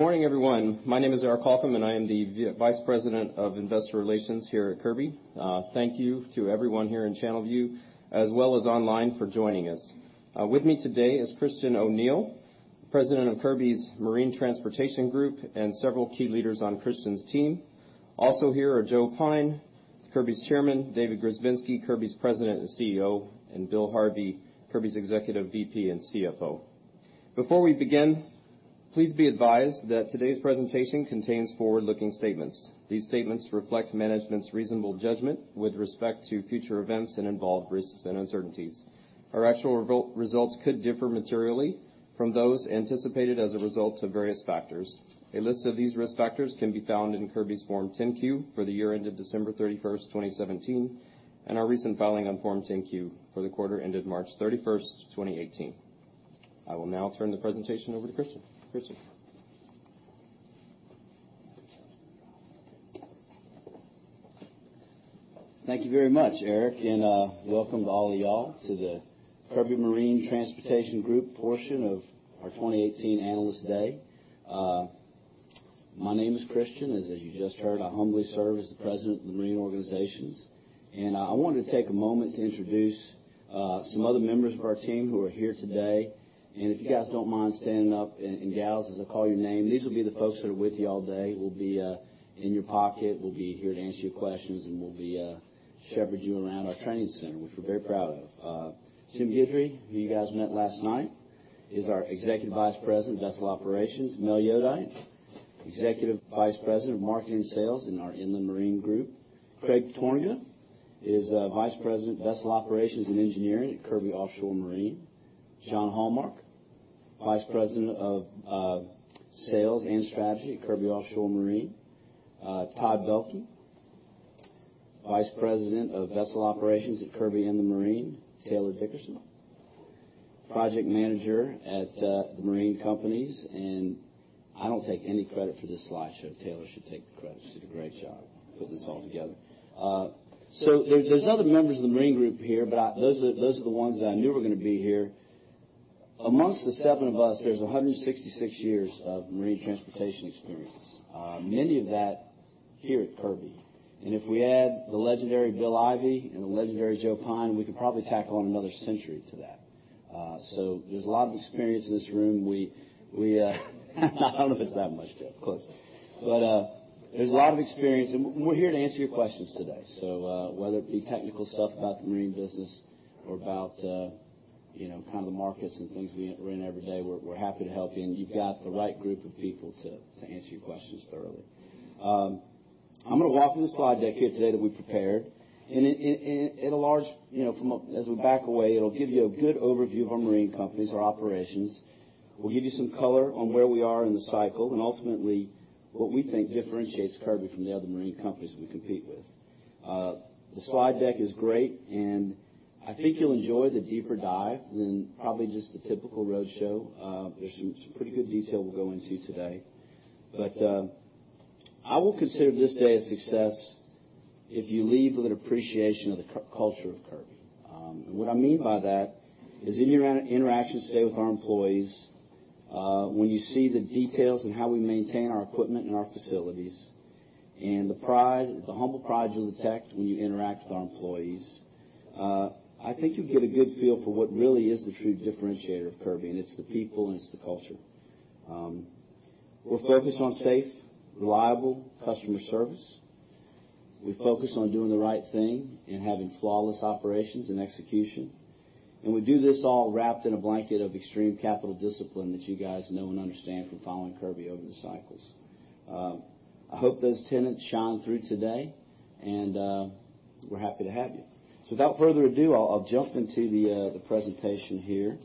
Good morning, everyone. My name is Eric Holcomb, and I am the Vice President of Investor Relations here at Kirby. Thank you to everyone here in Channelview, as well as online, for joining us. With me today is Christian O'Neil, President of Kirby's Marine Transportation Group, and several key leaders on Christian's team. Also here are Joe Pyne, Kirby's Chairman, David Grzebinski, Kirby's President and CEO, and Bill Harvey, Kirby's Executive VP and CFO. Before we begin, please be advised that today's presentation contains forward-looking statements. These statements reflect management's reasonable judgment with respect to future events and involve risks and uncertainties. Our actual results could differ materially from those anticipated as a result of various factors. A list of these risk factors can be found in Kirby's Form 10-Q for the year ended December 31, 2017, and our recent filing on Form 10-Q for the quarter ended March 31, 2018. I will now turn the presentation over to Christian. Christian? Thank you very much, Eric, and welcome to all of y'all to the Kirby Marine Transportation Group portion of our 2018 Analyst Day. My name is Christian, as you just heard. I humbly serve as the President of the Marine organizations. I wanted to take a moment to introduce some other members of our team who are here today. And if you guys don't mind standing up, and gals, as I call your name, these will be the folks that are with you all day. We'll be in your pocket. We'll be here to answer your questions, and we'll be shepherd you around our training center, which we're very proud of Jim Guidry, who you guys met last night, is our Executive Vice President, Vessel Operations. Mel Jodeit, Executive Vice President of Marketing and Sales in our Inland Marine Group. Craig Tornga is Vice President, Vessel Operations and Engineering at Kirby Offshore Marine. John Hallmark, Vice President of Sales and Strategy at Kirby Offshore Marine. Todd Behlke, Vice President of Vessel Operations at Kirby Inland Marine. Taylor Dickerson, Project Manager at the Marine Companies, and I don't take any credit for this slideshow. Taylor should take the credit. She did a great job putting this all together. So there, there's other members of the Marine group here, but. Those are the, those are the ones that I knew were gonna be here. Amongst the seven of us, there's 166 years of marine transportation experience, many of that here at Kirby. If we add the legendary Bill Harvey and the legendary Joe Pyne, we could probably tack on another century to that. So there's a lot of experience in this room. I don't know if it's that much, though, of course. But there's a lot of experience, and we're here to answer your questions today. So whether it be technical stuff about the marine business or about, you know, kind of the markets and things we're in every day, we're happy to help you, and you've got the right group of people to answer your questions thoroughly. I'm gonna walk through the slide deck here today that we prepared, and at large, you know, from a, as we back away, it'll give you a good overview of our marine companies, our operations. We'll give you some color on where we are in the cycle, and ultimately, what we think differentiates Kirby from the other marine companies we compete with. The slide deck is great, and I think you'll enjoy the deeper dive than probably just the typical roadshow. There's some pretty good detail we'll go into today. But I will consider this day a success if you leave with an appreciation of the culture of Kirby. And what I mean by that is in your interactions today with our employees, when you see the details on how we maintain our equipment and our facilities, and the pride, the humble pride you'll detect when you interact with our employees, I think you'll get a good feel for what really is the true differentiator of Kirby, and it's the people, and it's the culture. We're focused on safe, reliable customer service. We focus on doing the right thing and having flawless operations and execution, and we do this all wrapped in a blanket of extreme capital discipline that you guys know and understand from following Kirby over the cycles. I hope those tenets shine through today, and we're happy to have you. So without further ado, I'll jump into the presentation here.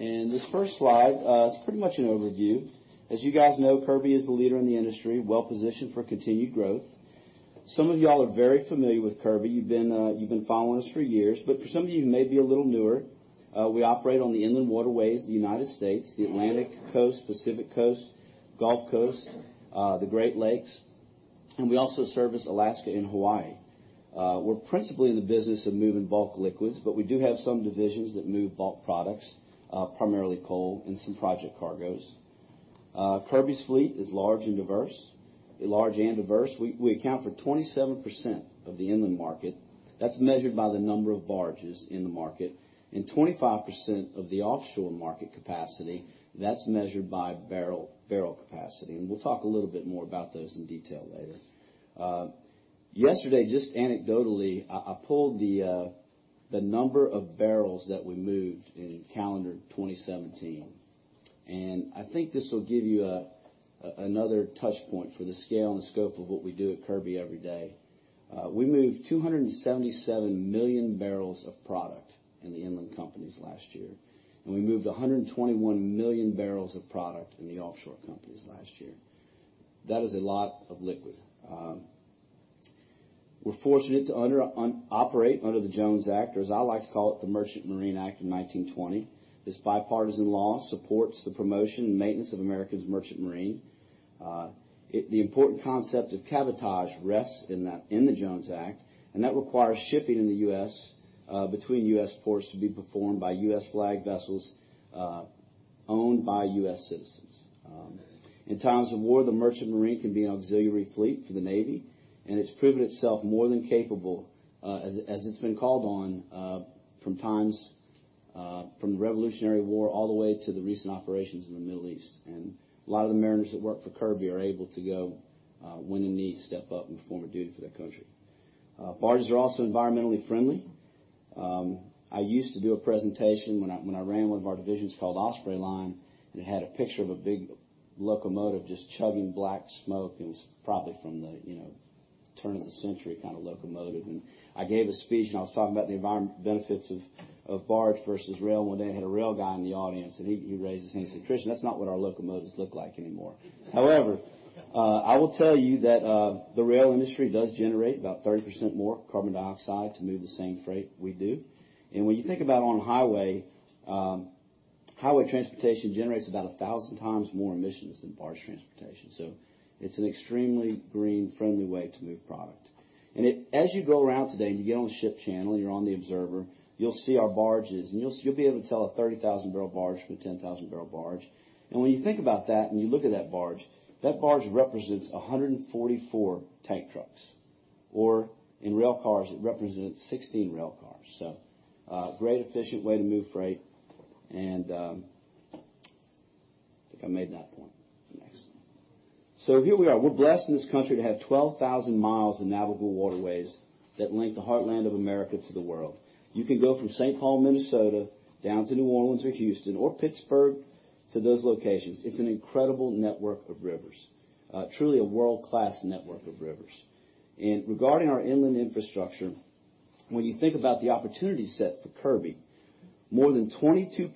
This first slide is pretty much an overview. As you guys know, Kirby is the leader in the industry, well-positioned for continued growth. Some of you all are very familiar with Kirby. You've been following us for years, but for some of you who may be a little newer, we operate on the inland waterways of the United States, the Atlantic Coast, Pacific Coast, Gulf Coast, the Great Lakes, and we also service Alaska and Hawaii. We're principally in the business of moving bulk liquids, but we do have some divisions that move bulk products, primarily coal and some project cargoes. Kirby's fleet is large and diverse, large and diverse. We account for 27% of the inland market. That's measured by the number of barges in the market, and 25% of the offshore market capacity, that's measured by barrel capacity, and we'll talk a little bit more about those in detail later. Yesterday, just anecdotally, I pulled the number of barrels that we moved in calendar 2017, and I think this will give you another touch point for the scale and scope of what we do at Kirby every day. We moved 277 million barrels of product in the inland companies last year, and we moved 121 million barrels of product in the offshore companies last year. That is a lot of liquid. We're fortunate to operate under the Jones Act, or as I like to call it, the Merchant Marine Act of 1920. This bipartisan law supports the promotion and maintenance of America's merchant marine. The important concept of cabotage rests in that, in the Jones Act, and that requires shipping in the U.S., between U.S. ports to be performed by U.S. flag vessels, owned by U.S. citizens. In times of war, the Merchant Marine can be an auxiliary fleet for the Navy, and it's proven itself more than capable, as it's been called on, from times, from the Revolutionary War, all the way to the recent operations in the Middle East. And a lot of the mariners that work for Kirby are able to go, when in need, step up and perform a duty for their country. Barges are also environmentally friendly. I used to do a presentation when I ran one of our divisions called Osprey Line, and it had a picture of a big locomotive just chugging black smoke, and it was probably from the, you know, turn of the century kind of locomotive. I gave a speech, and I was talking about the environment benefits of barge versus rail. One day, I had a rail guy in the audience, and he raised his hand and said, "Christian, that's not what our locomotives look like anymore." However, I will tell you that the rail industry does generate about 30% more carbon dioxide to move the same freight we do. When you think about on-highway transportation, it generates about 1,000 times more emissions than barge transportation. So it's an extremely green, friendly way to move product. As you go around today, and you get on the ship channel, you're on the Observer, you'll see our barges, and you'll be able to tell a 30,000-barrel barge from a 10,000-barrel barge. And when you think about that, and you look at that barge, that barge represents 144 tank trucks, or in rail cars, it represents 16 rail cars. So, great, efficient way to move freight, and think I made that point. Next. So here we are. We're blessed in this country to have 12,000 miles of navigable waterways that link the heartland of America to the world. You can go from Saint Paul, Minnesota, down to New Orleans or Houston or Pittsburgh to those locations. It's an incredible network of rivers, truly a world-class network of rivers. Regarding our inland infrastructure, when you think about the opportunity set for Kirby, more than 22%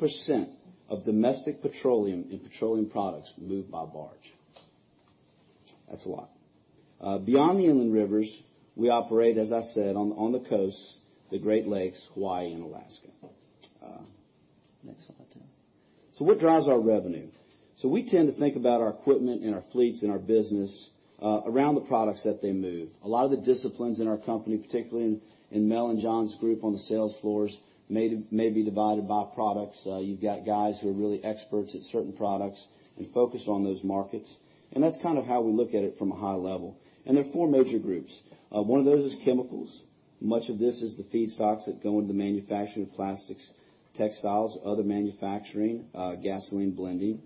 of domestic petroleum and petroleum products are moved by barge. That's a lot. Beyond the inland rivers, we operate, as I said, on the coasts, the Great Lakes, Hawaii, and Alaska. Next slide, Taylor. So what drives our revenue? We tend to think about our equipment and our fleets and our business around the products that they move. A lot of the disciplines in our company, particularly in Mel and John's group on the sales floors, may be divided by products. You've got guys who are really experts at certain products and focus on those markets, and that's kind of how we look at it from a high level. There are four major groups. One of those is chemicals. Much of this is the feedstocks that go into the manufacturing of plastics, textiles, other manufacturing, gasoline blending.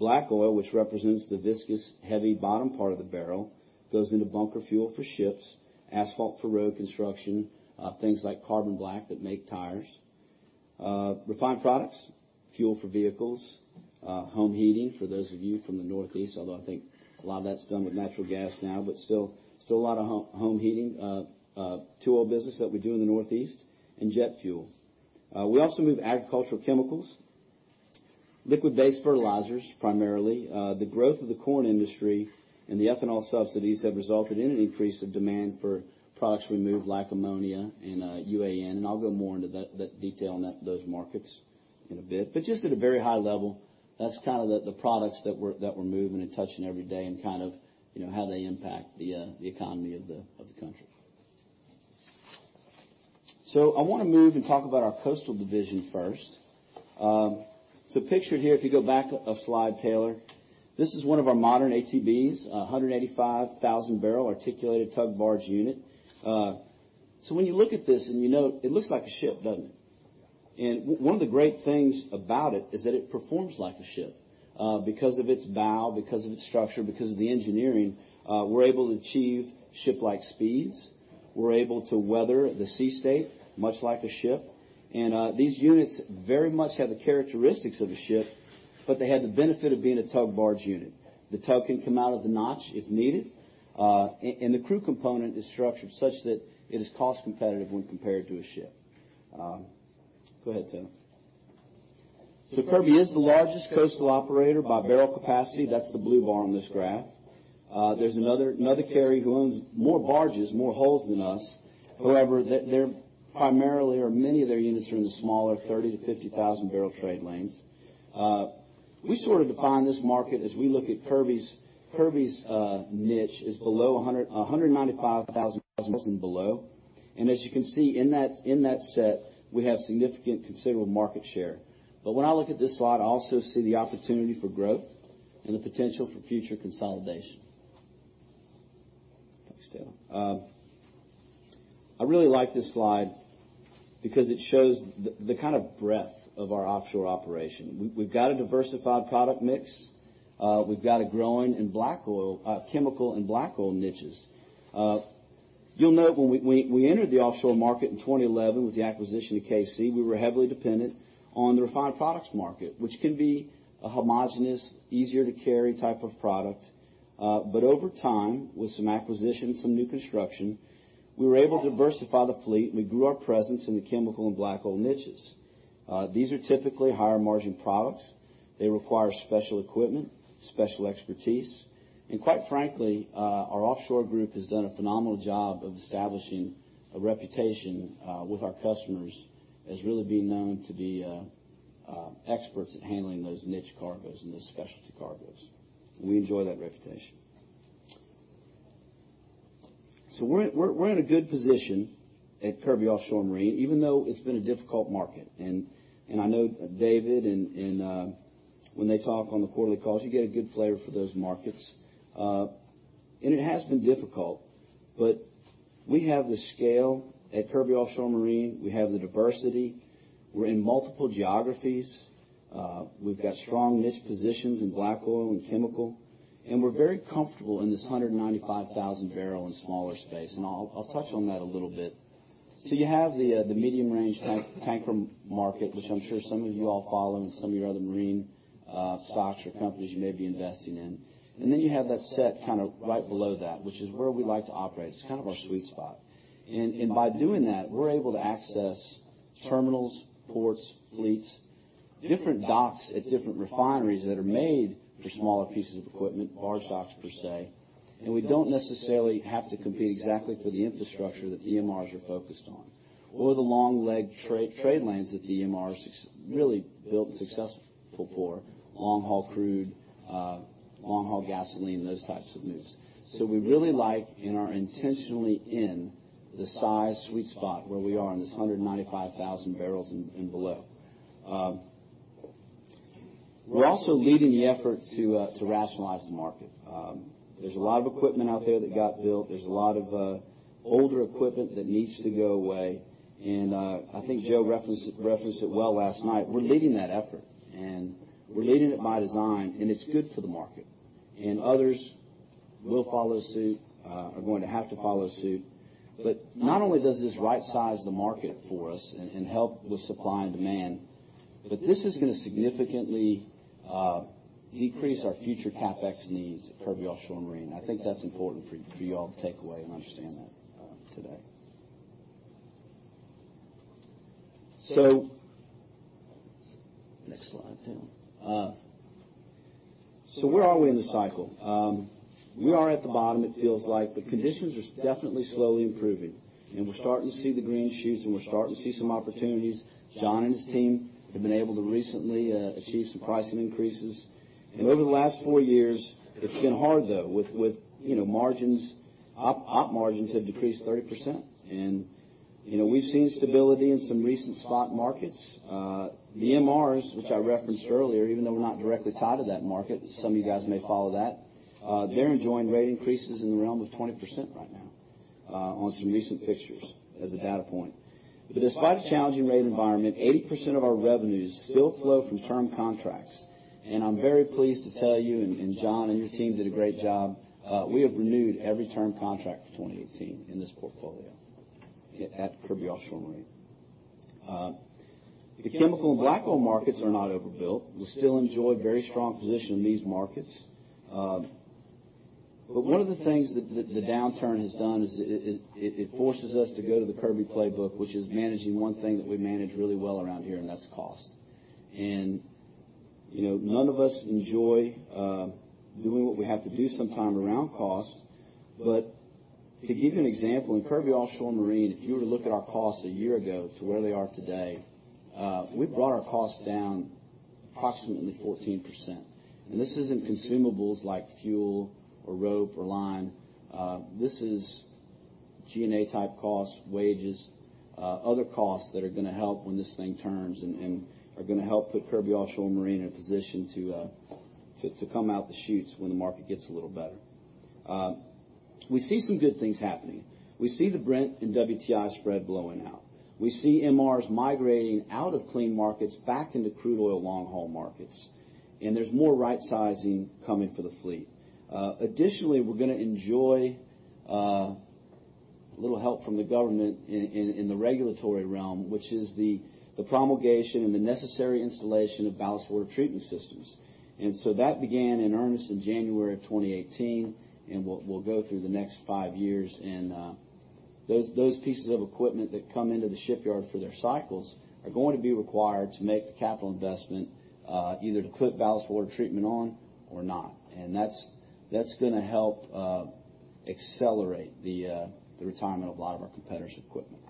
Black oil, which represents the viscous, heavy, bottom part of the barrel, goes into bunker fuel for ships, asphalt for road construction, things like carbon black that make tires. Refined products, fuel for vehicles, home heating, for those of you from the Northeast, although I think a lot of that's done with natural gas now, but still, still a lot of home, home heating, No. 2 oil business that we do in the Northeast, and jet fuel. We also move agricultural chemicals, liquid-based fertilizers, primarily. The growth of the corn industry and the ethanol subsidies have resulted in an increase of demand for products we move, like ammonia and UAN, and I'll go more into that detail on those markets in a bit. But just at a very high level, that's kind of the products that we're moving and touching every day and kind of, you know, how they impact the economy of the country. So I want to move and talk about our coastal division first. So pictured here, if you go back a slide, Taylor, this is one of our modern ATBs, a 185,000-barrel articulated tug barge unit. So when you look at this, and you note, it looks like a ship, doesn't it? One of the great things about it is that it performs like a ship. Because of its bow, because of its structure, because of the engineering, we're able to achieve ship-like speeds. We're able to weather the sea state, much like a ship. And, these units very much have the characteristics of a ship, but they have the benefit of being a tug barge unit. The tug can come out of the notch if needed, and the crew component is structured such that it is cost competitive when compared to a ship. Go ahead, Taylor. So Kirby is the largest coastal operator by barrel capacity. That's the blue bar on this graph. There's another carrier who owns more barges, more hulls than us. However, their primarily, or many of their units are in the smaller 30 to 50,000-barrel trade lanes. We sort of define this market as we look at Kirby's, Kirby's niche is 195,000 barrels and below. As you can see in that set, we have significant considerable market share. But when I look at this slide, I also see the opportunity for growth and the potential for future consolidation. Thanks, Taylor. I really like this slide because it shows the kind of breadth of our offshore operation. We've got a diversified product mix. We've got a growing and black oil, chemical and black oil niches. You'll note when we entered the offshore market in 2011 with the acquisition of K-Sea, we were heavily dependent on the refined products market, which can be a homogeneous, easier to carry type of product. But over time, with some acquisitions, some new construction, we were able to diversify the fleet, and we grew our presence in the chemical and black oil niches. These are typically higher-margin products. They require special equipment, special expertise, and quite frankly, our offshore group has done a phenomenal job of establishing a reputation with our customers as really being known to be experts at handling those niche cargoes and those specialty cargoes. We enjoy that reputation. So we're in a good position at Kirby Offshore Marine, even though it's been a difficult market. I know David, when they talk on the quarterly calls, you get a good flavor for those markets. And it has been difficult, but we have the scale at Kirby Offshore Marine. We have the diversity. We're in multiple geographies. We've got strong niche positions in black oil and chemical, and we're very comfortable in this 195,000-barrel and smaller space, and I'll touch on that a little bit. So you have the medium-range tanker market, which I'm sure some of you all follow, and some of your other marine stocks or companies you may be investing in. And then you have that set kind of right below that, which is where we like to operate. It's kind of our sweet spot. By doing that, we're able to access terminals, ports, fleets, different docks at different refineries that are made for smaller pieces of equipment, barge docks, per se. And we don't necessarily have to compete exactly for the infrastructure that the MRs are focused on, or the long leg trade lanes that the MRs really built successful for long-haul crude, long-haul gasoline, those types of moves. So we really like, and are intentionally in, the size sweet spot where we are in this 195,000 barrels and below. We're also leading the effort to rationalize the market. There's a lot of equipment out there that got built. There's a lot of older equipment that needs to go away, and I think Joe referenced it well last night. We're leading that effort, and we're leading it by design, and it's good for the market. And others will follow suit, are going to have to follow suit. But not only does this right-size the market for us and help with supply and demand, but this is gonna significantly decrease our future CapEx needs at Kirby Offshore Marine. I think that's important for you all to take away and understand that today. So next slide, Tim. So where are we in the cycle? We are at the bottom, it feels like, but conditions are definitely slowly improving, and we're starting to see the green shoots, and we're starting to see some opportunities. John and his team have been able to recently achieve som pricing increases. And over the last four years, it's been hard, though, with you know, margins. Op margins have decreased 30% and you know we've seen stability in some recent spot markets. The MRs, which I referenced earlier even though we're not directly tied to that market, some of you guys may follow that. They're enjoying rate increases in the realm of 20% right now, on some recent fixtures as a data point. But despite a challenging rate environment, 80% of our revenues still flow from term contracts, and I'm very pleased to tell you and John and your team did a great job, we have renewed every term contract for 2018 in this portfolio at Kirby Offshore Marine. The chemical and black oil markets are not overbuilt. We still enjoy a very strong position in these markets. But one of the things that the downturn has done is it forces us to go to the Kirby playbook, which is managing one thing that we manage really well around here, and that's cost. You know, none of us enjoy doing what we have to do sometime around cost. But to give you an example, in Kirby Offshore Marine, if you were to look at our costs a year ago to where they are today, we've brought our costs down approximately 14%. And this isn't consumables like fuel or rope or line. This is G&A-type costs, wages, other costs that are gonna help when this thing turns and are gonna help put Kirby Offshore Marine in a position to come out the chutes when the market gets a little better. We see some good things happening. We see the Brent and WTI spread blowing out. We see MRs migrating out of clean markets back into crude oil long-haul markets, and there's more right-sizing coming for the fleet. Additionally, we're gonna enjoy a little help from the government in the regulatory realm, which is the promulgation and the necessary installation of ballast water treatment systems. So that began in earnest in January of 2018, and we'll go through the next five years. And those pieces of equipment that come into the shipyard for their cycles are going to be required to make the capital investment, either to put ballast water treatment on or not. And that's gonna help accelerate the retirement of a lot of our competitors' equipment.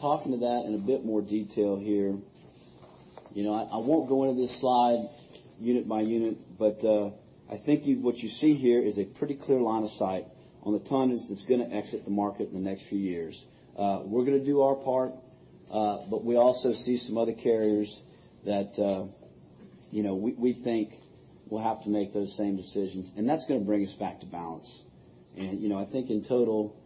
Talking to that in a bit more detail here, you know, I won't go into this slide unit by unit, but, I think what you see here is a pretty clear line of sight on the tonnage that's gonna exit the market in the next few years. We're gonna do our part, but we also see some other carriers that, you know, we think will have to make those same decisions, and that's gonna bring us back to balance. And, you know, I think in total,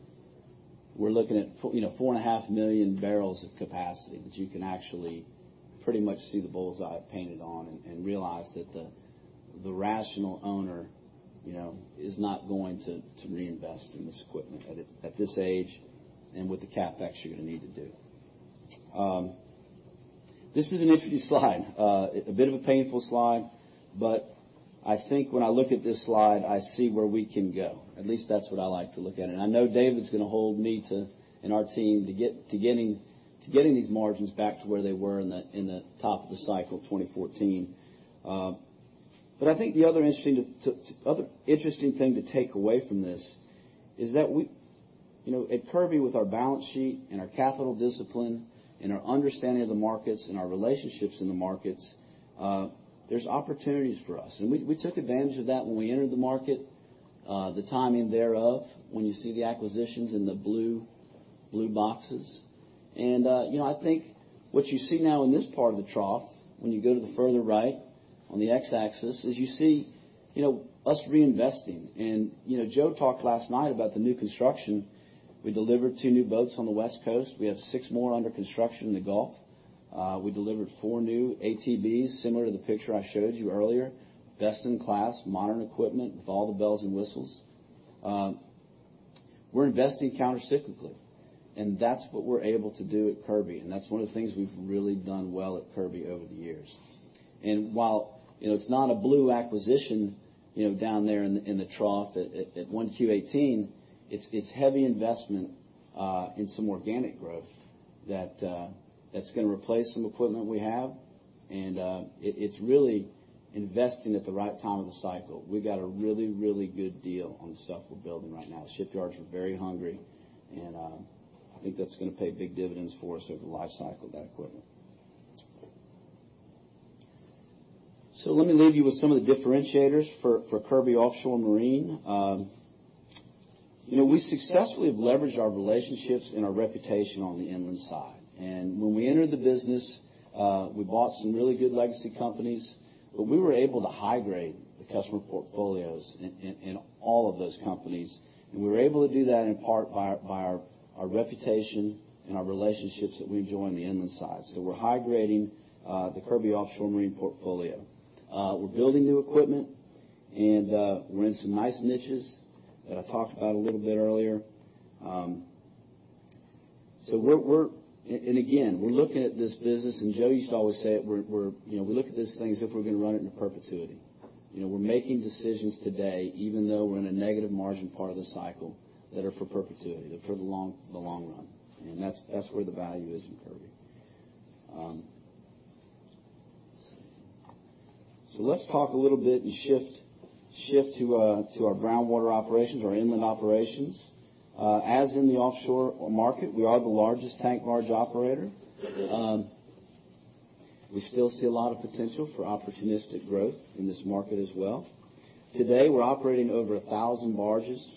we're looking at 4.5 million barrels of capacity that you can actually pretty much see the bull's-eye painted on and realize that the rational owner, you know, is not going to reinvest in this equipment at this age and with the CapEx you're gonna need to do. This is an interesting slide, a bit of a painful slide, but I think when I look at this slide, I see where we can go. At least that's what I like to look at, and I know David's gonna hold me to, and our team, to getting these margins back to where they were in the top of the cycle, 2014. But I think the other interesting thing to take away from this is that we, you know, at Kirby, with our balance sheet and our capital discipline, and our understanding of the markets, and our relationships in the markets, there's opportunities for us. And we took advantage of that when we entered the market, the timing thereof, when you see the acquisitions in the blue boxes. And, you know, I think what you see now in this part of the trough, when you go to the further right on the X-axis, is you see, you know, us reinvesting. And, you know, Joe talked last night about the new construction. We delivered two new boats on the West Coast. We have six more under construction in the Gulf. We delivered four new ATBs, similar to the picture I showed you earlier, best-in-class, modern equipment with all the bells and whistles. We're investing countercyclically, and that's what we're able to do at Kirby, and that's one of the things we've really done well at Kirby over the years. And while, you know, it's not a blue acquisition, you know, down there in the trough at 1Q18, it's heavy investment in some organic growth that that's gonna replace some equipment we have, and it, it's really investing at the right time of the cycle. We got a really, really good deal on the stuff we're building right now. Shipyards are very hungry, and I think that's gonna pay big dividends for us over the life cycle of that equipment. So let me leave you with some of the differentiators for Kirby Offshore Marine. You know, we successfully have leveraged our relationships and our reputation on the inland side. And when we entered the business, we bought some really good legacy companies, but we were able to high-grade the customer portfolios in all of those companies. And we were able to do that in part by our reputation and our relationships that we've joined the inland side. So we're high-grading the Kirby Offshore Marine portfolio. We're building new equipment, and we're in some nice niches that I talked about a little bit earlier. So, and again, we're looking at this business, and Joe used to always say it, you know, we look at this thing as if we're gonna run it in perpetuity. You know, we're making decisions today, even though we're in a negative margin part of the cycle, that are for perpetuity, for the long, the long run, and that's where the value is in Kirby. So let's talk a little bit and shift to our groundwater operations, our inland operations. As in the offshore market, we are the largest tank barge operator. We still see a lot of potential for opportunistic growth in this market as well. Today, we're operating over 1,000 barges,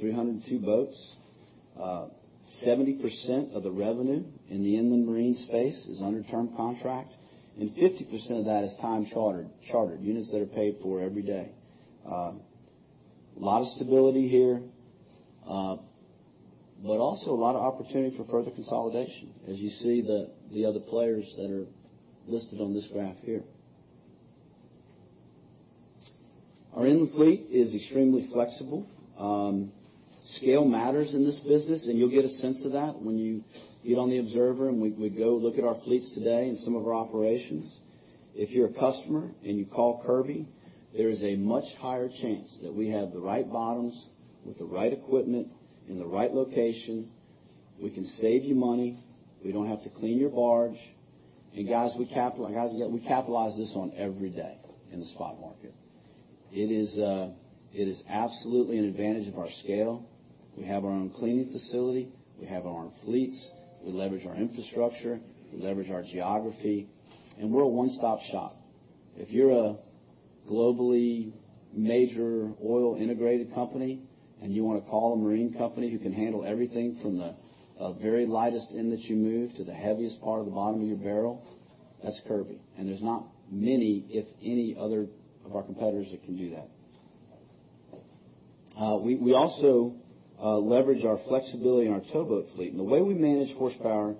302 boats. 70% of the revenue in the inland marine space is under term contract, and 50% of that is time chartered units that are paid for every day. A lot of stability here, but also a lot of opportunity for further consolidation, as you see the other players that are listed on this graph here. Our inland fleet is extremely flexible. Scale matters in this business, and you'll get a sense of that when you get on the Observer, and we go look at our fleets today and some of our operations. If you're a customer and you call Kirby, there is a much higher chance that we have the right bottoms with the right equipment in the right location. We can save you money. We don't have to clean your barge. And guys, we capitalize this on every day in the spot market. It is absolutely an advantage of our scale. We have our own cleaning facility. We have our own fleets. We leverage our infrastructure, we leverage our geography, and we're a one-stop shop. If you're a globally major oil integrated company, and you want to call a marine company who can handle everything from the very lightest end that you move to the heaviest part of the bottom of your barrel, that's Kirby. And there's not many, if any, other of our competitors that can do that. We also leverage our flexibility in our towboat fleet. And the way we manage horsepower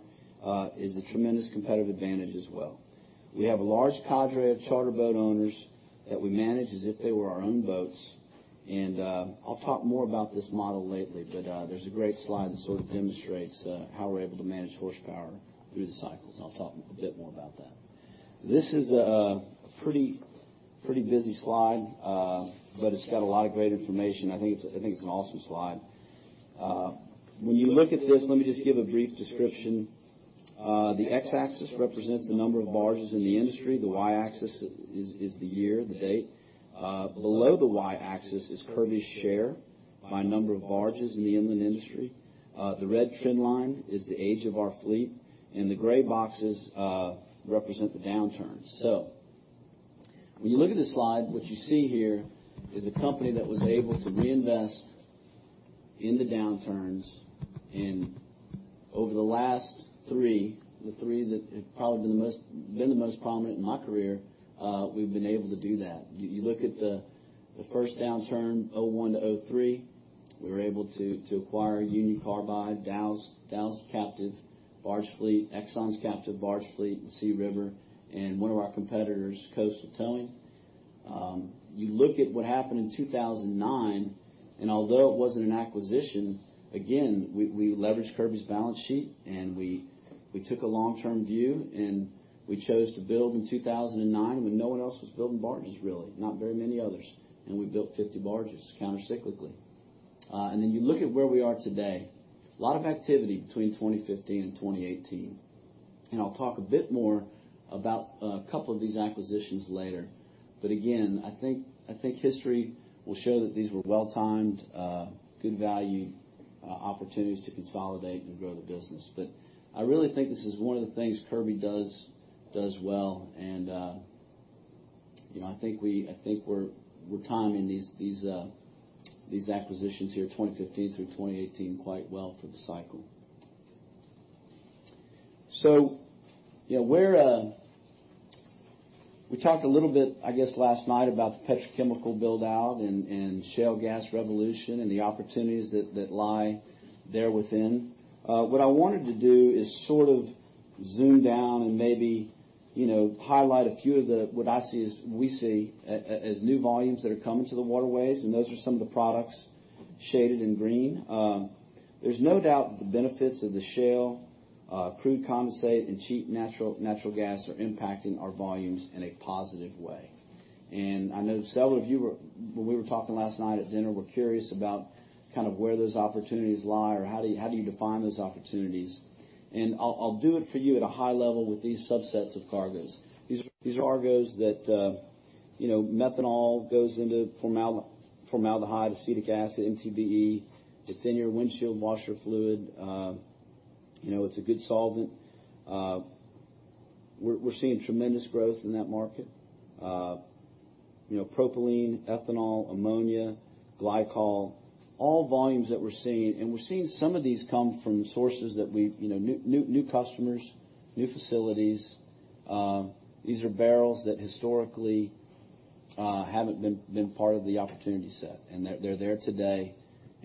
is a tremendous competitive advantage as well. We have a large cadre of charter boat owners that we manage as if they were our own boats, and I'll talk more about this model lately, but there's a great slide that sort of demonstrates how we're able to manage horsepower through the cycles, and I'll talk a bit more about that. This is a pretty busy slide, but it's got a lot of great information. I think it's an awesome slide. When you look at this, let me just give a brief description. The X-axis represents the number of barges in the industry. The Y-axis is the year, the date. Below the Y-axis is Kirby's share by number of barges in the inland industry. The red trend line is the age of our fleet, and the gray boxes represent the downturns. So when you look at this slide, what you see here is a company that was able to reinvest in the downturns, and over the last three, the three that have probably been the most prominent in my career, we've been able to do that. You look at the first downturn, 2001-2003, we were able to acquire Union Carbide, Dow's captive barge fleet, Exxon's captive barge fleet, and SeaRiver, and one of our competitors, Coastal Towing. You look at what happened in 2009, and although it wasn't an acquisition, again we leveraged Kirby's balance sheet, and we took a long-term view, and we chose to build in 2009, when no one else was building barges, really, not very many others, and we built 50 barges countercyclically. And then you look at where we are today, a lot of activity between 2015 and 2018, and I'll talk a bit more about a couple of these acquisitions later. But again, I think history will show that these were well-timed good value opportunities to consolidate and grow the business. But I really think this is one of the things Kirby does well, and, you know, I think we're timing these acquisitions here, 2015-2018, quite well for the cycle. So, you know, we're. We talked a little bit, I guess, last night about the petrochemical build-out and shale gas revolution, and the opportunities that lie there within. What I wanted to do is sort of zoom down and maybe, you know, highlight a few of the what we see as new volumes that are coming to the waterways, and those are some of the products shaded in green. There's no doubt that the benefits of the shale crude condensate, and cheap natural gas are impacting our volumes in a positive way. And I know several of you were, when we were talking last night at dinner, were curious about kind of where those opportunities lie, or how do you define those opportunities? And I'll do it for you at a high level with these subsets of cargoes. These are cargoes that, you know, methanol goes into formaldehyde, acetic acid, MTBE. It's in your windshield washer fluid. You know, it's a good solvent. We're seeing tremendous growth in that market. You know, propylene, ethanol, ammonia, glycol, all volumes that we're seeing, and we're seeing some of these come from sources that we've, you know, new customers, new facilities. These are barrels that historically haven't been part of the opportunity set, and they're there today,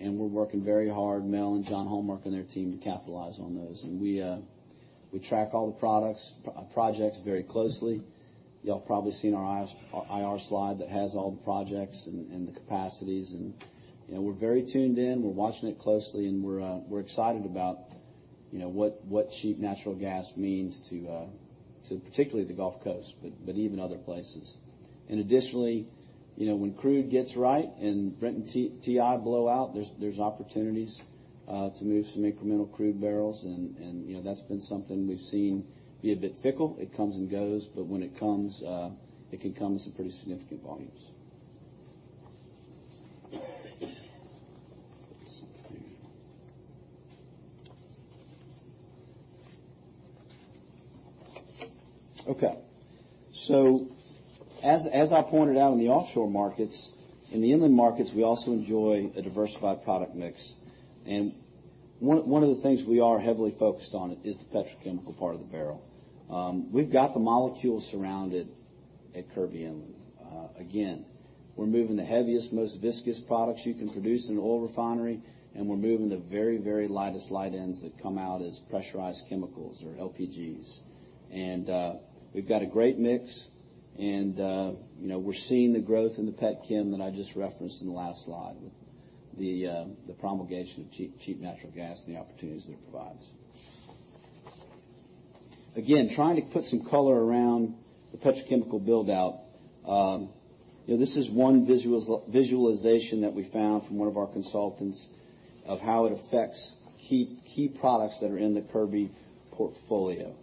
and we're working very hard, Mel and John Hallmark and their team, to capitalize on those. And we track all the projects very closely. Y'all have probably seen our IR slide that has all the projects and the capacities and, you know, we're very tuned in. We're watching it closely, and we're excited about, you know, what cheap natural gas means to particularly the Gulf Coast, but even other places. And additionally, you know, when crude gets right and Brent and WTI blow out, there's opportunities to move some incremental crude barrels and, you know, that's been something we've seen be a bit fickle. It comes and goes, but when it comes, it can come in some pretty significant volumes. Okay. So as I pointed out in the offshore markets, in the inland markets, we also enjoy a diversified product mix, and one of the things we are heavily focused on is the petrochemical part of the barrel. We've got the molecules surrounded at Kirby Inland. Again, we're moving the heaviest, most viscous products you can produce in an oil refinery, and we're moving the very, very lightest light ends that come out as pressurized chemicals or LPGs. And, we've got a great mix, and, you know, we're seeing the growth in the petchem that I just referenced in the last slide, with the promulgation of cheap, cheap natural gas and the opportunities that it provides. Again, trying to put some color around the petrochemical build-out, you know, this is one visualization that we found from one of our consultants of how it affects key products that are in the Kirby portfolio.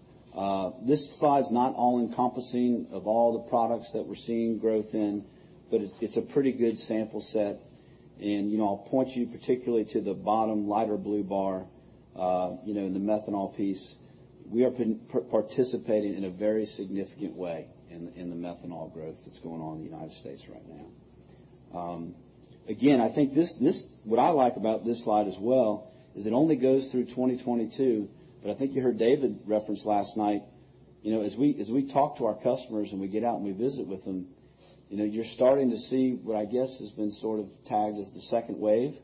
This slide is not all-encompassing of all the products that we're seeing growth in, but it's a pretty good sample set. You know, I'll point you particularly to the bottom, lighter blue bar, you know, in the methanol piece. We have been participating in a very significant way in the methanol growth that's going on in the United States right now. Again, I think this what I like about this slide as well, is it only goes through 2022, but I think you heard David reference last night, you know, as we, as we talk to our customers, and we get out and we visit with them, you know, you're starting to see what I guess has been sort of tagged as the second wave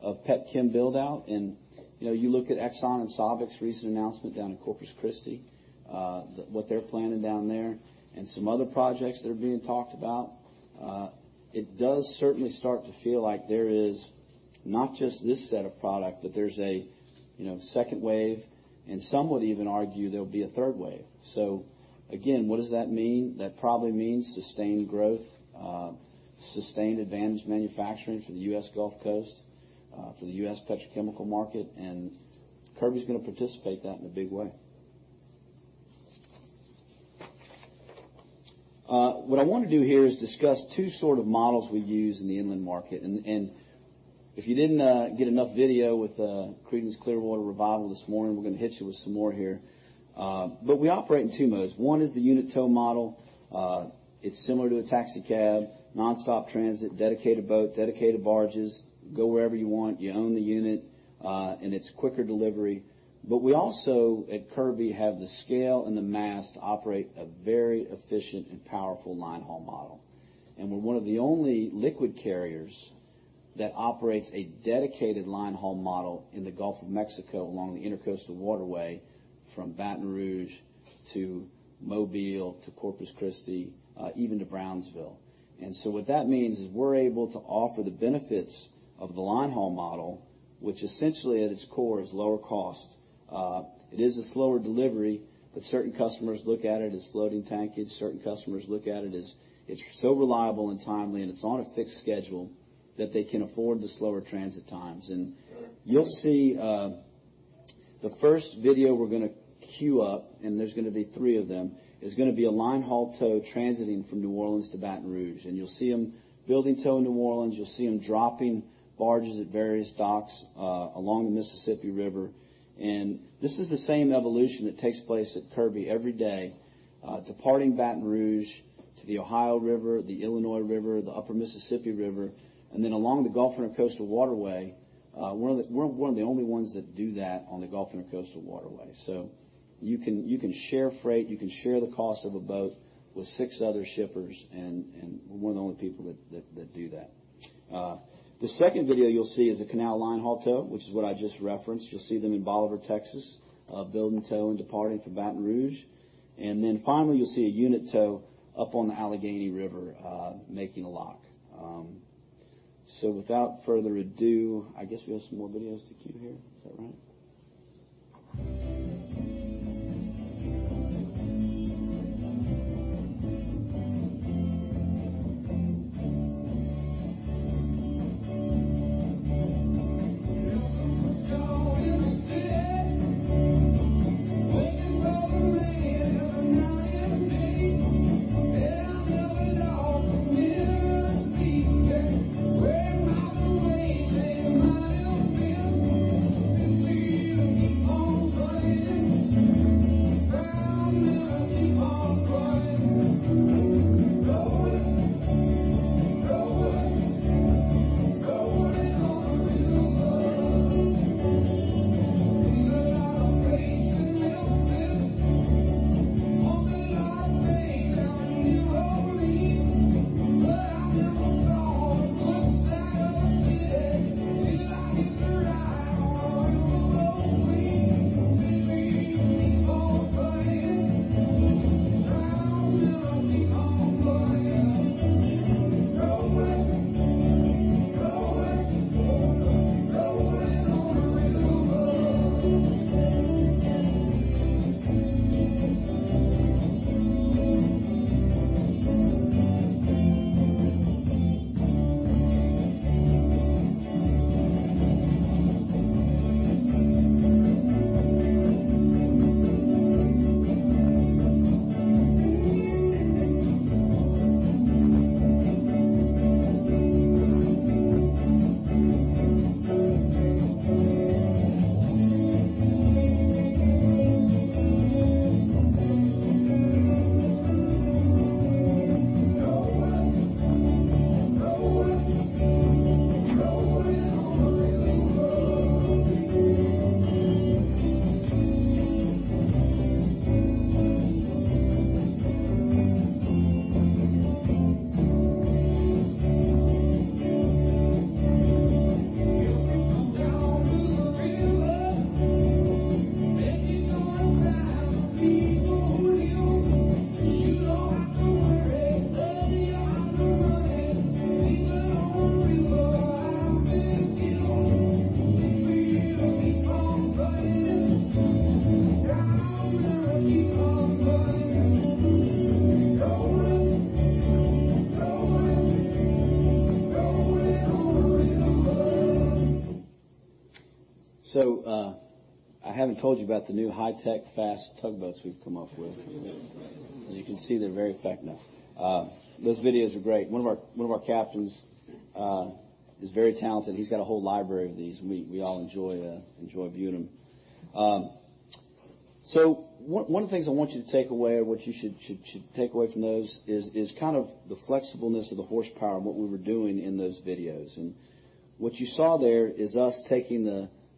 of petchem build-out. And, you know, you look at Exxon and SABIC's recent announcement down in Corpus Christi, what they're planning down there, and some other projects that are being talked about, it does certainly start to feel like there is not just this set of product, but there's a you know second wave, and some would even argue there'll be a third wave. So again, what does that mean? That probably means sustained growth, sustained advantage manufacturing for the US Gulf Coast, for the US Petrochemical Market, and Kirby's gonna participate in that in a big way. What I want to do here is discuss two sort of models we use in the inland market, and if you didn't get enough video with Creedence Clearwater Revival this morning, we're going to hit you with some more here. But we operate in two modes. One is the unit tow model. It's similar to a taxi cab, nonstop transit, dedicated boat, dedicated barges, go wherever you want, you own the unit, and it's quicker delivery. But we also, at Kirby, have the scale and the mast to operate a very efficient and powerful line haul model. We're one of the only liquid carriers that operates a dedicated line haul model in the Gulf of Mexico, along the Intracoastal Waterway, from Baton Rouge to Mobile to Corpus Christi, even to Brownsville. So what that means is we're able to offer the benefits of the line haul model, which essentially, at its core, is lower cost. It is a slower delivery, but certain customers look at it as floating tankage. Certain customers look at it as, it's so reliable and timely, and it's on a fixed schedule that they can afford the slower transit times. You'll see, the first video we're gonna queue up, and there's gonna be three of them, is gonna be a line haul tow transiting from New Orleans to Baton Rouge, and you'll see them building tow in New Orleans. You'll see them dropping barges at various docks along the Mississippi River. This is the same evolution that takes place at Kirby every day, departing Baton Rouge to the Ohio River, the Illinois River, the Upper Mississippi River, and then along the Gulf Intracoastal Waterway. We're one of the only ones that do that on the Gulf Intracoastal Waterway. So you can share freight, you can share the cost of a boat with six other shippers, and we're one of the only people that do that. The second video you'll see is the Canal Line haul tow, which is what I just referenced. You'll see them in Bolivar, Texas building tow and departing for Baton Rouge. Then finally, you'll see a unit tow up on the Allegheny River, making a lock. So without further ado, I guess we have some more videos to queue here. Is that right?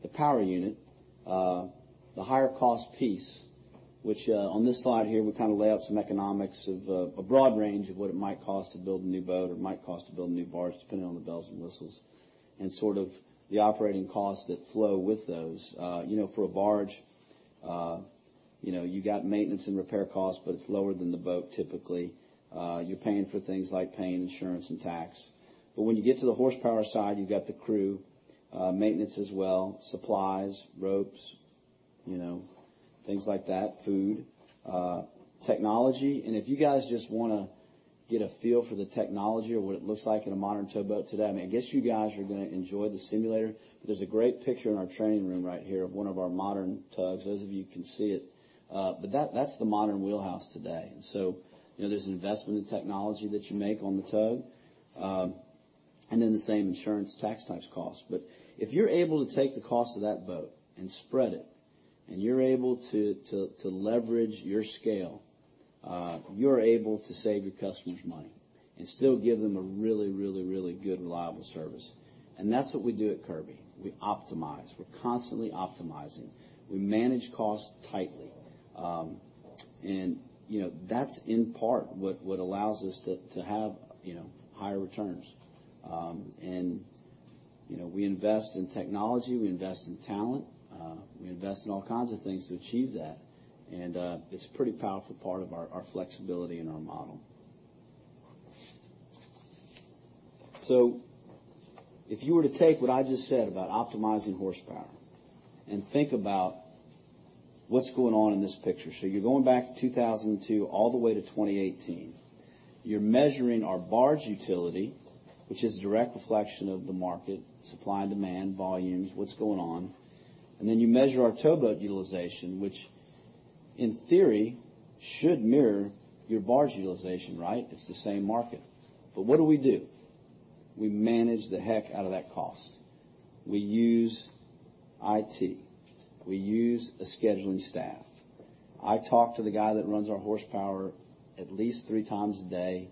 the power unit, the higher cost piece, which, on this slide here, we kind of lay out some economics of, a broad range of what it might cost to build a new boat or might cost to build a new barge, depending on the bells and whistles, and sort of the operating costs that flow with those. You know, for a barge, you know, you got maintenance and repair costs, but it's lower than the boat, typically. You're paying for things like insurance and tax. But when you get to the horsepower side, you've got the crew, maintenance as well, supplies, ropes, you know, things like that, food, technology. If you guys just wanna get a feel for the technology or what it looks like in a modern towboat today, I mean, I guess you guys are gonna enjoy the simulator. But there's a great picture in our training room right here of one of our modern tugs. Those of you can see it, but that, that's the modern wheelhouse today. So you know, there's an investment in technology that you make on the tow, and then the same insurance, tax types costs. But if you're able to take the cost of that boat and spread it, and you're able to to leverage your scale, you're able to save your customers money and still give them a really, really, really good reliable service. And that's what we do at Kirby. We optimize. We're constantly optimizing. We manage costs tightly. And, you know, that's in part what allows us to have, you know, higher returns. And, you know, we invest in technology, we invest in talent, we invest in all kinds of things to achieve that. And, it's a pretty powerful part of our flexibility and our model. So if you were to take what I just said about optimizing horsepower and think about what's going on in this picture? So you're going back to 2002 all the way to 2018. You're measuring our barge utility, which is a direct reflection of the market, supply and demand, volumes, what's going on. And then you measure our towboat utilization, which in theory, should mirror your barge utilization, right? It's the same market. But what do we do? We manage the heck out of that cost. We use IT. We use a scheduling staff. I talk to the guy that runs our horsepower at least three times a day,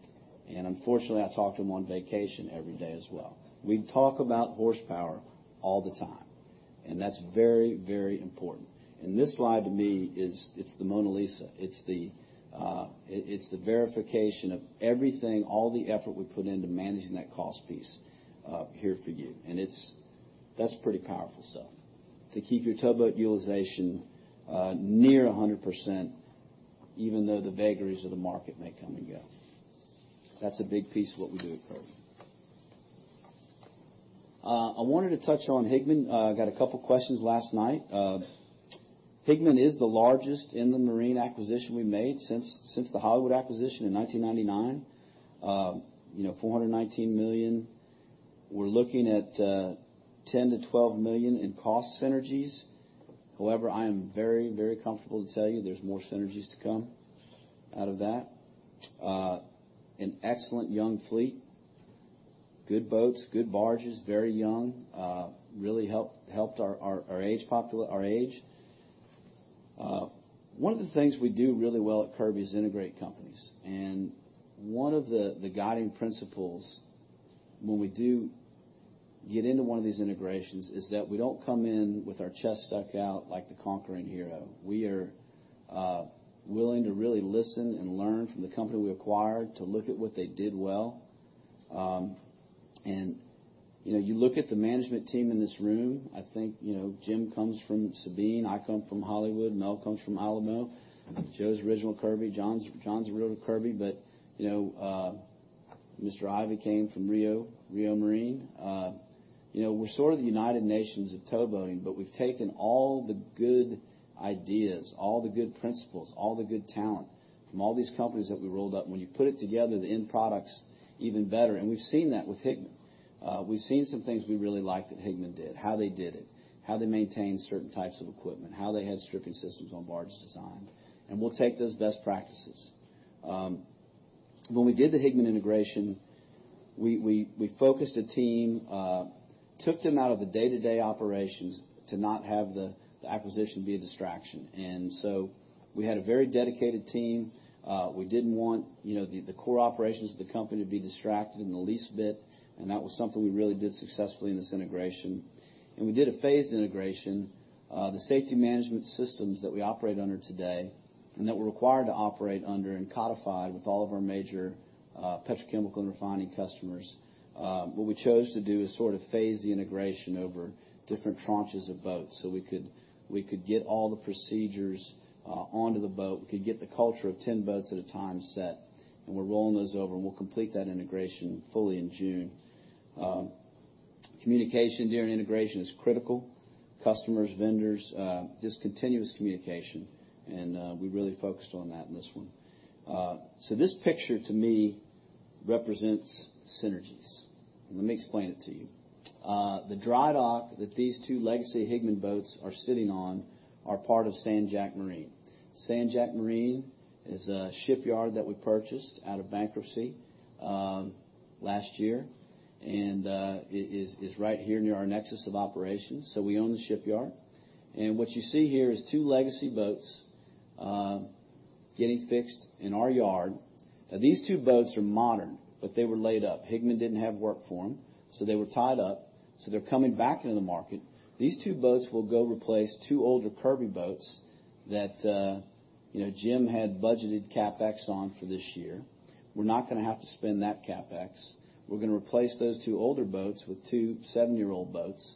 and unfortunately, I talk to him on vacation every day as well. We talk about horsepower all the time, and that's very, very important. This slide, to me, is—it's the Mona Lisa. It's the verification of everything, all the effort we put into managing that cost piece here for you. And it's—that's pretty powerful stuff, to keep your towboat utilization near 100%, even though the vagaries of the market may come and go. That's a big piece of what we do at Kirby. I wanted to touch on Higman. I got a couple of questions last night. Higman is the largest marine acquisition we made since the Hollywood acquisition in 1999. You know, $419 million. We're looking at $10 million-$12 million in cost synergies. However, I am very, very comfortable to tell you there's more synergies to come out of that. An excellent young fleet, good boats, good barges, very young, really helped our age. One of the things we do really well at Kirby is integrate companies, and one of the guiding principles when we do get into one of these integrations is that we don't come in with our chest stuck out like the conquering hero. We are willing to really listen and learn from the company we acquired to look at what they did well. You know, you look at the management team in this room, I think, you know, Jim comes from Sabine, I come from Hollywood, Mel comes from Alamo, Joe's original Kirby, John's original Kirby. But, you know, Mr. Ivey came from Rio, Rio Marine. You know, we're sort of the United Nations of towboating, but we've taken all the good ideas, all the good principles, all the good talent from all these companies that we rolled up. When you put it together, the end product's even better, and we've seen that with Higman. We've seen some things we really like that Higman did, how they did it, how they maintained certain types of equipment, how they had stripping systems on barge design, and we'll take those best practices. When we did the Higman integration, we focused a team, took them out of the day-to-day operations to not have the acquisition be a distraction. And so we had a very dedicated team. We didn't want, you know, the core operations of the company to be distracted in the least bit, and that was something we really did successfully in this integration. And we did a phased integration. The safety management systems that we operate under today and that we're required to operate under and codified with all of our major petrochemical and refining customers, what we chose to do is sort of phase the integration over different tranches of boats so we could get all the procedures onto the boat. We could get the culture of 10 boats at a time set, and we're rolling those over, and we'll complete that integration fully in June. Communication during integration is critical. Customers, vendors, just continuous communication, and we really focused on that in this one. So this picture to me represents synergies. Let me explain it to you. The dry dock that these two legacy Higman boats are sitting on are part of San Jac Marine. San Jac Marine is a shipyard that we purchased out of bankruptcy last year, and it is, it's right here near our nexus of operations, so we own the shipyard. And what you see here is two legacy boats getting fixed in our yard. Now, these two boats are modern, but they were laid up. Higman didn't have work for them, so they were tied up, so they're coming back into the market. These two boats will go replace two older Kirby boats that, you know, Jim had budgeted CapEx on for this year. We're not gonna have to spend that CapEx. We're gonna replace those two older boats with two seven-year-old boats.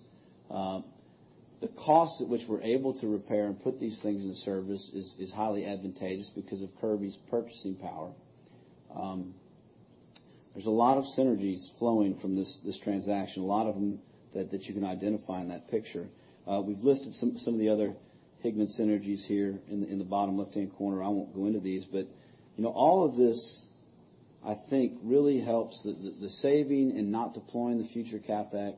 The cost at which we're able to repair and put these things into service is highly advantageous because of Kirby's purchasing power. There's a lot of synergies flowing from this transaction, a lot of them that you can identify in that picture. We've listed some of the other Higman synergies here in the bottom left-hand corner. I won't go into these but you know all of this I think really helps the saving and not deploying the future CapEx.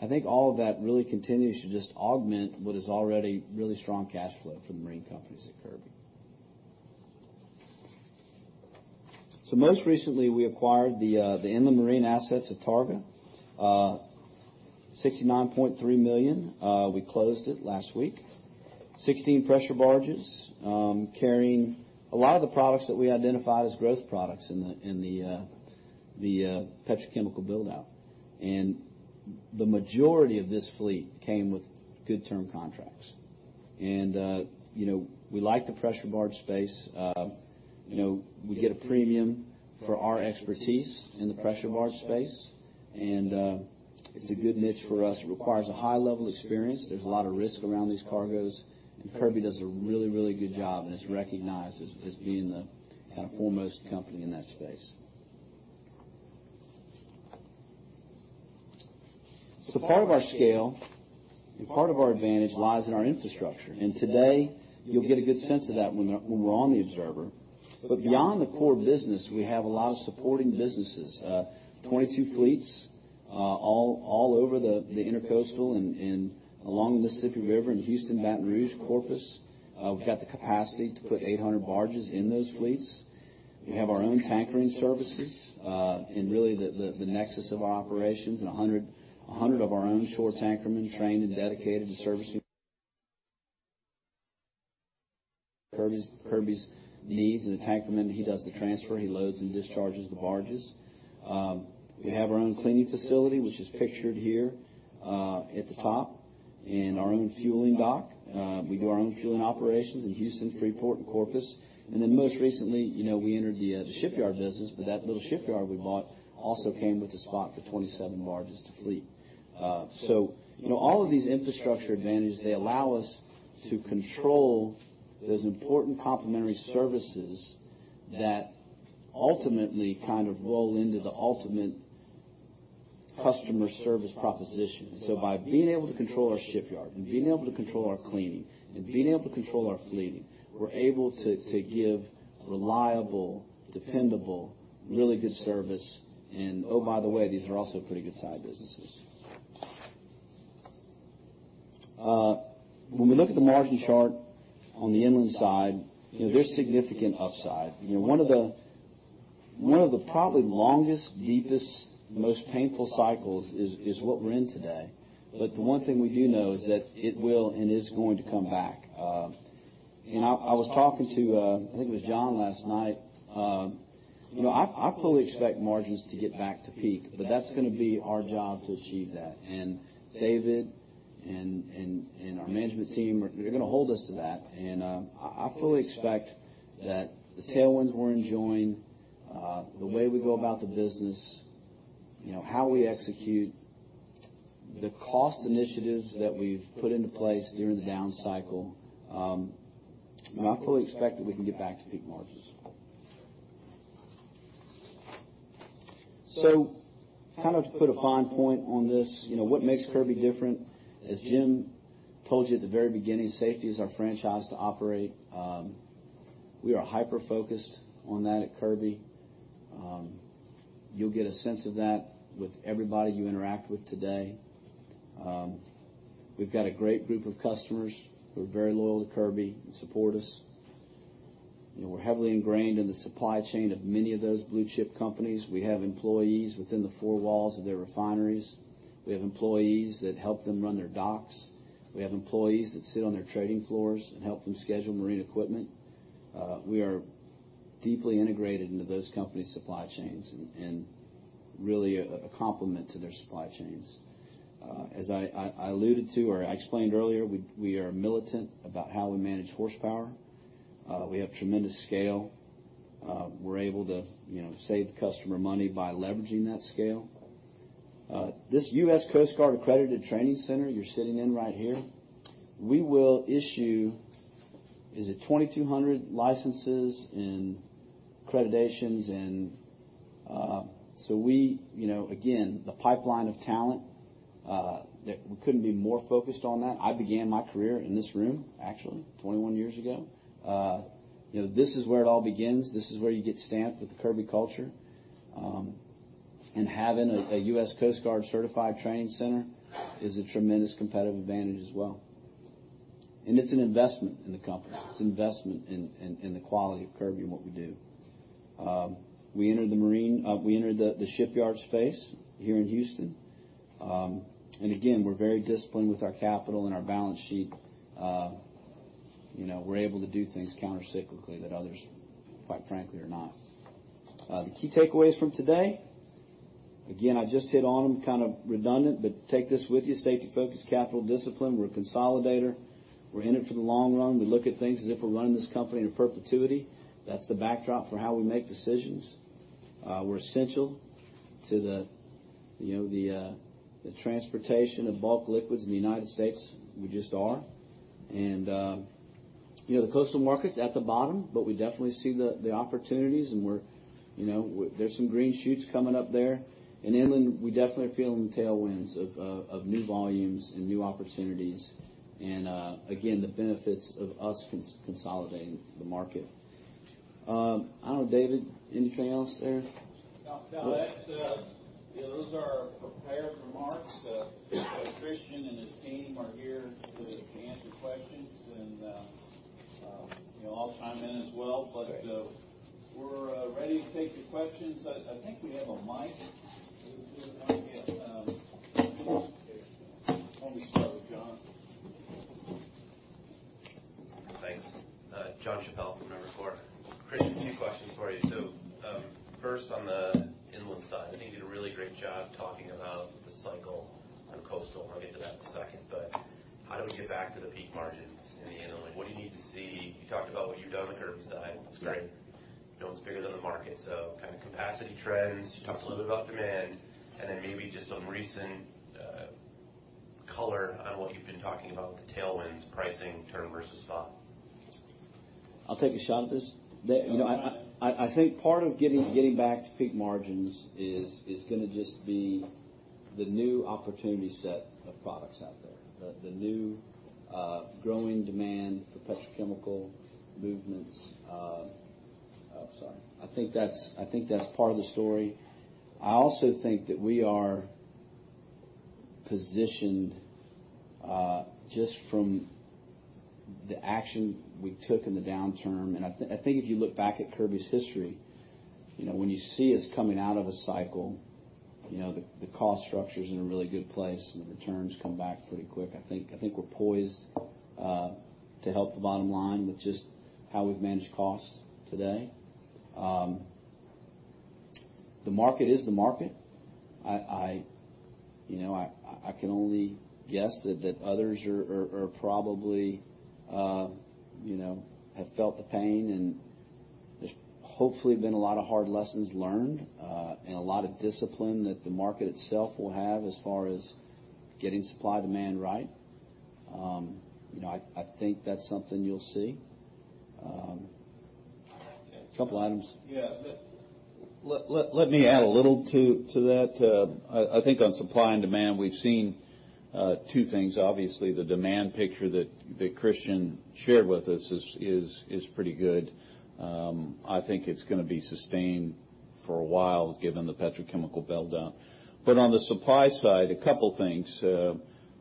I think all of that really continues to just augment what is already really strong cash flow for the marine companies at Kirby. So most recently, we acquired the inland marine assets of Targa, $69.3 million. We closed it last week 16 pressure barges, carrying a lot of the products that we identified as growth products in the petrochemical build-out. And the majority of this fleet came with good term contracts. And, you know, we like the pressure barge space. You know, we get a premium for our expertise in the pressure barge space, and it's a good niche for us. It requires a high level of experience. There's a lot of risk around these cargoes, and Kirby does a really, really good job, and it's recognized as being the kind of foremost company in that space. So part of our scale and part of our advantage lies in our infrastructure, and today, you'll get a good sense of that when we're on the Observer. But beyond the core business, we have a lot of supporting businesses, 22 fleets, all over the Intracoastal and along the Mississippi River in Houston, Baton Rouge, Corpus Christi. We've got the capacity to put 800 barges in those fleets. We have our own tankering services, and reall, the nexus of our operations, and 100 of our own shore tankermen trained and dedicated to servicing Kirby's needs. And the tankerman, he does the transfer, he loads and discharges the barges. We have our own cleaning facility, which is pictured here, at the top, and our own fueling dock. We do our own fueling operations in Houston, Freeport, and Corpus. And then most recently, you know, we entered the shipyard business, but that little shipyard we bought also came with a spot for 27 barges to fleet. So, you know, all of these infrastructure advantages, they allow us to control those important complementary services that ultimately kind of roll into the ultimate customer service proposition. So by being able to control our shipyard, and being able to control our cleaning, and being able to control our fleet, we're able to give reliable, dependable, really good service. And, oh, by the way, these are also pretty good side businesses. When we look at the margin chart on the inland side, you know, there's significant upside. You know, one of the probably longest, deepest, most painful cycles is what we're in today. But the one thing we do know is that it will and is going to come back. And I was talking to, I think it was John, last night. You know, I fully expect margins to get back to peak, but that's gonna be our job to achieve that. And David and our management team are they're gonna hold us to that. I fully expect that the tailwinds we're enjoying, the way we go about the business, you know, how we execute the cost initiatives that we've put into place during the down cycle, I fully expect that we can get back to peak margins. So kind of to put a fine point on this, you know, what makes Kirby different? As Jim told you at the very beginning, safety is our franchise to operate. We are hyper-focused on that at Kirby. You'll get a sense of that with everybody you interact with today. We've got a great group of customers who are very loyal to Kirby and support us. You know, we're heavily ingrained in the supply chain of many of those blue-chip companies. We have employees within the four walls of their refineries. We have employees that help them run their docks. We have employees that sit on their trading floors and help them schedule marine equipment. We are deeply integrated into those companies' supply chains and really a complement to their supply chains. As I alluded to or I explained earlier, we are militant about how we manage horsepower. We have tremendous scale. We're able to, you know, save the customer money by leveraging that scale. This U.S. Coast Guard accredited training center you're sitting in right here, we will issue. Is it 2,200 licenses and accreditations and, so we, you know, again, the pipeline of talent that we couldn't be more focused on that. I began my career in this room actually 21 years ago. You know, this is where it all begins. This is where you get stamped with the Kirby culture. And having a U.S. Coast Guard certified training center is a tremendous competitive advantage as well. It's an investment in the company. It's an investment in the quality of Kirby and what we do. We entered the shipyard space here in Houston. And again, we're very disciplined with our capital and our balance sheet. You know, we're able to do things countercyclically that others, quite frankly are not. The key takeaways from today again I just hit on them kind of redundant, but take this with you safety focused, capital discipline. We're a consolidator. We're in it for the long run. We look at things as if we're running this company in perpetuity. That's the backdrop for how we make decisions. We're essential to the, you know, the transportation of bulk liquids in the United States. We just are. And, you know, the coastal market's at the bottom, but we definitely see the opportunities, and we're, you know, there's some green shoots coming up there. In inland, we definitely are feeling the tailwinds of new volumes and new opportunities, and again the benefits of us consolidating the market. I don't know, David anything else there? No, no, that's. Yeah, those are our prepared remarks. Christian and his team are here to answer questions, and, you know, I'll chime in as well. Great. But we're ready to take the questions. I think we have a mic. Why don't we start with Jon? Thanks. Jon Chappell from Evercore. Christian, two questions for you. So, first, on the inland side, I think you did a really great job talking about the cycle on coastal. I'll get to that in a second. But how do we get back to the peak margins in the inland? What do you need to see? You talked about what you've done on the Kirby side. Right. That's great. No one's bigger than the market, so kind of capacity trends- Okay. Just a little bit about demand, and then maybe just some recent color on what you've been talking about with the tailwinds, pricing term versus spot. I'll take a shot at this. They, you know, I think part of getting back to peak margins is gonna just be the new opportunity set of products out there. The new growing demand for petrochemical movements. Oh sorry. I think that's part of the story. I also think that we are positioned just from the action we took in the downturn, and I think if you look back at Kirby's history you know when you see us coming out of a cycle, you know, the cost structure's in a really good place, and the returns come back pretty quick. I think we're poised to help the bottom line with just how we've managed costs today. The market is the market. You know, I can only guess that others are probably, you know, have felt the pain, and there's hopefully been a lot of hard lessons learned, and a lot of discipline that the market itself will have as far as getting supply-demand right. You know, I think that's something you'll see. A couple items. Yeah. Let me add a little to that. I think on supply and demand, we've seen two things. Obviously, the demand picture that Christian shared with us is pretty good. I think it's gonna be sustained for a while, given the petrochemical build-out. But on the supply side, a couple things: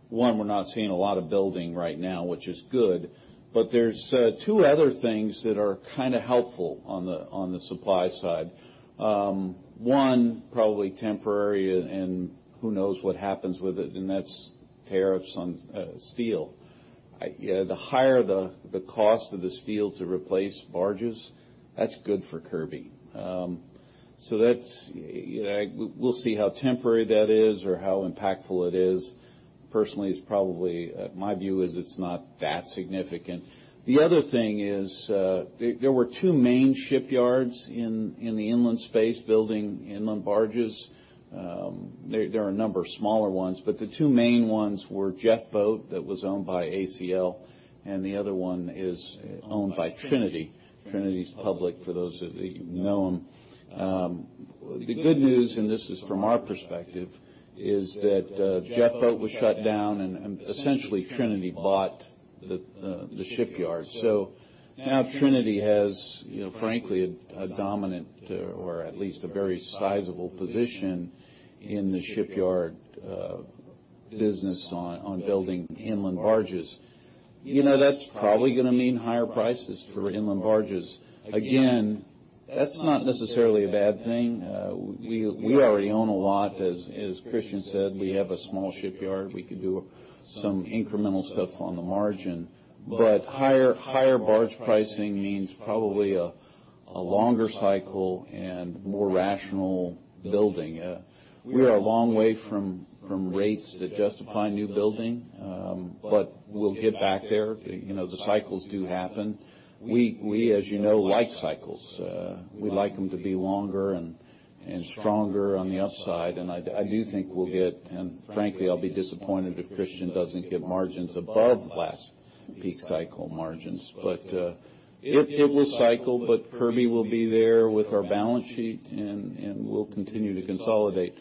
one, we're not seeing a lot of building right now which is good but there's two other things that are kinda helpful on the supply side. One, probably temporary, and who knows what happens with it and that's tariffs on steel. Yeah, the higher the cost of the steel to replace barges, that's good for Kirby. So that's, we'll see how temporary that is or how impactful it is. Personally, it's probably. My view is it's not that significant. The other thing is, there were two main shipyards in the inland space building inland barges. There are a number of smaller ones, but the two main ones were Jeffboat, that was owned by ACL, and the other one is owned by Trinity. Trinity's public, for those of you who know them. The good news, and this is from our perspective, is that, Jeffboat was shut down, and essentially, Trinity bought the shipyard. So now Trinity has you know frankly a dominant, or at least a very sizable position in the shipyard business on building inland barges. You know, that's probably gonna mean higher prices for inland barges. Again, that's not necessarily a bad thing. We already own a lot as Christian said. We have a small shipyard. We could do some incremental stuff on the margin, but higher barge pricing means probably a longer cycle and more rational building. We are a long way from rates that justify new building, but we'll get back there. You know, the cycles do happen. We, as you know, like cycles. We'd like them to be longer and stronger on the upside, and I do think we'll get. And frankly, I'll be disappointed if Christian doesn't get margins above last peak cycle margins. But it will cycle, but Kirby will be there with our balance sheet, and we'll continue to consolidate.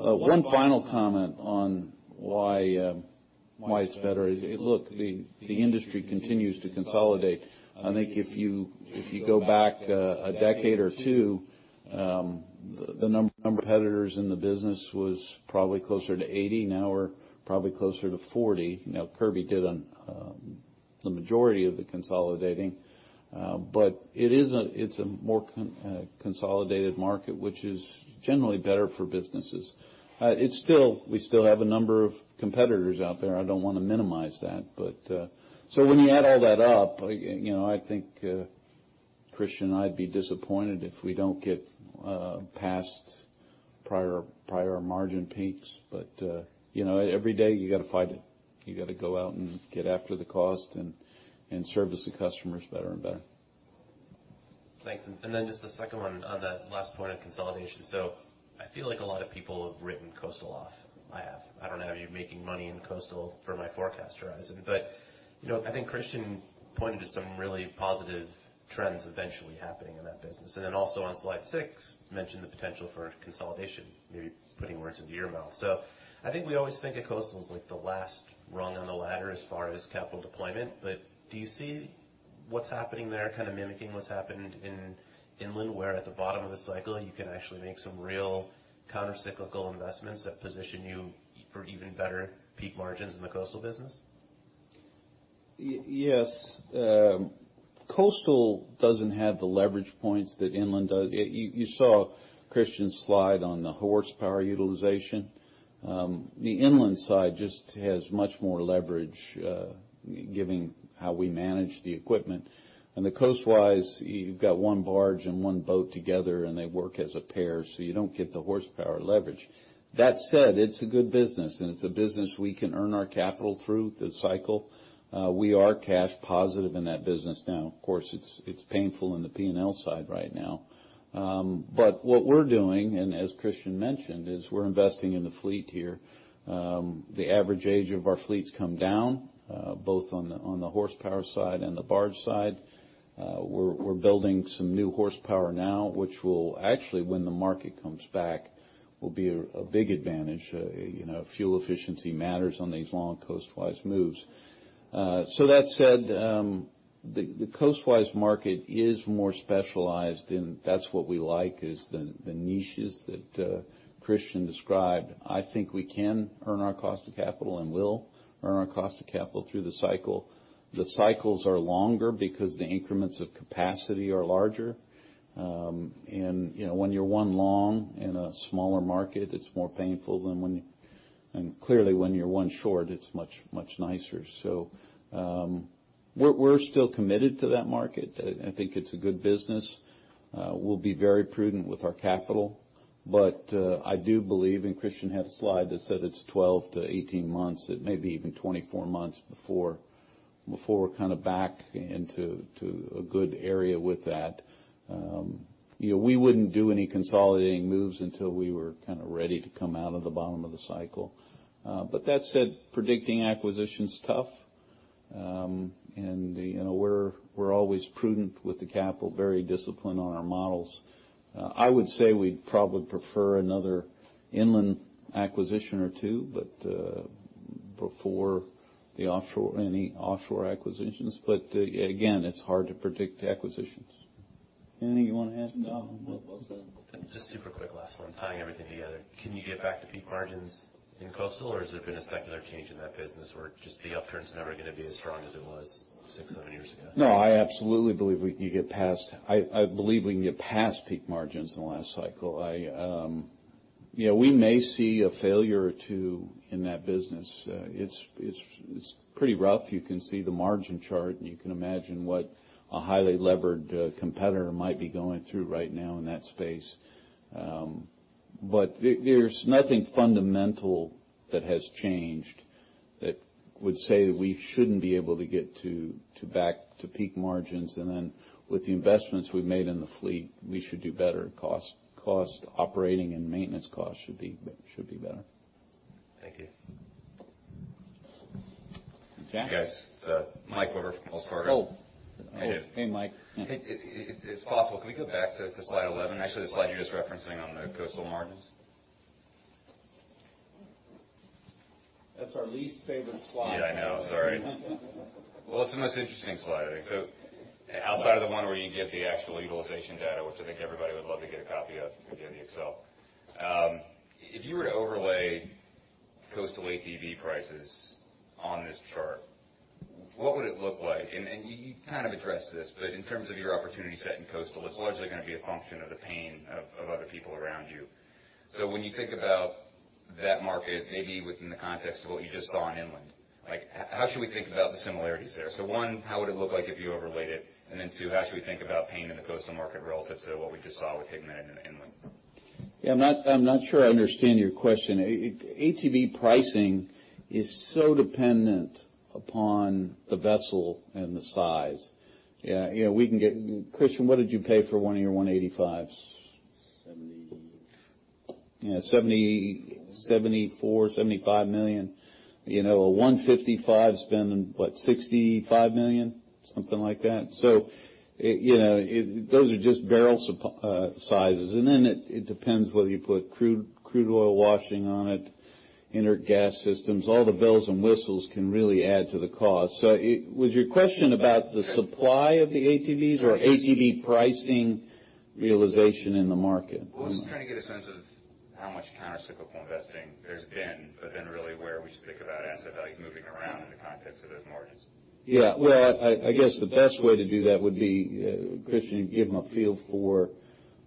One final comment on why it's better is look the industry continues to consolidate. I think if you, if you go back a decade or two, the number of competitors in the business was probably closer to 80, now we're probably closer to 40. You know, Kirby did the majority of the consolidating, but it is a more consolidated market, which is generally better for businesses. We still have a number of competitors out there. I don't wanna minimize that, but. So when you add all that up, you know, I think Christian and I'd be disappointed if we don't get past prior margin peaks but you know, every day, you gotta fight it. You gotta go out and get after the cost and service the customers better and better. Thanks. And then just the second one on that last point of consolidation. So I feel like a lot of people have written coastal off. I have. I don't have you making money in coastal for my forecast horizon but you know, I think Christian pointed to some really positive trends eventually happening in that business. And then also on slide six, mentioned the potential for consolidation. Maybe putting words into your mouth. So I think we always think of coastal as like the last rung on the ladder as far as capital deployment, but do you see what's happening there, kind of mimicking what's happened in inland, where at the bottom of the cycle you can actually make some real countercyclical investments that position you for even better peak margins in the coastal business? Yes. Coastal doesn't have the leverage points that inland does. You saw Christian's slide on the horsepower utilization. The inland side just has much more leverage, given how we manage the equipment. On the coastwise, you've got one barge and one boat together, and they work as a pair, so you don't get the horsepower leverage. That said it's a good business, and it's a business we can earn our capital through the cycle. We are cash positive in that business now. Of course, it's painful in the P&L side right now. But what we're doing, and as Christian mentioned, is we're investing in the fleet here. The average age of our fleet's come down, both on the horsepower side and the barge side. We're building some new horsepower now, which will, when the market comes back, be a big advantage. You know, fuel efficiency matters on these long coastwise moves. So that said, the coastwise market is more specialized, and that's what we like is the niches that Christian described. I think we can earn our cost of capital and will earn our cost of capital through the cycle. The cycles are longer because the increments of capacity are larger. And, you know, when you're one long in a smaller market, it's more painful than when you're one short it's much, much nicer. So, we're still committed to that market. I think it's a good business. We'll be very prudent with our capital, but I do believe, and Christian had a slide that said it's 12-18 months, it may be even 24 months before, before we're kind of back into, to a good area with that. You know, we wouldn't do any consolidating moves until we were kind of ready to come out of the bottom of the cycle. But that said, predicting acquisition's tough. And, you know we're, we're always prudent with the capital, very disciplined on our models. I would say we'd probably prefer another inland acquisition or two but before the offshore any offshore acquisitions. But, again it's hard to predict acquisitions. Anything you want to add? No, well said. Just super quick last one tying everything together. Can you get back to peak margins in coastal, or has there been a secular change in that business or just the upturn's never gonna be as strong as it was six, seven years ago? No, I absolutely believe we can get past. I believe we can get past peak margins in the last cycle. You know, we may see a failure or two in that business. It's pretty rough. You can see the margin chart, and you can imagine what a highly levered competitor might be going through right now in that space. But there's nothing fundamental that has changed that would say that we shouldn't be able to get to back to peak margins. And then, with the investments we've made in the fleet, we should do better. Cash operating and maintenance costs should be better. Thank you. Jack? Hey, guys. It's Mike Webber from Wells Fargo. Oh! Oh, hey, Mike. If possible, can we go back to slide 11? Actually, the slide you're just referencing on the coastal margins. That's our least favorite slide. Yeah, I know. Sorry. Well, it's the most interesting slide, I think, so outside of the one where you give the actual utilization data, which I think everybody would love to get a copy of if we can get the Excel. If you were to overlay coastal ATB prices on this chart, what would it look like? And you kind of addressed this, but in terms of your opportunity set in coastal, it's largely gonna be a function of the pain of other people around you. So when you think about that market, maybe within the context of what you just saw in inland, like, how should we think about the similarities there? So one, how would it look like if you overlaid it? And then two, how should we think about pain in the coastal market relative to what we just saw with Higman and Inland? Yeah, I'm not sure I understand your question. ATB pricing is so dependent upon the vessel and the size. You know, we can get. Christian, what did you pay for one of your 185s? Seventy. Yeah, $70, $74, $75 million. You know, a 155s been, what $65 million? Something like that. So you know it those are just barrel supp- sizes, and then it, it depends whether you put crude, crude oil washing on it inert gas systems. All the bells and whistles can really add to the cost. So, was your question about the supply of the ATB Right. or ATB pricing realization in the market? Well, I was just trying to get a sense of how much countercyclical investing there's been, but then really where we should think about asset values moving around in the context of those margins. Yeah. Well, I guess the best way to do that would be, Christian you give them a feel for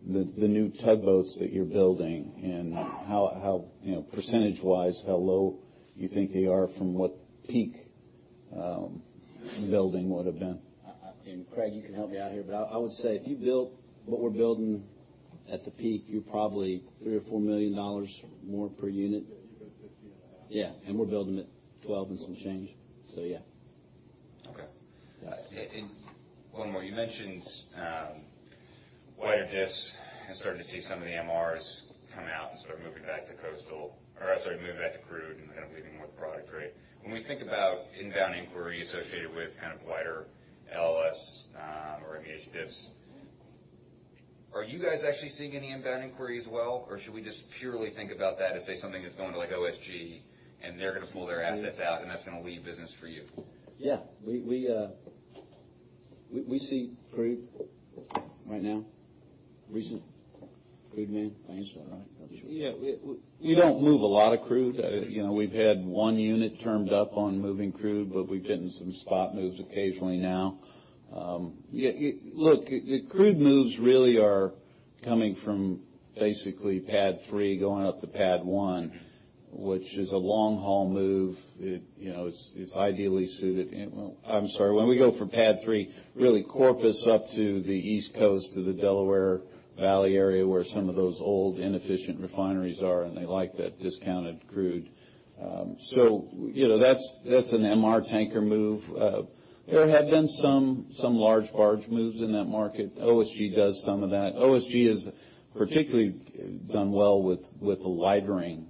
the new tugboats that you're building and how, you know, percentage-wise, how low you think they are from what peak building would have been. And Craig, you can help me out here, but I would say if you built what we're building at the peak, you're probably $3 million-$4 million more per unit. You're building 15.5. Yeah, and we're building at 12 and some change. So yeah. Okay. Yeah. And one more. You mentioned wider difs and starting to see some of the MRs come out and start moving back to coastal, or sorry, moving back to crude and kind of leaving more product rate. When we think about inbound inquiries associated with kind of wider LLS, or MEH diffs are you guys actually seeing any inbound inquiries as well, or should we just purely think about that as, say, something that's going to like, OSG, and they're gonna pull their assets out, and that's gonna leave business for you? Yeah. We see crude right now, recent crude demand. I answered that, right? Yeah. We, we don't move a lot of crude. You know, we've had one unit termed up on moving crude, but we've gotten some spot moves occasionally now. Yeah, look, the crude moves really are coming from basically PADD 3, going out to PADD 1, which is a long-haul move. It, you know, it's, it's ideally suited. Well, I'm sorry. When we go from PADD 3, really, Corpus Christi up to the East Coast, to the Delaware Valley area, where some of those old, inefficient refineries are, and they like that discounted crude. So, you know that's, that's an MR tanker move. There have been some, some large barge moves in that market. OSG does some of that. OSG has particularly done well with, with the lightering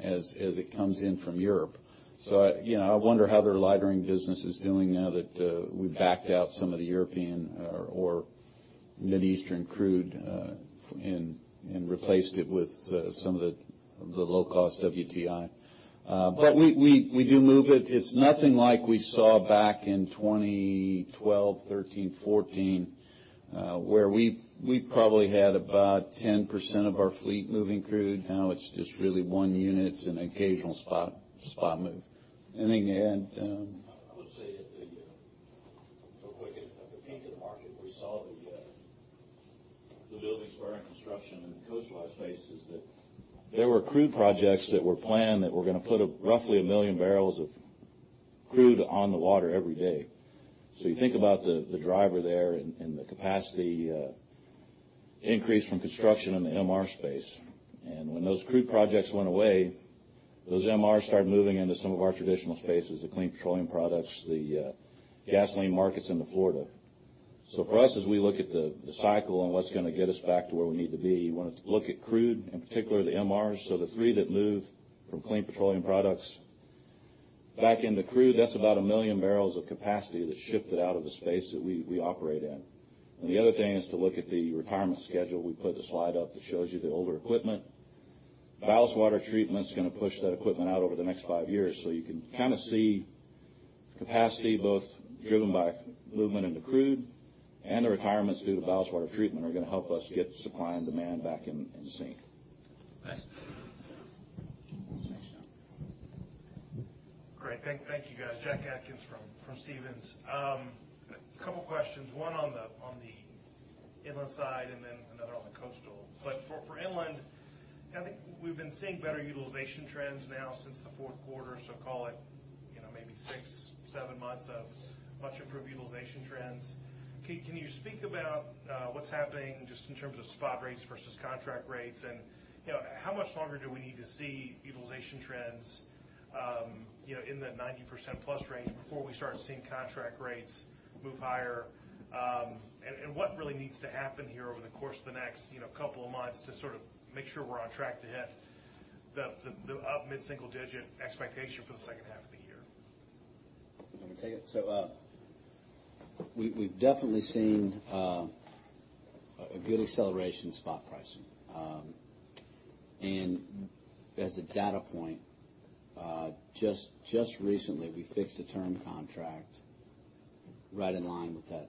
as, as it comes in from Europe. So, you know, I wonder how their lightering business is doing now that we've backed out some of the European or Mid-Eastern crude, and replaced it with some of the low-cost WTI. But we do move it. It's nothing like we saw back in 2012, 2013, 2014, where we probably had about 10% of our fleet moving crude. Now it's just really one unit and occasional spot move. Anything to add? I would say that the real quick, at the peak of the market, we saw the newbuildings were in construction and coastal spaces, that there were crude projects that were planned that were gonna put roughly 1 million barrels of crude on the water every day. So you think about the driver there and the capacity increase from construction in the MR space. And when those crude projects went away, those MRs started moving into some of our traditional spaces, the clean petroleum products, the gasoline markets into Florida. So for us, as we look at the cycle and what's gonna get us back to where we need to be, you want to look at crude, in particular, the MRs. So the three that moved from clean petroleum products back into crude, that's about 1 million barrels of capacity that shifted out of the space that we operate in. And the other thing is to look at the retirement schedule. We put the slide up that shows you the older equipment. Ballast water treatment's gonna push that equipment out over the next five years, so you can kind of see capacity both driven by movement into crude and the retirements due to ballast water treatment are gonna help us get supply and demand back in sync. Thanks. Great. Thank you, guys. Jack Atkins from Stephens. A couple questions, one on the inland side and then another on the coastal. But for inland, I think we've been seeing better utilization trends now since the fourth quarter, so call it, you know, maybe six, seven months of much improved utilization trends. Can you speak about what's happening just in terms of spot rates versus contract rates? And, you know, how much longer do we need to see utilization trends, you know, in the 90% plus range before we start seeing contract rates move higher? And what really needs to happen here over the course of the next, you know, couple of months to sort of make sure we're on track to hit the up mid-single digit expectation for the second half of the year? You want me to take it? So, we've definitely seen a good acceleration in spot pricing. And as a data point, just recently, we fixed a term contract right in line with that,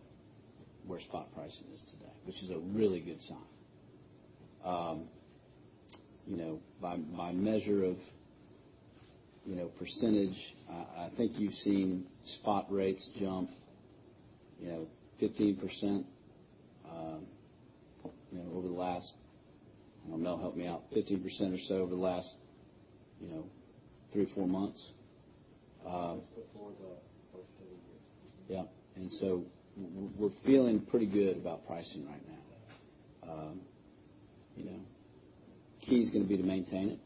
where spot pricing is today, which is a really good sign. You know, by measure of, you know, percentage, I think you've seen spot rates jump, you know, 15%, you know, over the last. I don't know, help me out, 15% or so over the last, you know three or four months. Just before the first of the year. Yeah. And so we're feeling pretty good about pricing right now. You know, key is gonna be to maintain it,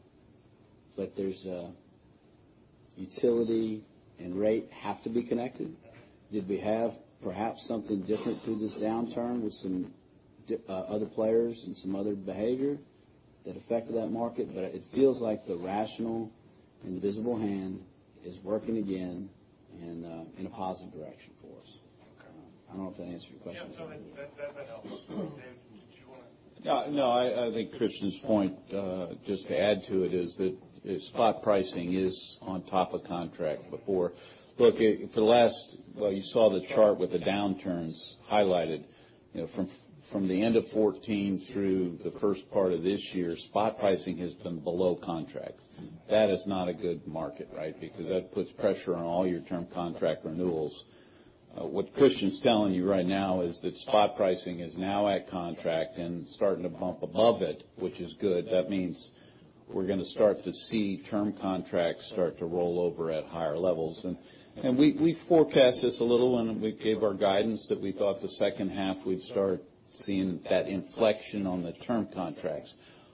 but there's a utility and rate have to be connected. Did we have perhaps something different through this downturn with some other players and some other behavior that affected that market? But it feels like the rational and visible hand is working again in a positive direction for us. Okay. I don't know if that answered your question. Yeah, totally. That, that helped. Dave, did you want to- No, I think Christian's point, just to add to it, is that spot pricing is on top of contract before. Look, for the last. Well you saw the chart with the downturns highlighted, you know, from the end of 2014 through the first part of this year, spot pricing has been below contract. That is not a good market, right? Because that puts pressure on all your term contract renewals. What Christian's telling you right now is that spot pricing is now at contract and starting to bump above it, which is good. That means we're gonna start to see term contracts start to roll over at higher levels. And we forecast this a little when we gave our guidance that we thought the second half, we'd start seeing that inflection on the term contracts.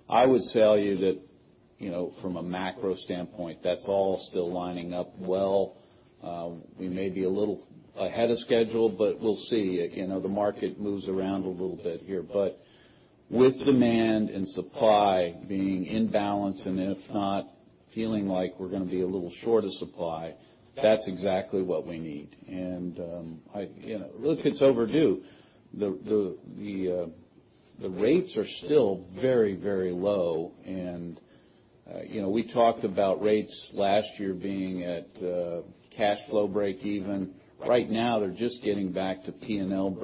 I would tell you that, you know, from a macro standpoint, that's all still lining up well. We may be a little ahead of schedule, but we'll see. You know, the market moves around a little bit here. But with demand and supply being in balance, and if not, feeling like we're gonna be a little short of supply, that's exactly what we need. And I, You know, look it's overdue. The rates are still very, very low, and, you know, we talked about rates last year being at cash flow breakeven. Right now, they're just getting back to P&L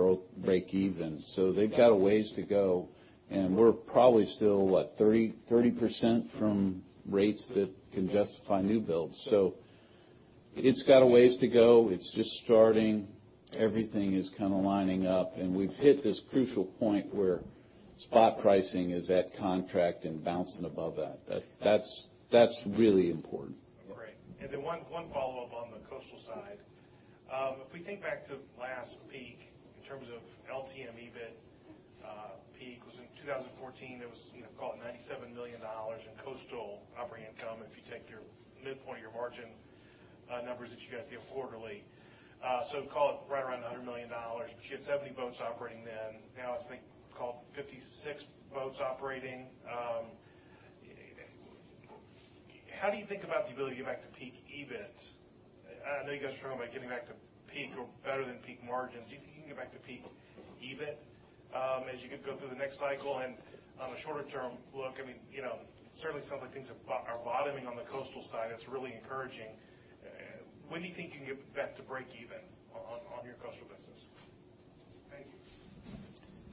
breakeven, so they've got a ways to go, and we're probably still, what 30% from rates that can justify new builds? So it's got a ways to go. It's just starting. Everything is kind of lining up, and we've hit this crucial point where spot pricing is at contract and bouncing above that. That, that's really important. Great. And then one follow-up on the coastal side. If we think back to last peak in terms of LTM EBIT, peak was in 2014. It was, you know, call it $97 million in coastal operating income, if you take your midpoint of your margin numbers that you guys give quarterly. So call it right around $100 million. But you had 70 boats operating then. Now, I think, call it 56 boats operating. How do you think about the ability to get back to peak EBIT? I know you guys are talking about getting back to peak or better than peak margins. Do you think you can get back to peak EBIT as you go through the next cycle? And on a shorter-term look, I mean, you know, certainly sounds like things are bottoming on the coastal side. That's really encouraging. When do you think you can get back to breakeven on your coastal business? Thank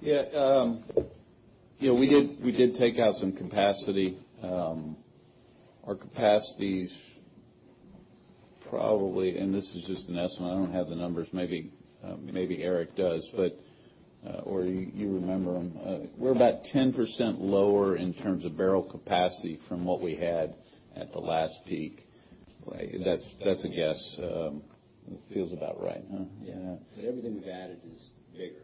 you. Yeah, you know, we did, we did take out some capacity. Our capacity's probably, and this is just an estimate, I don't have the numbers. Maybe, maybe Eric does, but, or you, you remember them. We're about 10% lower in terms of barrel capacity from what we had at the last peak. Like, that's, that's a guess. It feels about right, huh? Yeah. But everything we've added is bigger.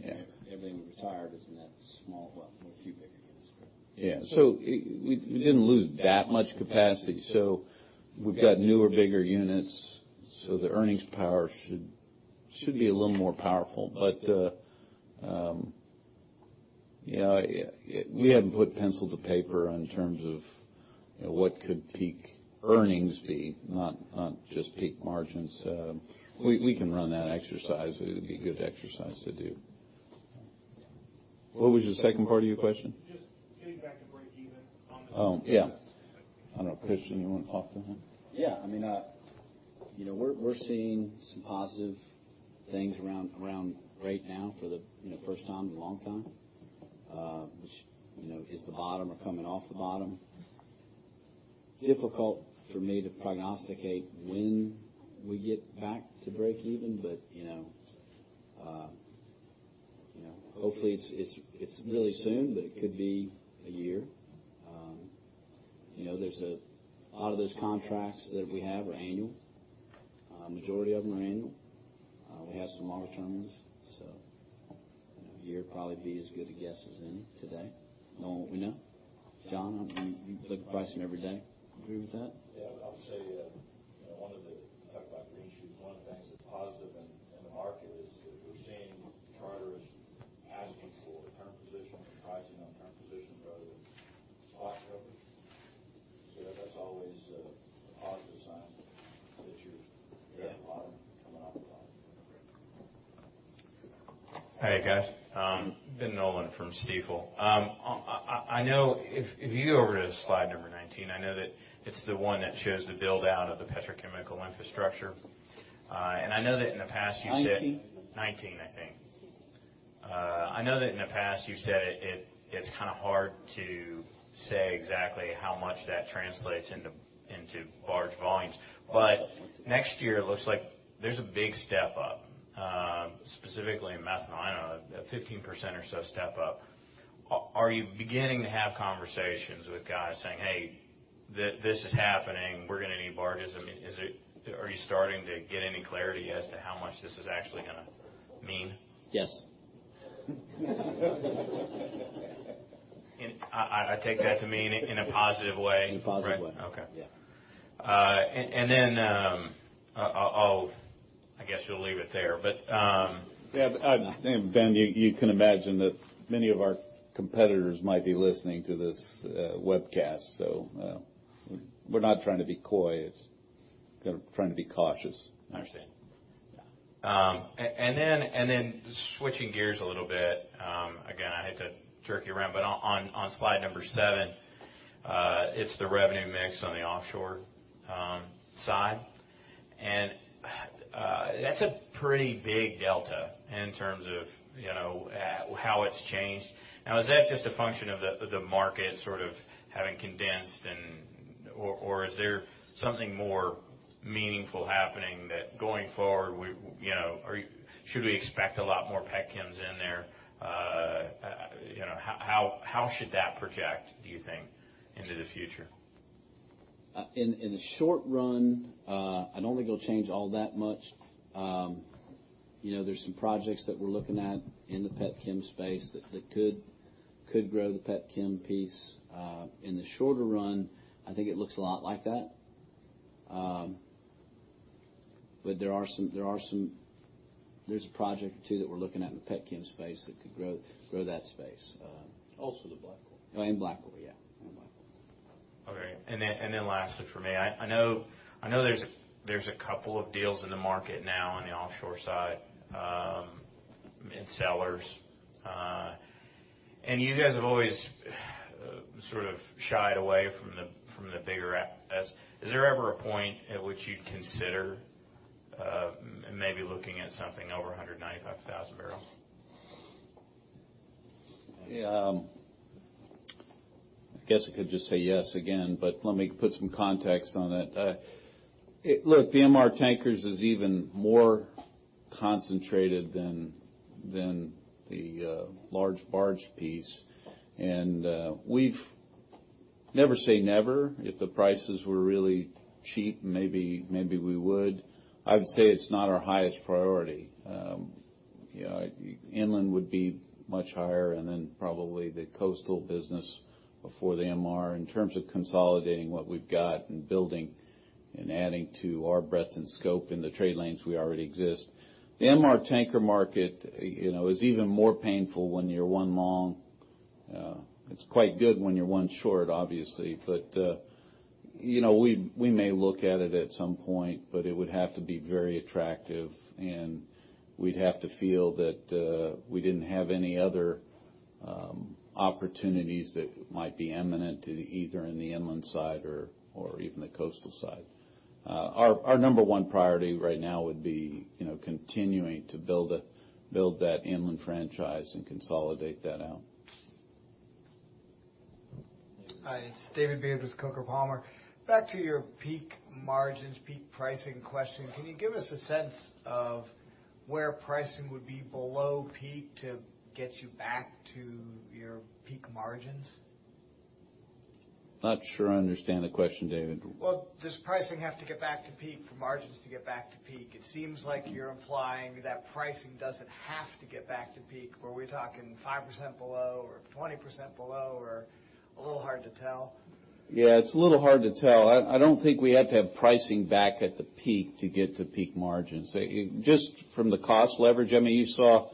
Yeah. Everything we retired is in that small well, or a few bigger units, right? Yeah. So we didn't lose that much capacity. So we've got newer, bigger units, so the earnings power should be a little more powerful. But, you know, we hadn't put pencil to paper in terms of, you know, what could peak earnings be, not just peak margins. We can run that exercise. It'd be a good exercise to do. What was the second part of your question? Just getting back to breakeven on the- Oh, yeah coast. I don't know, Christian, you want to offer him? Yeah. I mean, you know, we're, we're seeing some positive things around, around right now for the, you know, first time in a long time, which, you know, hits the bottom or coming off the bottom. Difficult for me to prognosticate when we get back to breakeven, but, you know, you know, hopefully, it's, it's, it's really soon, but it could be a year. You know, there's a lot of those contracts that we have are annual. Majority of them are annual. We have some longer terms, so, you know, a year would probably be as good a guess as any today, knowing what we know. John, you, you look at the pricing every day. Agree with that? Yeah. I would say, you know, talk about green shoots, one of the things that's positive in the market is that we're seeing charters asking for a term position, pricing on term position rather than spot covers. So that's always a positive sign that you're hitting the bottom, coming off the bottom. Hi, guys, Ben Nolan from Stifel. I know if you go over to slide number 19, I know that it's the one that shows the build-out of the petrochemical infrastructure. And I know that in the past, you said- Nineteen? 19, I think. I know that in the past you've said it, it's kind of hard to say exactly how much that translates into, into barge volumes. But next year, it looks like there's a big step up, specifically in methanol. I don't know, a 15% or so step up. Are you beginning to have conversations with guys saying, "Hey, this is happening, we're gonna need barges?" I mean, are you starting to get any clarity as to how much this is actually gonna mean? Yes. I take that to mean in a positive way? In a positive way. Okay. Yeah. And then, I'll guess you'll leave it there, but. Yeah, Ben, you can imagine that many of our competitors might be listening to this webcast, so we're not trying to be coy. It's kind of trying to be cautious. I understand. Yeah. And then switching gears a little bit, again, I hate to jerk you around, but on slide number seven, it's the revenue mix on the offshore side. And that's a pretty big delta in terms of, you know, how it's changed. Now, is that just a function of the market sort of having condensed and or is there something more meaningful happening that going forward, we, you know, are should we expect a lot more petchems in there? You know, how should that project, do you think, into the future? In the short run, I don't think it'll change all that much. You know, there's some projects that we're looking at in the petchem space that could grow the petchem piece. In the shorter run, I think it looks a lot like that. But there are some there's a project or two that we're looking at in the petchem space that could grow that space. Also, the black co-products. And black co-products yeah. Okay. Then lastly, for me. I know there's a couple of deals in the market now on the offshore side, and sellers. And you guys have always sort of shied away from the bigger S. Is there ever a point at which you'd consider maybe looking at something over 195,000 barrels? Yeah, I guess I could just say yes again, but let me put some context on it. Look, the MR tankers is even more concentrated than the large barge piece, and we've never say never. If the prices were really cheap, maybe, maybe we would. I'd say it's not our highest priority. You know, inland would be much higher and then probably the coastal business before the MR. In terms of consolidating what we've got and building and adding to our breadth and scope in the trade lanes we already exist. The MR tanker market, you know, is even more painful when you're one long. It's quite good when you're one short, obviously. But, you know, we may look at it at some point, but it would have to be very attractive, and we'd have to feel that we didn't have any other opportunities that might be imminent to either in the inland side or even the coastal side. Our number one priority right now would be, you know, continuing to build that inland franchise and consolidate that out. Hi, it's David Beard, Coker & Palmer. Back to your peak margins, peak pricing question. Can you give us a sense of where pricing would be below peak to get you back to your peak margins? Not sure I understand the question, David. Well, does pricing have to get back to peak for margins to get back to peak? It seems like you're implying that pricing doesn't have to get back to peak. Were we talking 5% below or 20% below, or a little hard to tell? Yeah, it's a little hard to tell. I, I don't think we have to have pricing back at the peak to get to peak margins. Just from the cost leverage, I mean, you saw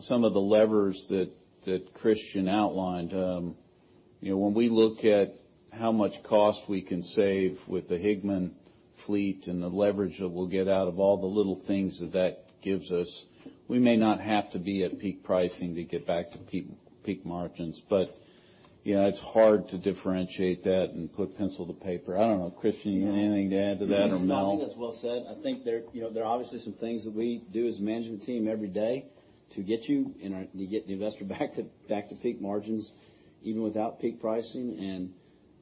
some of the levers that, that Christian outlined. You know, when we look at how much cost we can save with the Higman fleet and the leverage that we'll get out of all the little things that, that gives us, we may not have to be at peak pricing to get back to peak, peak margins. But, you know, it's hard to differentiate that and put pencil to paper. I don't know. Christian, you have anything to add to that or no? I think that's well said. I think there, you know, there are obviously some things that we do as a management team every day to get you and, to get the investor back to, back to peak margins, even without peak pricing, and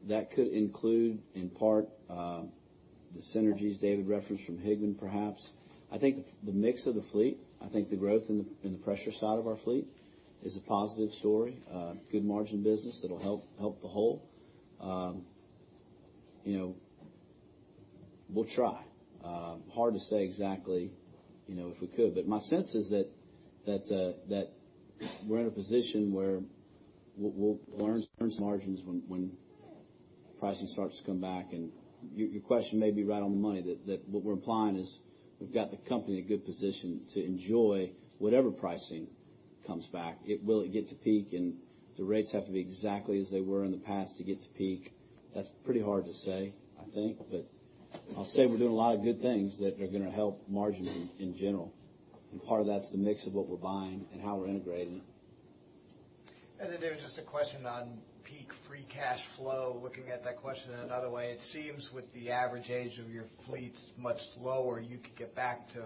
that could include, in part, the synergies David referenced from Higman, perhaps. I think the mix of the fleet, I think the growth in the, in the pressure side of our fleet is a positive story, good margin business that'll help, help the whole. You know, we'll try. Hard to say exactly, you know, if we could, but my sense is that, that, that we're in a position where we'll, we'll earn margins when, when pricing starts to come back. And your question may be right on the money, that what we're implying is we've got the company in a good position to enjoy whatever pricing comes back. Will it get to peak, and the rates have to be exactly as they were in the past to get to peak? That's pretty hard to say, I think, but I'll say we're doing a lot of good things that are going to help margins in general, and part of that's the mix of what we're buying and how we're integrating it. Then, David, just a question on peak free cash flow. Looking at that question in another way, it seems with the average age of your fleet much lower, you could get back to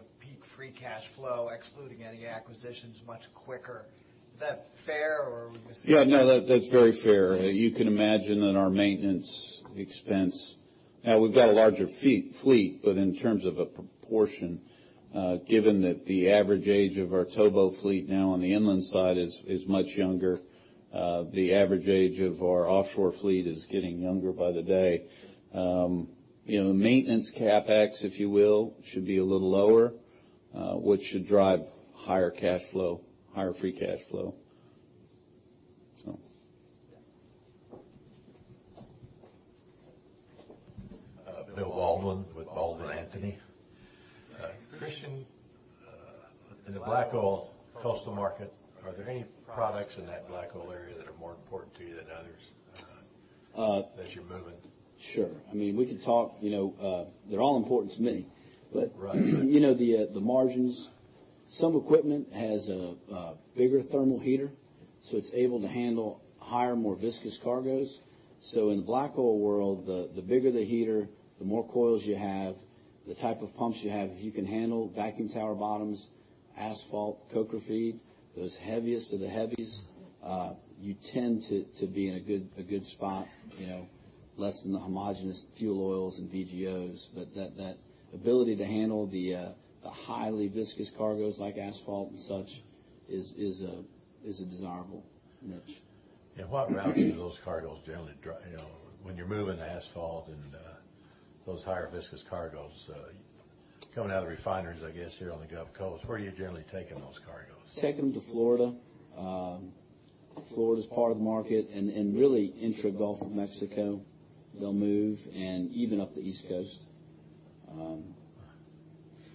peak free cash flow, excluding any acquisitions, much quicker. Is that fair or? Yeah, no, that's very fair. You can imagine that our maintenance expense. Now, we've got a larger fleet, but in terms of a proportion, given that the average age of our towboat fleet now on the inland side is much younger, the average age of our offshore fleet is getting younger by the day. You know, maintenance CapEx, if you will, should be a little lower, which should drive higher cash flow, higher free cash flow, so. Bill Baldwin with Baldwin Anthony. Christian, in the black oil coastal market, are there any products in that black oil area that are more important to you than others, as you're moving? Sure. I mean, we could talk, you know, they're all important to me. Right. But, you know, the margins, some equipment has a bigger thermal heater, so it's able to handle higher, more viscous cargoes. So in the black oil world, the bigger the heater, the more coils you have, the type of pumps you have, if you can handle vacuum tower bottoms, asphalt, coker feed, those heaviest of the heavies, you tend to be in a good spot, you know, less than the homogeneous fuel oils and VGOs. But that ability to handle the highly viscous cargoes like asphalt and such is a desirable niche. What routes do those cargoes generally drive? You know, when you're moving the asphalt and, those higher viscous cargoes, coming out of refineries, I guess, here on the Gulf Coast, where are you generally taking those cargoes? Taking them to Florida. Florida's part of the market and really intra-Gulf of Mexico, they'll move, and even up the East Coast. And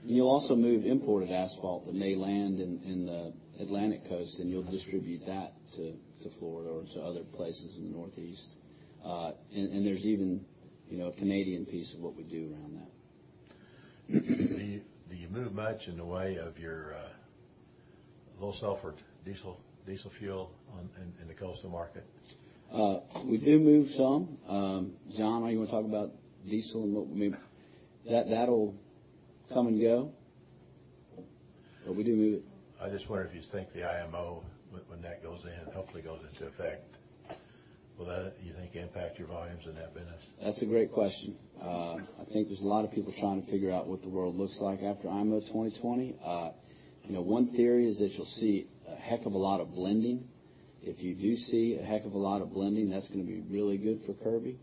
you'll also move imported asphalt that may land in the Atlantic Coast, and you'll distribute that to Florida or to other places in the Northeast. And there's even, you know, a Canadian piece of what we do around that. Do you move much in the way of your low sulfur diesel, diesel fuel on in the coastal market? We do move some. John, are you going to talk about diesel? That, that will come and go, but we do move it. I just wonder if you think the IMO, when that goes in, hopefully goes into effect, will that, you think, impact your volumes in that business? That's a great question. I think there's a lot of people trying to figure out what the world looks like after IMO 2020. You know, one theory is that you'll see a heck of a lot of blending. If you do see a heck of a lot of blending, that's going to be really good for Kirby.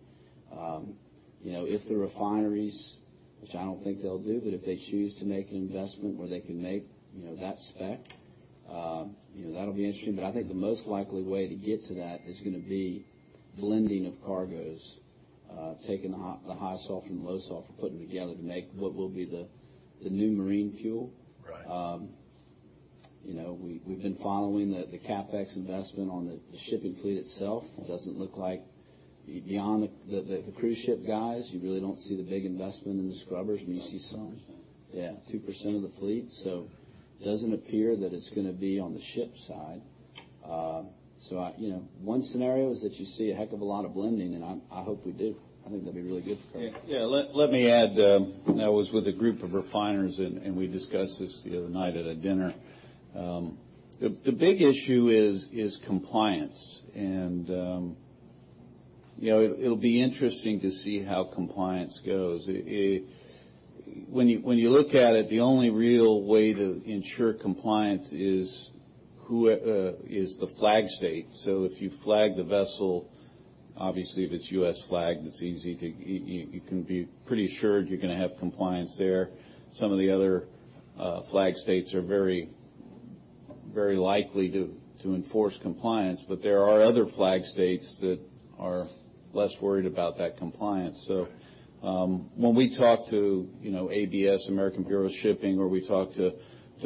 You know, if the refineries, which I don't think they'll do, but if they choose to make an investment where they can make, you know, that'll be interesting, but I think the most likely way to get to that is gonna be blending of cargoes. Taking the high sulfur and the low sulfur, putting them together to make what will be the new marine fuel. Right. You know, we've been following the CapEx investment on the shipping fleet itself. It doesn't look like beyond the cruise ship guys, you really don't see the big investment in the scrubbers. I mean, you see some. Yeah. 2% of the fleet, so it doesn't appear that it's gonna be on the ship side. You know, one scenario is that you see a heck of a lot of blending, and I hope we do. I think that'd be really good for cargo. Yeah. Let me add, I was with a group of refiners and we discussed this the other night at a dinner. The big issue is compliance, and you know, it'll be interesting to see how compliance goes. When you look at it, the only real way to ensure compliance is the flag state. So if you flag the vessel, obviously, if it's U.S. flagged, it's easy to you can be pretty assured you're gonna have compliance there. Some of the other flag states are very likely to enforce compliance, but there are other flag states that are less worried about that compliance. So, when we talk to you know, ABS, American Bureau of Shipping, or we talk to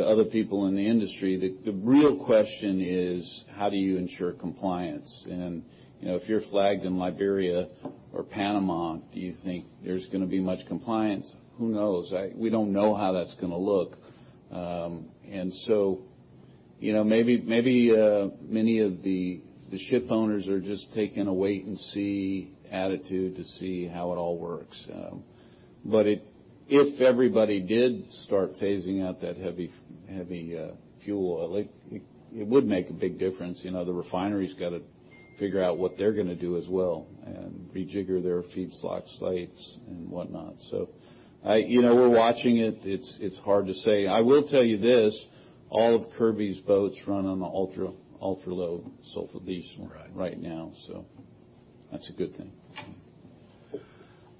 other people in the industry, the real question is: how do you ensure compliance? And, you know, if you're flagged in Liberia or Panama, do you think there's gonna be much compliance? Who knows? We don't know how that's gonna look. And so, you know, maybe many of the shipowners are just taking a wait-and-see attitude to see how it all works. But if everybody did start phasing out that heavy fuel oil, it would make a big difference. You know, the refineries got to figure out what they're gonna do as well and rejigger their feedstock slates and whatnot. You know, we're watching it. It's hard to say. I will tell you this all of Kirby's boats run on the ultra, ultra-low sulfur diesel- Right. right now, so that's a good thing.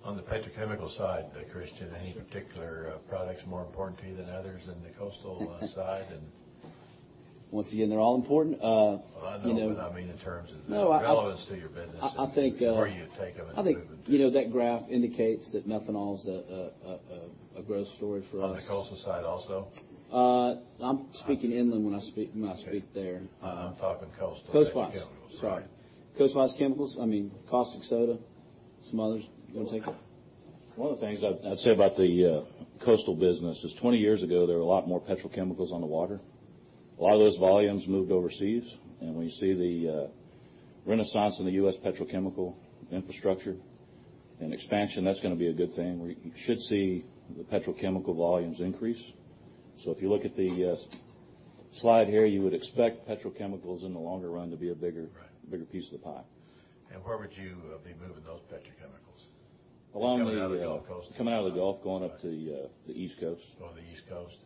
On the petrochemical side, Christian, any particular products more important to you than others in the coastal side, and- Once again, they're all important. You know- Well, I know, but I mean in terms of- No, I- -relevance to your business- I think, or you take them. I think, you know, that graph indicates that methanol is a growth story for us. On the coastal side also? I'm speaking inland when I speak there. I'm talking coastal. Coastwise. Chemicals. Sorry. coastwise chemicals, I mean caustic soda, some others. You want to take it? One of the things I'd say about the coastal business is 20 years ago, there were a lot more petrochemicals on the water. A lot of those volumes moved overseas, and when you see the renaissance in the US Petrochemical Infrastructure and expansion, that's gonna be a good thing. We should see the petrochemical volumes increase. So if you look at the slide here, you would expect petrochemicals in the longer run to be a bigger- Right. bigger piece of the pie. Where would you be moving those petrochemicals? Along the- Coming out of the Gulf Coast. Coming out of the Gulf, going up to the East Coast. Going to the East Coast.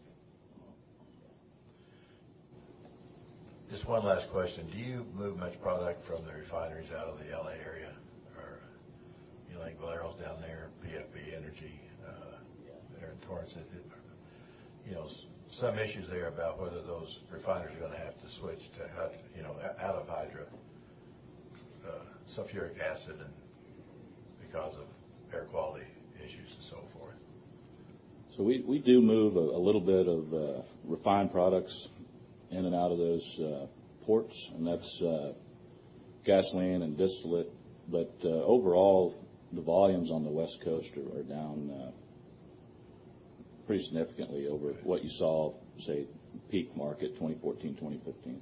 Just one last question: Do you move much product from the refineries out of the LA area? Or, you know, like, Valero's down there, PBF Energy? Yeah. There in Torrance. You know, some issues there about whether those refineries are gonna have to switch to, you know, out of hydrofluoric, sulfuric acid and because of air quality issues and so forth. So we do move a little bit of refined products in and out of those ports, and that's gasoline and distillate. But overall, the volumes on the West Coast are down pretty significantly over what you saw, say, peak market, 2014, 2015.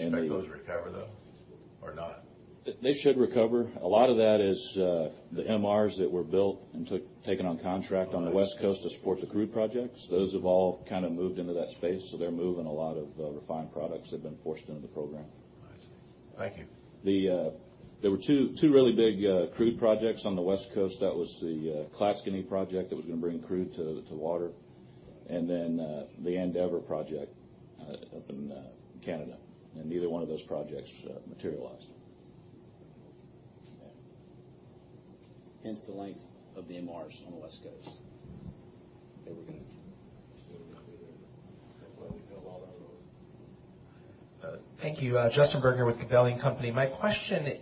And the- Do you expect those to recover, though, or not? They should recover. A lot of that is the MRs that were built and taken on contract on the West Coast to support the crude projects. Those have all kind of moved into that space, so they're moving a lot of refined products that have been forced into the program. I see. Thank you. There were two really big crude projects on the West Coast. That was the Clatskanie project that was gonna bring crude to water, and then the Endeavor project up in Canada, and neither one of those projects materialized. Yeah. Hence, the length of the MRs on the West Coast. They were gonna. Thank you. Justin Bergner with Gabelli & Company. My question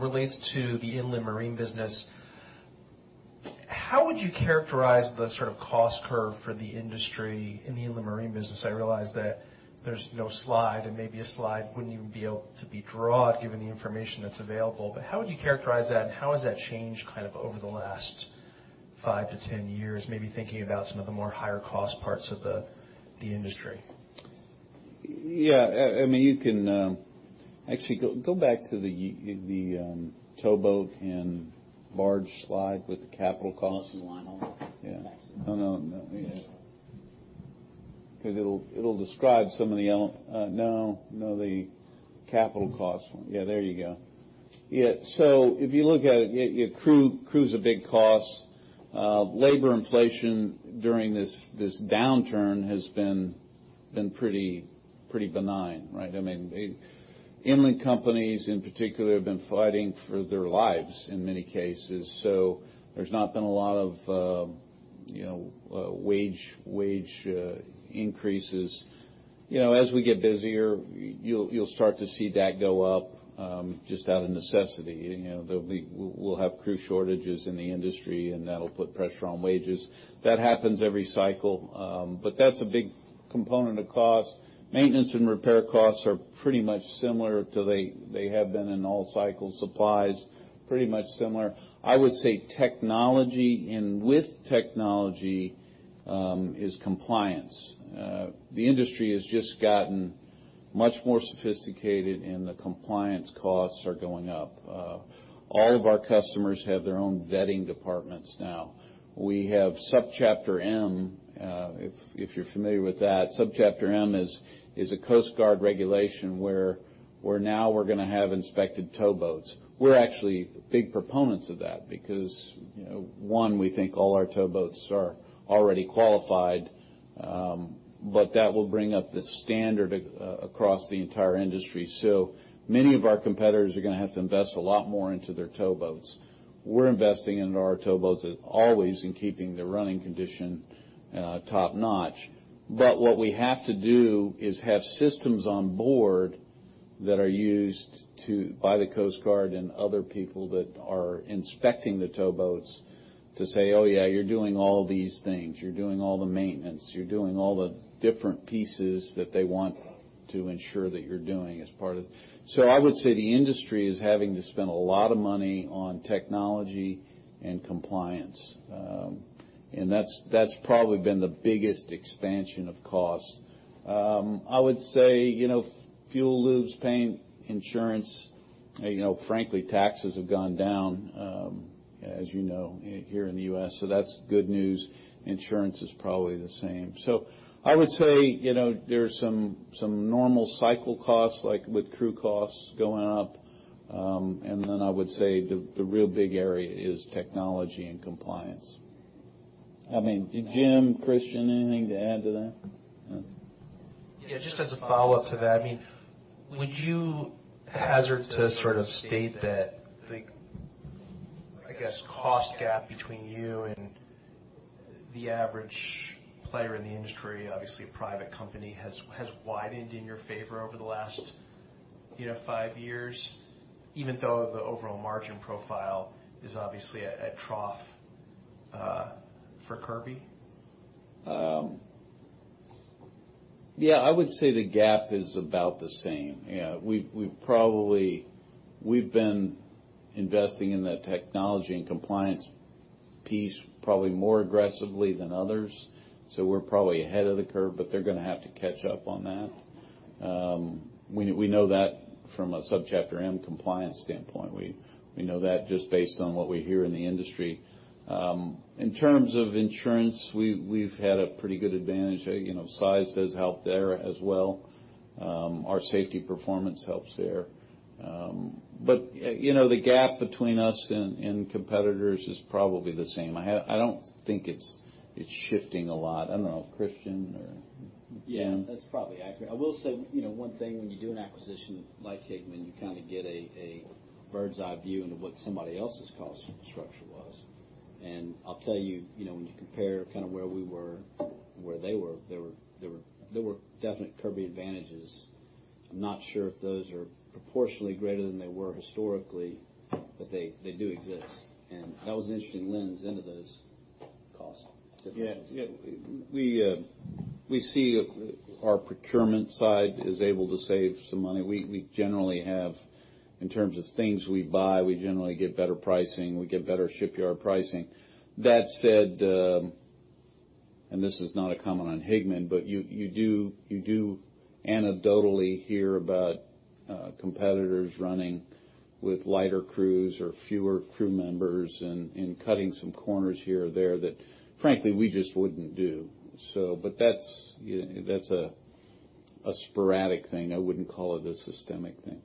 relates to the inland marine business. How would you characterize the sort of cost curve for the industry in the inland marine business? I realize that there's no slide, and maybe a slide wouldn't even be able to be drawn, given the information that's available. But how would you characterize that, and how has that changed kind of over the last five to ten years? Maybe thinking about some of the more higher-cost parts of the, the industry. Yeah, I mean, you can actually go back to the towboat and barge slide with the capital cost. The one with the line on it? Yeah. No, no, no. Yeah. Because it'll, it'll describe some of the el- no, no, the capital cost one. Yeah, there you go. Yeah, if you look at it, your crew, crew's a big cost. Labor inflation during this, this downturn has been, been pretty, pretty benign, right? I mean, the inland companies in particular have been fighting for their lives in many cases, so there's not been a lot of, you know, wage, wage increases. You know, as we get busier, you'll, you'll start to see that go up, just out of necessity. You know, there'll be- we'll, we'll have crew shortages in the industry, and that'll put pressure on wages. That happens every cycle, but that's a big component of cost. Maintenance and repair costs are pretty much similar to they have been in all cycle supplies, pretty much similar. I would say technology, and with technology, is compliance. The industry has just gotten much more sophisticated, and the compliance costs are going up. All of our customers have their own vetting departments now. We have Subchapter M, if you're familiar with that. Subchapter M is a Coast Guard regulation, where now we're gonna have inspected towboats. We're actually big proponents of that because, you know, one, we think all our towboats are already qualified, but that will bring up the standard across the entire industry. So many of our competitors are gonna have to invest a lot more into their towboats. We're investing into our towboats as always in keeping the running condition, top-notch. But what we have to do is have systems on board that are used by the Coast Guard and other people that are inspecting the towboats to say, "Oh, yeah, you're doing all these things. You're doing all the maintenance. You're doing all the different pieces that they want to ensure that you're doing as part of " So I would say the industry is having to spend a lot of money on technology and compliance. And that's, that's probably been the biggest expansion of cost. I would say, you know, fuel, lubes, paying insurance, you know, frankly, taxes have gone down, as you know, here in the U.S., so that's good news. Insurance is probably the same. So I would say, you know, there are some normal cycle costs, like with crew costs going up, and then I would say the real big area is technology and compliance. I mean, Jim, Christian, anything to add to that? No. Yeah, just as a follow-up to that, I mean, would you hazard to sort of state that the, I guess, cost gap between you and the average player in the industry, obviously, a private company, has widened in your favor over the last, you know, five years, even though the overall margin profile is obviously at trough for Kirby? Yeah, I would say the gap is about the same. Yeah, we've probably—we've been investing in that technology and compliance piece probably more aggressively than others, so we're probably ahead of the curve, but they're gonna have to catch up on that. We know that from a Subchapter M compliance standpoint. We know that just based on what we hear in the industry. In terms of insurance, we've had a pretty good advantage there. You know, size does help there as well. Our safety performance helps there. But, you know, the gap between us and competitors is probably the same. I don't think it's shifting a lot. I don't know, Christian or Jim? Yeah, that's probably accurate. I will say, you know, one thing, when you do an acquisition like Higman, you kind of get a bird's eye view into what somebody else's cost structure was. I'll tell you, you know, when you compare kind of where we were and where they were, there were definite Kirby advantages. I'm not sure if those are proportionally greater than they were historically, but they do exist, and that was an interesting lens into those cost differences. Yeah. Yeah, we see our procurement side is able to save some money. We generally have, In terms of things we buy, we generally get better pricing. We get better shipyard pricing. That said, and this is not a comment on Higman, but you do anecdotally hear about competitors running with lighter crews or fewer crew members and cutting some corners here or there that, frankly, we just wouldn't do. So but that's, you know, that's a sporadic thing. I wouldn't call it a systemic thing.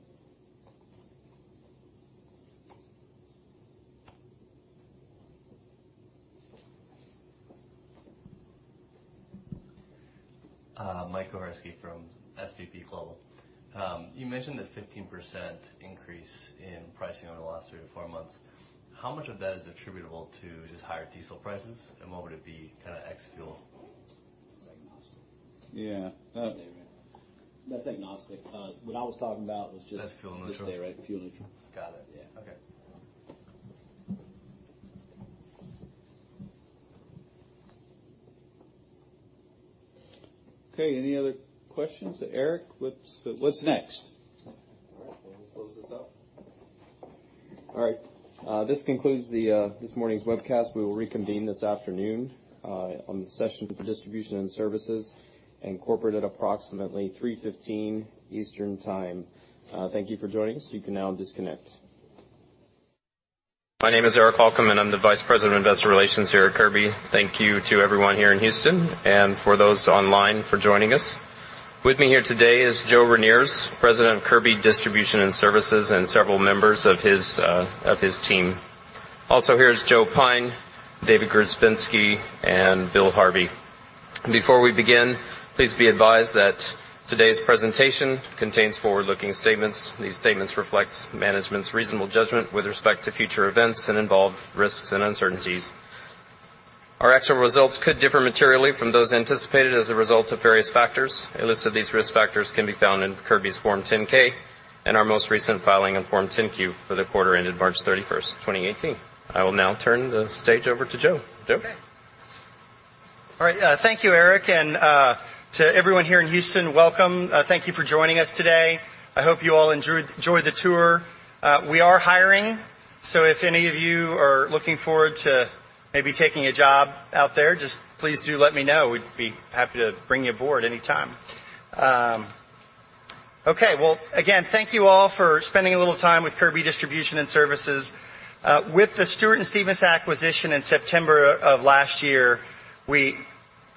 Mike Koharski from SVPGlobal. You mentioned the 15% increase in pricing over the last 3-4 months. How much of that is attributable to just higher diesel prices, and what would it be kind of ex-fuel? That's agnostic. What I was talking about was just- That's fuel neutral. Just direct fuel neutral. Got it. Yeah. Okay. Okay, any other questions? Eric, what's, what's next? All right, then we'll close this out. All right, this concludes this morning's webcast. We will reconvene this afternoon on the session for Distribution and Services and corporate at approximately 3:15 P.M. Eastern Time. Thank you for joining us. You can now disconnect. My name is Eric Holcomb, and I'm the Vice President of Investor Relations here at Kirby. Thank you to everyone here in Houston and for those online for joining us. With me here today is Joe Reniers, President of Kirby Distribution and Services, and several members of his team Also here is Joe Pyne, David Grzebinski, and Bill Harvey. Before we begin, please be advised that today's presentation contains forward-looking statements. These statements reflect management's reasonable judgment with respect to future events and involve risks and uncertainties. Our actual results could differ materially from those anticipated as a result of various factors. A list of these risk factors can be found in Kirby's Form 10-K and our most recent filing on Form 10-Q for the quarter ended March 31, 2018. I will now turn the stage over to Joe. Joe? Okay. All right, thank you, Eric, and to everyone here in Houston, welcome. Thank you for joining us today. I hope you all enjoyed, enjoyed the tour. We are hiring, so if any of you are looking forward to maybe taking a job out there, just please do let me know. We'd be happy to bring you aboard anytime. Okay. Well, again, thank you all for spending a little time with Kirby Distribution and Services. With the Stewart & Stevenson acquisition in September of last year, we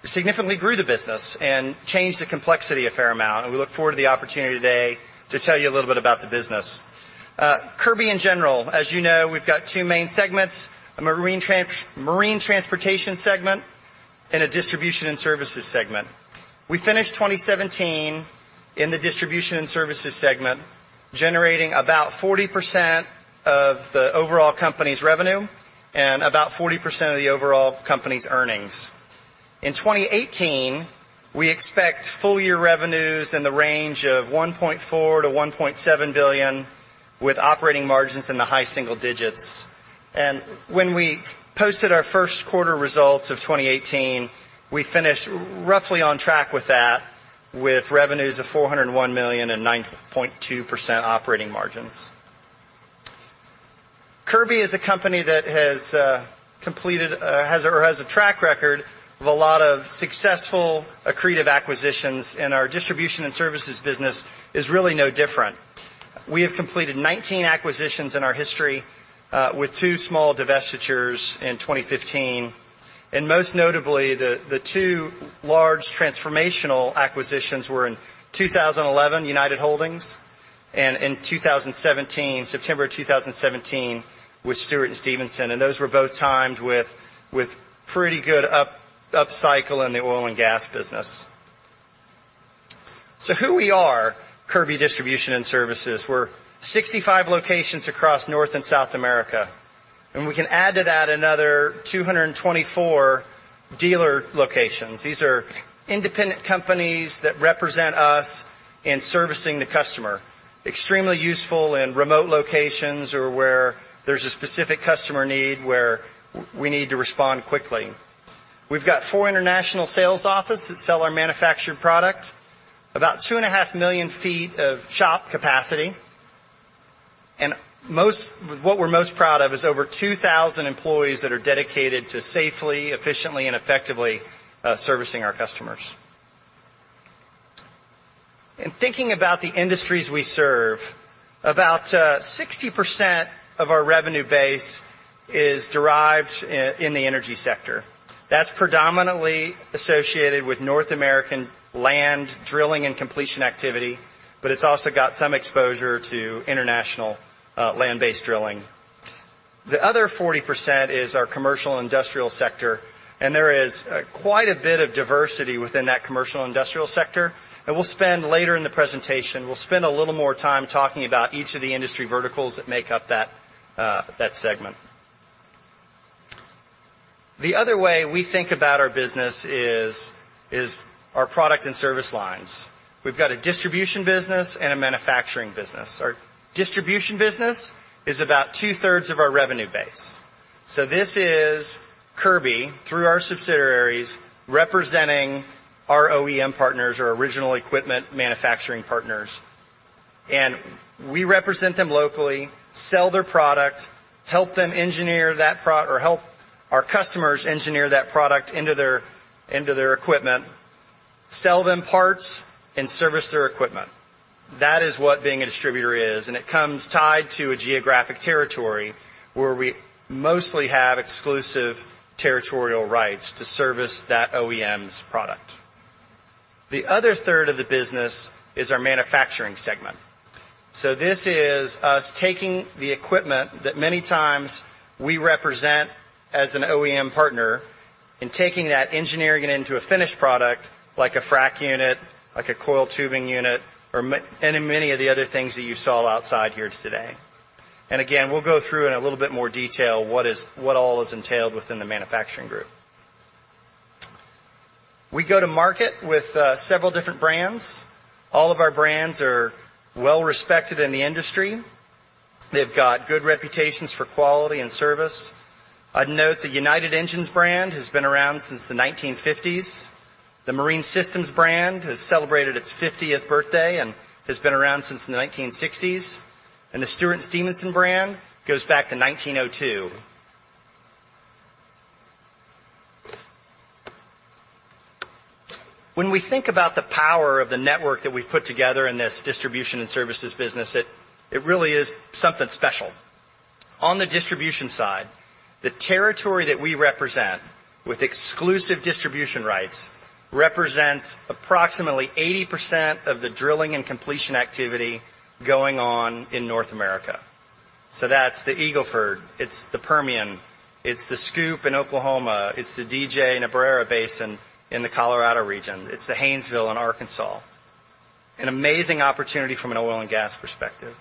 significantly grew the business and changed the complexity a fair amount, and we look forward to the opportunity today to tell you a little bit about the business. Kirby, in general, as you know, we've got two main segments: a marine transportation segment and a distribution and services segment.e finished 2017 in the distribution and services segment, generating about 40% of the overall company's revenue and about 40% of the overall company's earnings. In 2018, we expect full year revenues in the range of $1.4 billion-$1.7 billion, with operating margins in the high single digits. And when we posted our first quarter results of 2018, we finished roughly on track with that, with revenues of $401 million and 9.2% operating margins. Kirby is a company that has completed, has or has a track record of a lot of successful accretive acquisitions, and our distribution and services business is really no different. We have completed 19 acquisitions in our history, with 2 small divestitures in 2015, and most notably, the two large transformational acquisitions were in 2011, United Holdings, and in 2017, September 2017, with Stewart & Stevenson. Those were both timed with pretty good upcycle in the oil and gas business. So who we are, Kirby Distribution and Services. We're 65 locations across North and South America, and we can add to that another 224 dealer locations. These are independent companies that represent us in servicing the customer. Extremely useful in remote locations or where there's a specific customer need, where we need to respond quickly. We've got 4 international sales offices that sell our manufactured products, about 2.5 million feet of shop capacity, and most. What we're most proud of is over 2,000 employees that are dedicated to safely, efficiently, and effectively servicing our customers. Thinking about the industries we serve, about 60% of our revenue base is derived in the energy sector. That's predominantly associated with North American land drilling and completion activity, but it's also got some exposure to international land-based drilling. The other 40% is our commercial industrial sector, and there is quite a bit of diversity within that commercial industrial sector. We'll spend later in the presentation. We'll spend a little more time talking about each of the industry verticals that make up that segment. The other way we think about our business is our product and service lines. We've got a distribution business and a manufacturing business. Our distribution business is about two-thirds of our revenue base. So this is Kirby, through our subsidiaries, representing our OEM partners, our original equipment manufacturing partners. And we represent them locally, sell their product, help them engineer that product or help our customers engineer that product into their equipment, sell them parts, and service their equipment. That is what being a distributor is, and it comes tied to a geographic territory where we mostly have exclusive territorial rights to service that OEM's product. The other third of the business is our manufacturing segment. So this is us taking the equipment that many times we represent as an OEM partner, and taking that, engineering it into a finished product, like a frac unit, like a coiled tubing unit, or many of the other things that you saw outside here today. Again, we'll go through in a little bit more detail what all is entailed within the manufacturing group. We go to market with several different brands. All of our brands are well-respected in the industry. They've got good reputations for quality and service. I'd note the United Engines brand has been around since the 1950s. The Marine Systems brand has celebrated its 50th birthday and has been around since the 1960s, and the Stewart & Stevenson brand goes back to 1902.When we think about the power of the network that we've put together in this distribution and services business, it, it really is something special. On the distribution side, territory that we represent, with exclusive distribution rights, represents approximately 80% of the drilling and completion activity going on in North America. So that's the Eagle Ford, it's the Permian, it's the SCOOP in Oklahoma, it's the DJ Niobrara Basin in the Colorado region. It's the Haynesville in Arkansas. An amazing opportunity from an oil and gas perspective.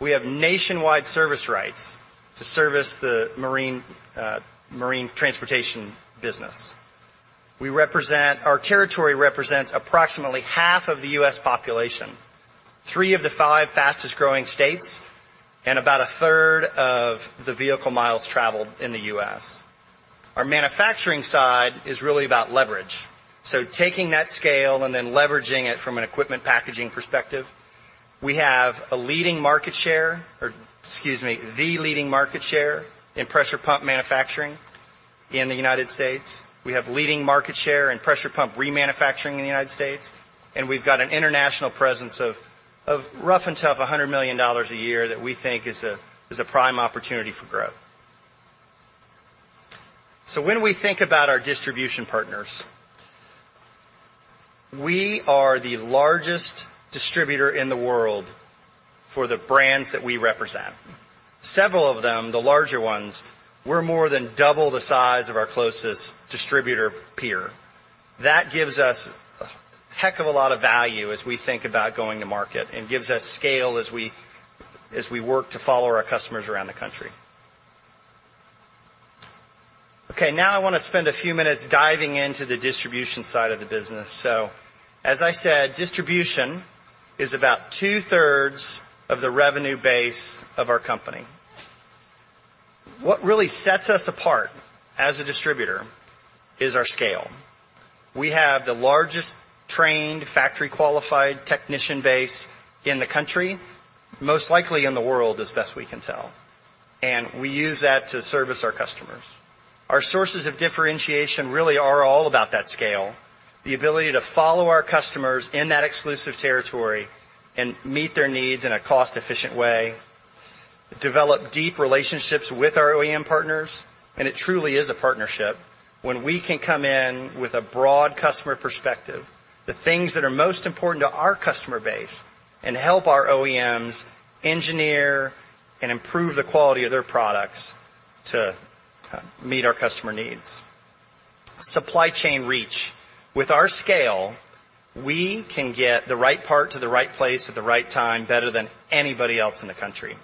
We have nationwide service rights to service the marine, marine transportation business. We represent. Our territory represents approximately half of the U.S. population, 3 of the 5 fastest growing states, and about a third of the vehicle miles traveled in the U.S.. Our manufacturing side is really about leverage, so taking that scale and then leveraging it from an equipment packaging perspective. We have a leading market share, or excuse me, the leading market share in pressure pump manufacturing in the United States. We have leading market share in pressure pump remanufacturing in the United States, and we've got an international presence of roughly $100 million a year that we think is a prime opportunity for growth. So when we think about our distribution partners, we are the largest distributor in the world for the brands that we represent. Several of them, the larger ones, we're more than double the size of our closest distributor peer. That gives us a heck of a lot of value as we think about going to market and gives us scale as we, as we work to follow our customers around the country. Okay, now I wanna spend a few minutes diving into the distribution side of the business. So as I said, distribution is about two-thirds of the revenue base of our company. What really sets us apart as a distributor is our scale. We have the largest trained, factory-qualified technician base in the country, most likely in the world, as best we can tell, and we use that to service our customers. Our sources of differentiation really are all about that scale, the ability to follow our customers in that exclusive territory and meet their needs in a cost-efficient way, develop deep relationships with our OEM partners, and it truly is a partnership when we can come in with a broad customer perspective, the things that are most important to our customer base, and help our OEMs engineer and improve the quality of their products to meet our customer needs. Supply chain reach. With our scale, we can get the right part to the right place at the right time, better than anybody else in the country.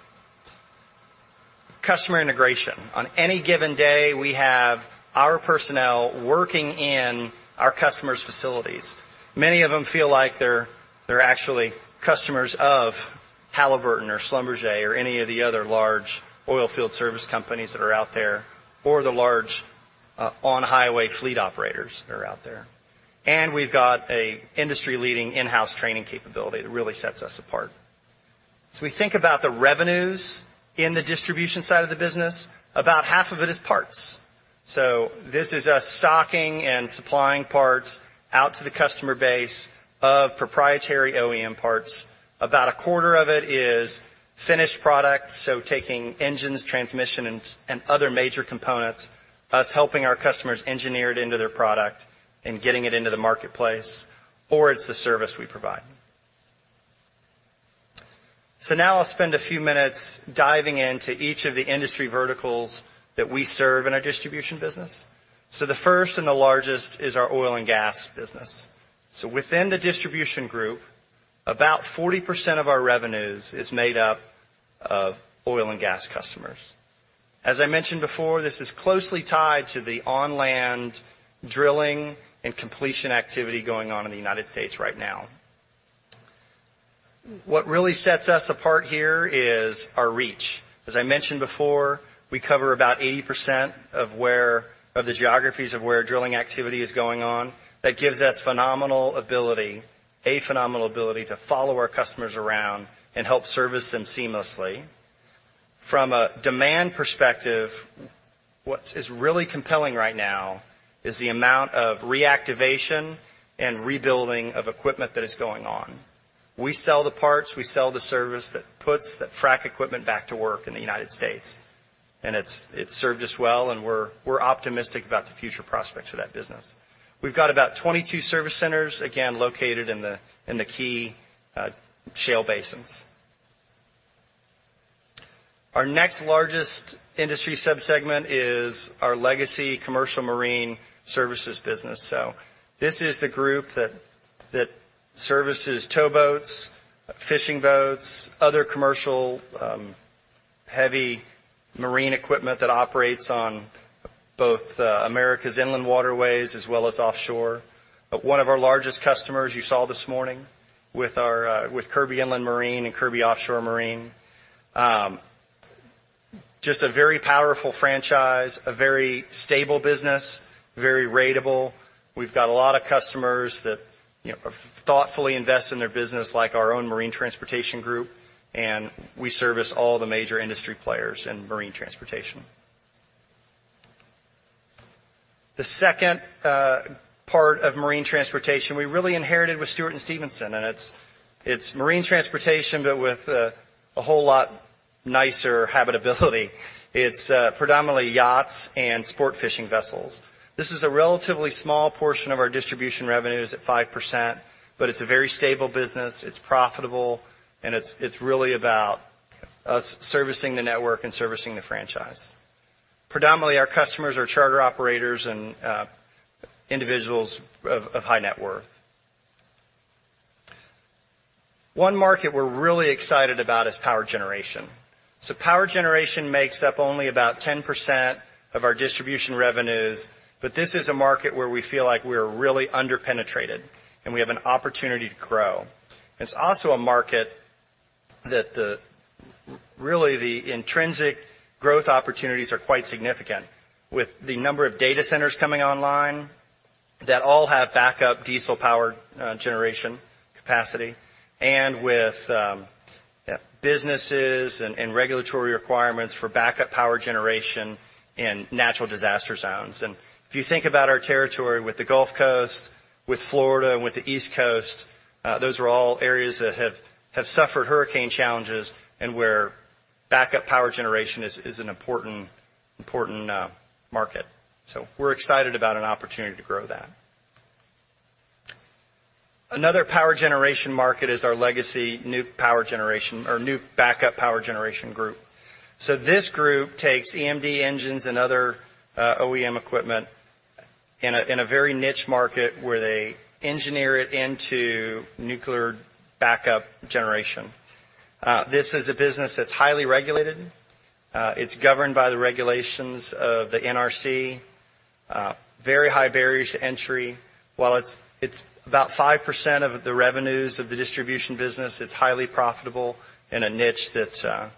Customer integration. On any given day, we have our personnel working in our customers' facilities. Many of them feel like they're, they're actually customers of Halliburton or Schlumberger or any of the other large oil field service companies that are out there, or the large on-highway fleet operators that are out there. And we've got an industry-leading in-house training capability that really sets us apart. So we think about the revenues in the distribution side of the business, about half of it is parts. So this is us stocking and supplying parts out to the customer base of proprietary OEM parts. About a quarter of it is finished product, so taking engines, transmission, and other major components, us helping our customers engineer it into their product and getting it into the marketplace, or it's the service we provide. So now I'll spend a few minutes diving into each of the industry verticals that we serve in our distribution business. So the first and the largest is our oil and gas business. Within the distribution group, about 40% of our revenues is made up of oil and gas customers. As I mentioned before, this is closely tied to the on-land drilling and completion activity going on in the United States right now. What really sets us apart here is our reach. As I mentioned before, we cover about 80% of the geographies where drilling activity is going on. That gives us phenomenal ability, a phenomenal ability to follow our customers around and help service them seamlessly. From a demand perspective, what is really compelling right now is the amount of reactivation and rebuilding of equipment that is goind Kirby Offshore Marine. Just a very powerful We've got a lot of customers that, you know, thoughtfully invest in their business, like our own marine transportation group, and we service all the major industry players in marine transportation. The second part of marine transportation, we really inherited with Stewart & Stevenson, and it's, it's marine transportation, but with a whole lot nicer habitability. It's predominantly yachts and sport fishing vessels. This is a relatively small portion of our distribution revenues at 5%, but it's a very stable business, it's profitable, and it's really about us servicing the network and servicing the franchise. Predominantly, our customers are charter operators and individuals of high net worth. One market we're really excited about is power generationSo power generation makes up only about 10% of our distribution revenues, but this is a market where we feel like we're really under-penetrated, and we have an opportunity to grow. It's also a market that really, the intrinsic growth opportunities are quite significant, with the number of data centers coming online that all have backup diesel power generation capacity and with businesses and regulatory requirements for backup power generation in natural disaster zones. And if you think about our territory with the Gulf Coast, with Florida, and with the East Coast, those are all areas that have suffered hurricane challenges and where backup power generation is an important market. So we're excited about an opportunity to grow that. Another power generation market is our legacy nuke power generation or nuke backup power generation group. So this group takes EMD engines and other, OEM equipment in a, in a very niche market where they engineer it into nuclear backup generation. This is a business that's highly regulated. It's governed by the regulations of the NRC, very high barriers to entry. While it's about 5% of the revenues of the distribution business, it's highly profitable in a niche that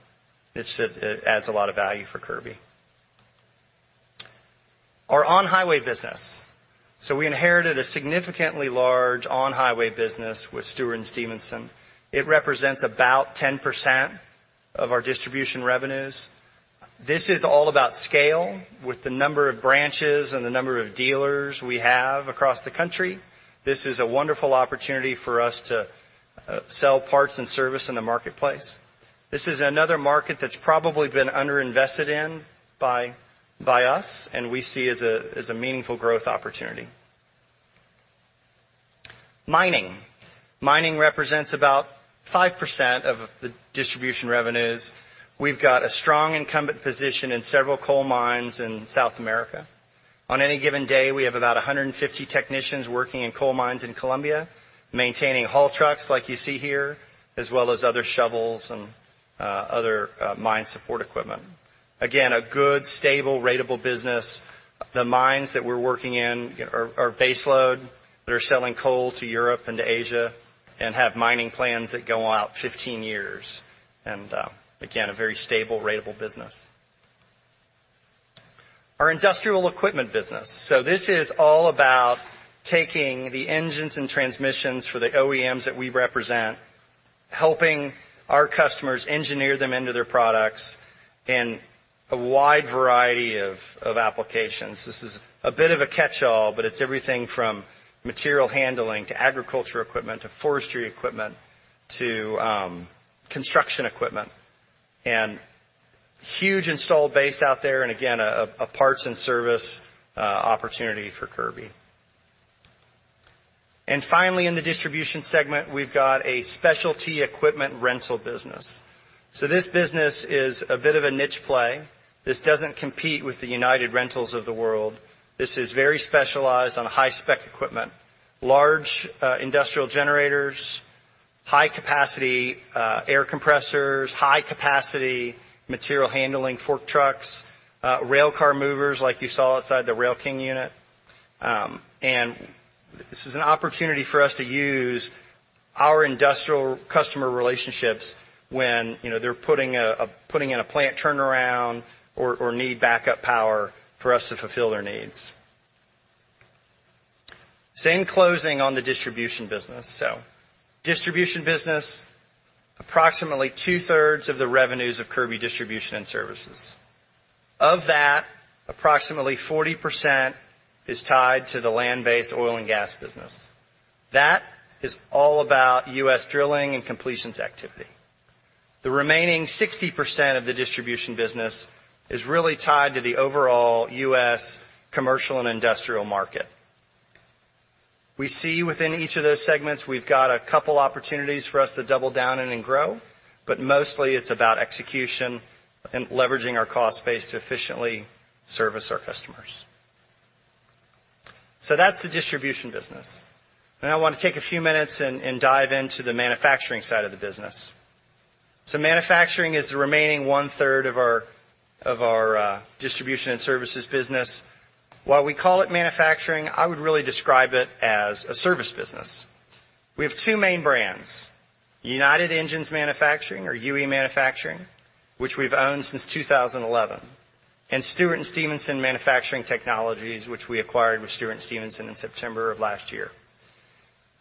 adds a lot of value for Kirby. Our on-highway business. So we inherited a significantly large on-highway business with Stewart & Stevenson. It represents about 10% of our distribution revenues. This is all about scale with the number of branches and the number of dealers we have across the country. This is a wonderful opportunity for us to sell parts and service in the marketplace. This is another market that's probably been underinvested in by, by us, and we see as a, as a meaningful growth opportunity. Mining. Mining represents about 5% of the distribution revenues. We've got a strong incumbent position in several coal mines in South America. On any given day, we have about 150 technicians working in coal mines in Colombia, maintaining haul trucks, like you see here, as well as other shovels and other mine support equipment. Again, a good, stable, ratable business. The mines that we're working in are, are baseload. They're selling coal to Europe and to Asia and have mining plans that go out 15 years, and again, a very stable, ratable business. Our industrial equipment business. So this is all about taking the engines and transmissions for the OEMs that we represent, helping our customers engineer them into their products in a wide variety of applications. This is a bit of a catch-all, but it's everything from material handling to agriculture equipment to forestry equipment to construction equipment, and huge installed base out there and again, a parts and service opportunity for Kirby. And finally, in the distribution segment, we've got a specialty equipment rental business. So this business is a bit of a niche play. This doesn't compete with the United Rentals of the world. This is very specialized on high-spec equipment, large industrial generators, high capacity air compressors, high capacity material handling fork trucks, railcar movers, like you saw outside the Rail King unit. And this is an opportunity for us to use our industrial customer relationships when, you know, they're putting in a plant turnaround or need backup power for us to fulfill their needs. So in closing on the distribution business, so distribution business, approximately two-thirds of the revenues of Kirby Distribution and Services.Of that, approximately 40% is tied to the land-based oil and gas business. That is all about US drilling and completions activity. The remaining 60% of the distribution business is really tied to the overall US commercial and industrial market. We see within each of those segments, we've got a couple opportunities for us to double down in and grow, but mostly it's about execution and leveraging our cost base to efficiently service our customers. So that's the distribution business. Now I want to take a few minutes and, and dive into the manufacturing side of the business. So manufacturing is the remaining one-third of our, of our, distribution and services business. While we call it manufacturing, I would really describe it as a service business. We have two main brands, United Engines Manufacturing or UE Manufacturing, which we've owned since 2011, and Stewart & Stevenson Manufacturing Technologies, which we acquired with Stewart & Stevenson in September of last year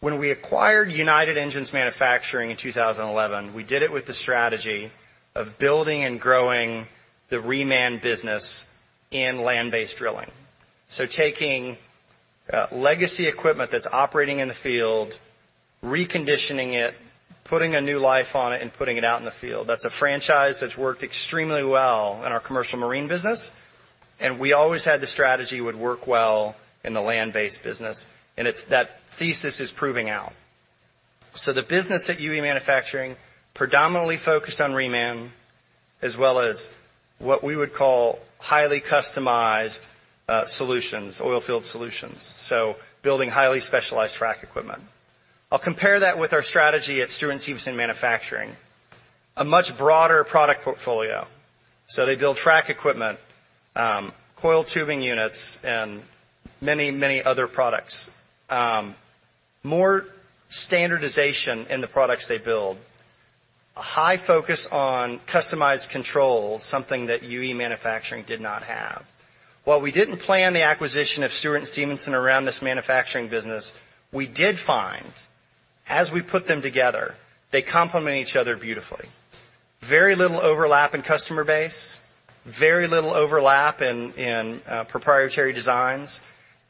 When we acquired United Engines Manufacturing in 2011, we did it with the strategy of building and growing the reman business in land-based drilling. So taking, legacy equipment that's operating in the field, reconditioning it, putting a new life on it, and putting it out in the field. That's a franchise that's worked extremely well in our commercial marine business, and we always had the strategy it would work well in the land-based business, and it's that thesis is proving out. So the business at UE Manufacturing predominantly focused on reman, as well as what we would call highly customized solutions, oil field solutions, so building highly specialized frac equipment. I'll compare that with our strategy at Stewart & Stevenson Manufacturing, a much broader product portfolio. So they build frac equipment, coiled tubing units, and many, many other products. More standardization in the products they build. A high focus on customized control, something that UE Manufacturing did not have. While we didn't plan the acquisition of Stewart & Stevenson around this manufacturing business, we did find, as we put them together, they complement each other beautifully. Very little overlap in customer base, very little overlap in proprietary designs,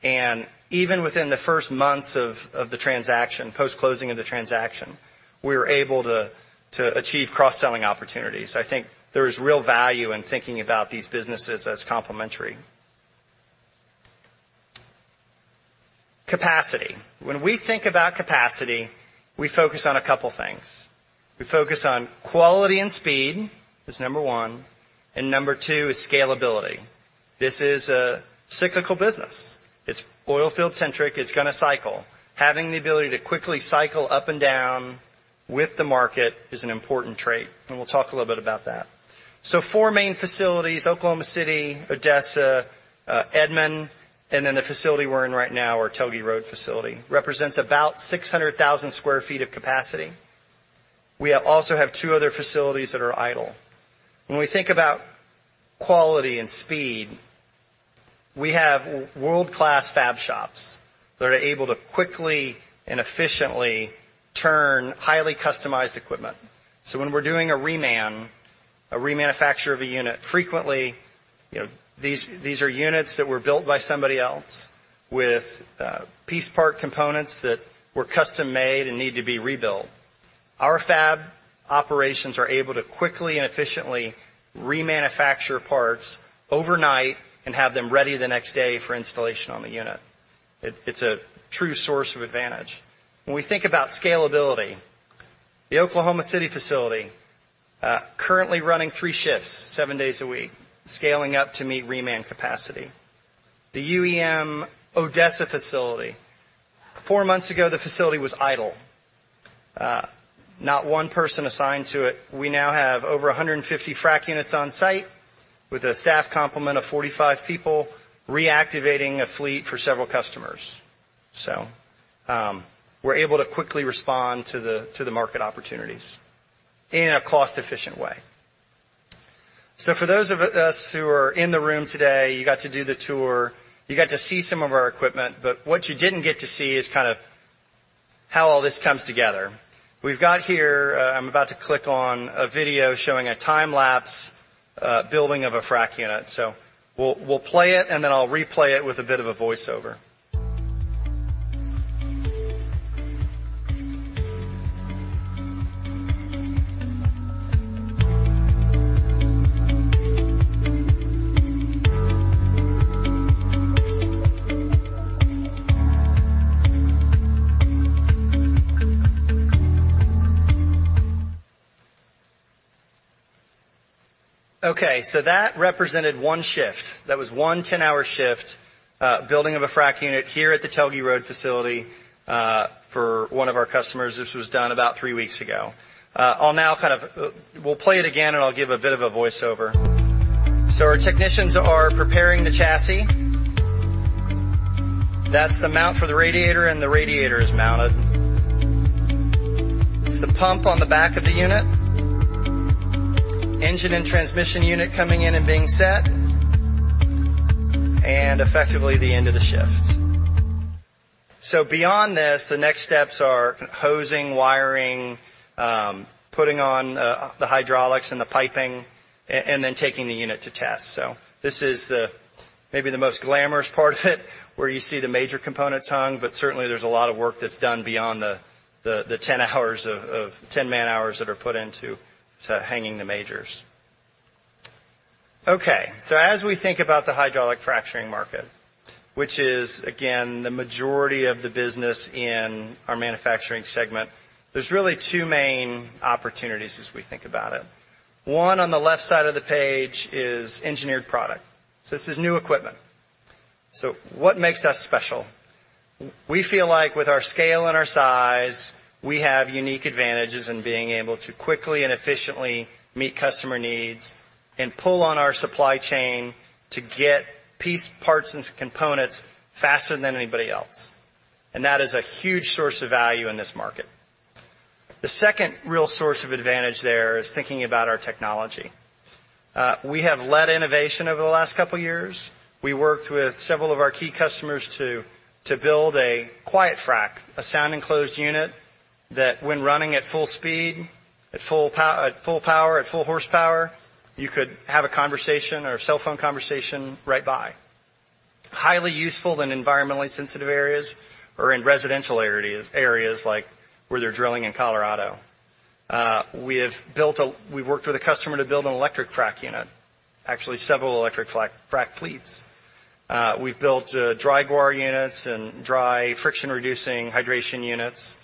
and even within the first month of the transaction, post-closing of the transaction, we were able to achieve cross-selling opportunities. I think there is real value in thinking about these businesses as complementary. Capacity. When we think about capacity, we focus on a couple things. We focus on quality and speed, is number one, and number two is scalability. This is a cyclical business. It's oil field centric. It's gonna cycle. Having the ability to quickly cycle up and down with the market is an important trait, and we'll talk a little bit about that. So 4 main facilities, Oklahoma City, Odessa, Edmond, and then the fcility we're in right now, our Telge Road facility, represents about 600,000 sq ft of capacity. We also have 2 other facilities that are idle. When we think about quality and speed, we have world-class fab shops that are able to quickly and efficiently turn highly customized equipment. So when we're doing a reman, a remanufacture of a unit, frequently, you know, these are units that were built by somebody else with piece part components that were custom made and need to be rebuilt. Our fab operations are able to quickly and efficiently remanufacture parts overnight and have them ready the next day for installation on the unit. It's a true source of advantage. When we think about scalability, the Oklahoma City facility currently running three shifts, seven days a week, scaling up to meet reman capacity. The UEM Odessa facility, four months ago, the facility was idle, not one person assigned to it. We now have over 150 frac units on site with a staff complement of 45 people, reactivating a fleet for several customers. So, we're able to quickly respond to the market opportunities in a cost-efficient way. So for those of us who are in the room today, you got to do the tour, you got to see some of our equipment, but what you didn't get to see is kind of how all this comes together. We've got here, I'm about to click on a video showing a time-lapse building of a frac unit. So we'll play it, and then I'll replay it with a bit of a voiceover. Okay, so that represented one shift. That was one 10-hour shift building of a frac unit here at the Telge Road facility for one of our customers. This was done about three weeks ago. I'll now kind of, we'll play it again, and I'll give a bit of a voiceover. So our technicians are preparing the chassis. That's the mount for the radiator, and the radiator is mounted. It's the pump on the back of the unit. Engine and transmission unit coming in and being set, and effectively, the end of the shift. So beyond this, the next steps are hosing, wiring, putting on the hydraulics and the piping, and then taking the unit to test. So this is maybe the most glamorous part of it, where you see the major components hung, but certainly, there's a lot of work that's done beyond the 10 hours of 10 man-hours that are put into hanging the majors. Okay, so as we think about the hydraulic fracturing market, which is, again, the majority of the business in our manufacturing segment, there's really two main opportunities as we think about it. One, on the left side of the page, is engineered product. So this is new equipment. So what makes us special? We feel like with our scale and our size, we have unique advantages in being able to quickly and efficiently meet customer needs and pull on our supply chain to get piece parts, and components faster than anybody else, and that is a huge source of value in this market. Second real source of advantage there is thinking about our technology. We have led innovation over the last couole of years. We worked with several of our key customers to build a quiet frac, a sound-enclosed unit, that when running at full speed, at full power, at full horsepower, you could have a conversation or a cell phone conversation right by. Highly useful in environmentally sensitive areas or in residential areas, areas like where they're drilling in Colorado. We have built a we've worked with a customer to build an electric frac unit, actually, several electric frac fleets. We've built dry guar units and dry friction-reducing hydration units.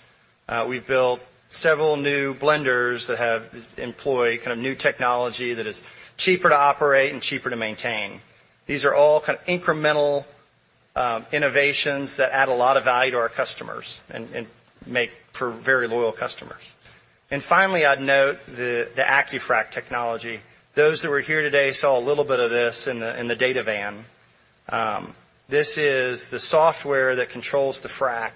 We've built several new blenders that employ kind of new technology that is cheaper to operate and cheaper to maintain. These are all kind of incremental innovations that add a lot of value to our customers and make for very loyal customers. And finally, I'd note the AccuFrac technology. Those who were here today saw a little bit of this in the, in the data van. This is the software that controls the frac.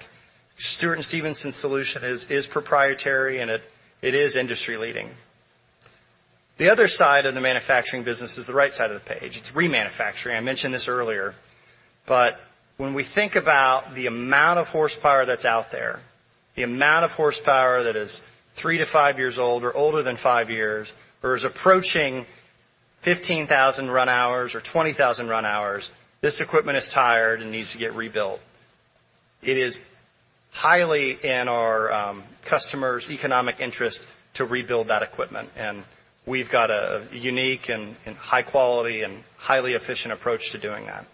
Stewart & Stevenson's solution is, is proprietary, and it, it is industry-leading. The other side of the manufacturing business is the right side of the page. It's remanufacturing. I mentioned this earlier, but when we think about the amount of horsepower that's out there, the amount of horsepower that is three to five years old or older than five years, or is approaching 15,000 run hours or 20,000 run hours, this equipment is tired and needs to get rebuilt. It is highly in our customers' economic interest to rebuild that equipment, and we've got a unique and, and high quality and highly efficient approach to doing that.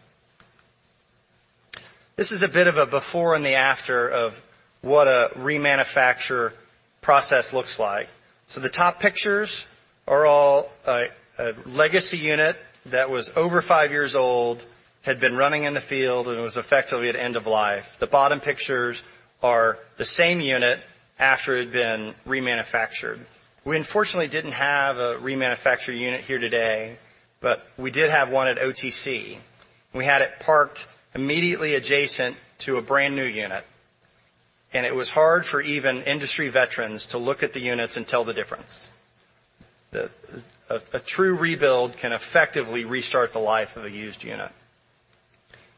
This is a bit of a before and after of what a remanufacture process looks like. So the top pictures are all a legacy unit that was over 5 years old, had been running in the field, and was effectively at end of life. The bottom pictures are the same unit after it had been remanufactured. We unfortunately didn't have a remanufactured unit here today, but we did have one at OTC. We had it parked immediately adjacent to a brand-new unit, and it was hard for even industry veterans to look at the units and tell the difference. A true rebuild can effectively restart the life of a used unit.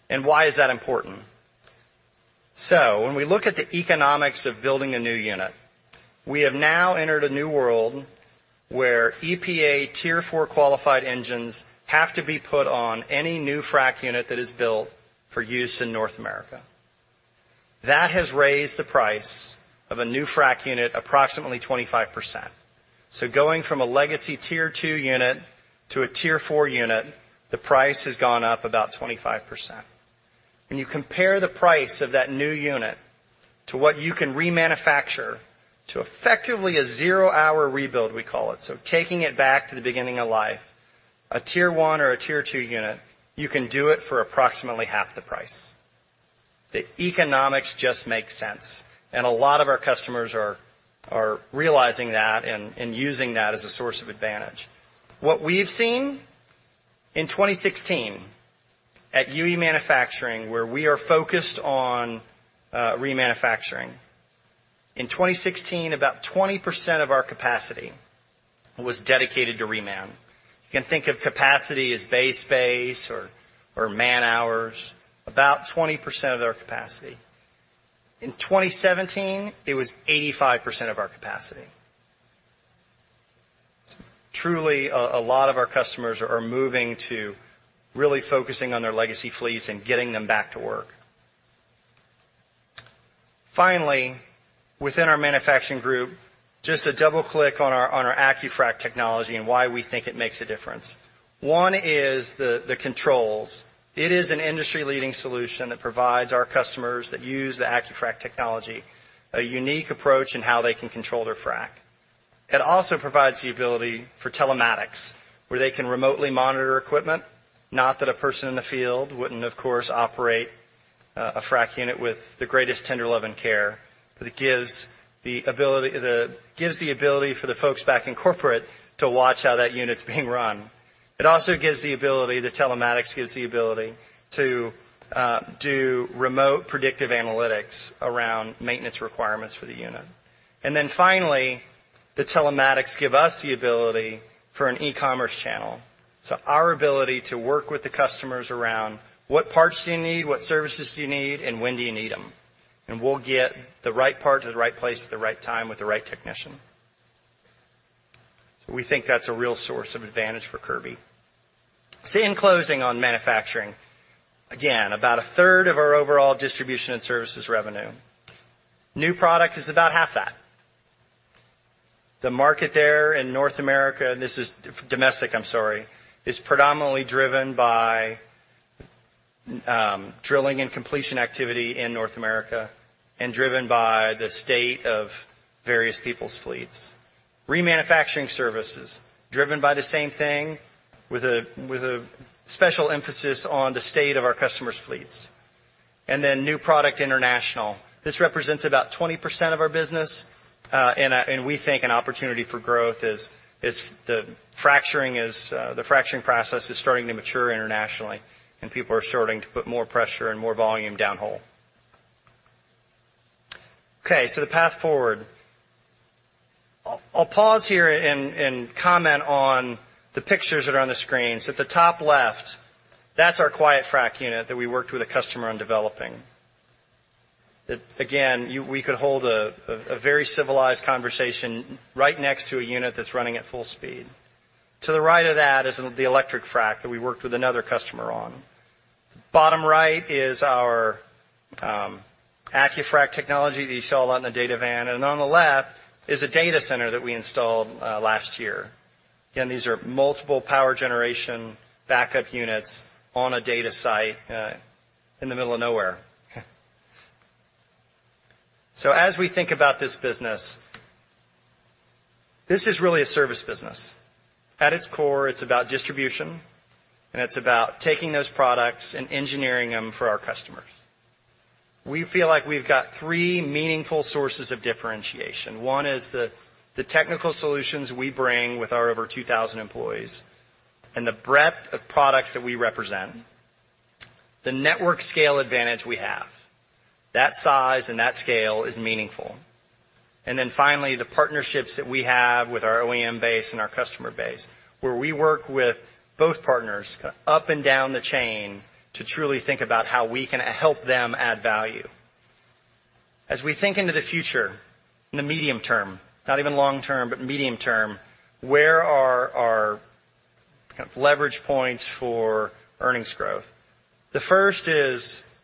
And why is that important? So when we look at the economics of building a new unit, we have now entered a new world where EPA Tier 4 qualified engines have to be put on any new frac unit that is built for use in North America. That has raised the price of a new frac unit approximately 25%. So going from a legacy Tier 2 unit to a Tier 4 unit, the price has gone up about 25%. When you compare the price of that new unit to what you can remanufacture to effectively a zero-hour rebuild, we call it, so taking it back to the beginning of life, a Tier 1 or a Tier 2 unit, you can do it for approximately half the price. The economics just make sense, and a lot of our customers are realizing that and using that as a source of advantage. What we've seen in 2016 at UE Manufacturing, where we are focused on remanufacturing, in 2016, about 20% of our capacity was dedicated to reman. You can think of capacity as bay space or man-hours, about 20% of our capacity. In 2017, it was 85% of our capacity. Truly, a lot of our customers are moving to really focusing on their legacy fleets and getting them back to work. Finally, within our manufacturing group, just to double-click on our AccuFrac technology and why we think it makes a difference. One is the controls. It is an industry-leading solution that provides our customers that use the AccuFrac technology, a unique approach in how they can control their frac. It also provides the ability for telematics, where they can remotely monitor equipment. Not that a person in the field wouldn't, of course, operate a frac unit with the greatest tender love and care, but it gives the ability, gives the ability for the folks back in corporate to watch how that unit's being run. It also gives the ability, the telematics gives the ability to do remote predictive analytics around maintenance requirements for the unit. And then finally, the telematics give us the ability for an e-commerce channel. So our ability to work with the customers around what parts do you need, what services do you need, and when do you need them? And we'll get the right part to the right place, at the right time, with the right technician. So we think that's a real source of advantage for Kirby. So in closing on manufacturing, again, about a third of our overall distribution and services revenue.ew is about half that. The market there in North America, this is domestic, I'm sorry, is predominantly driven by drilling and completion activity in North America and driven by the state of various people's fleets. Remanufacturing services, driven by the same thing, with a special emphasis on the state of our customers' fleets. And then new product international. This represents about 20% of our business, and we think an opportunity for growth is the fracturing process is starting to mature internationally, and people are starting to put more pressure and more volume down-hole. Okay, so the path forward. I'll pause here and comment on the pictures that are on the screen. So at the top left, that's our quiet frac unit that we worked with a customer on developing.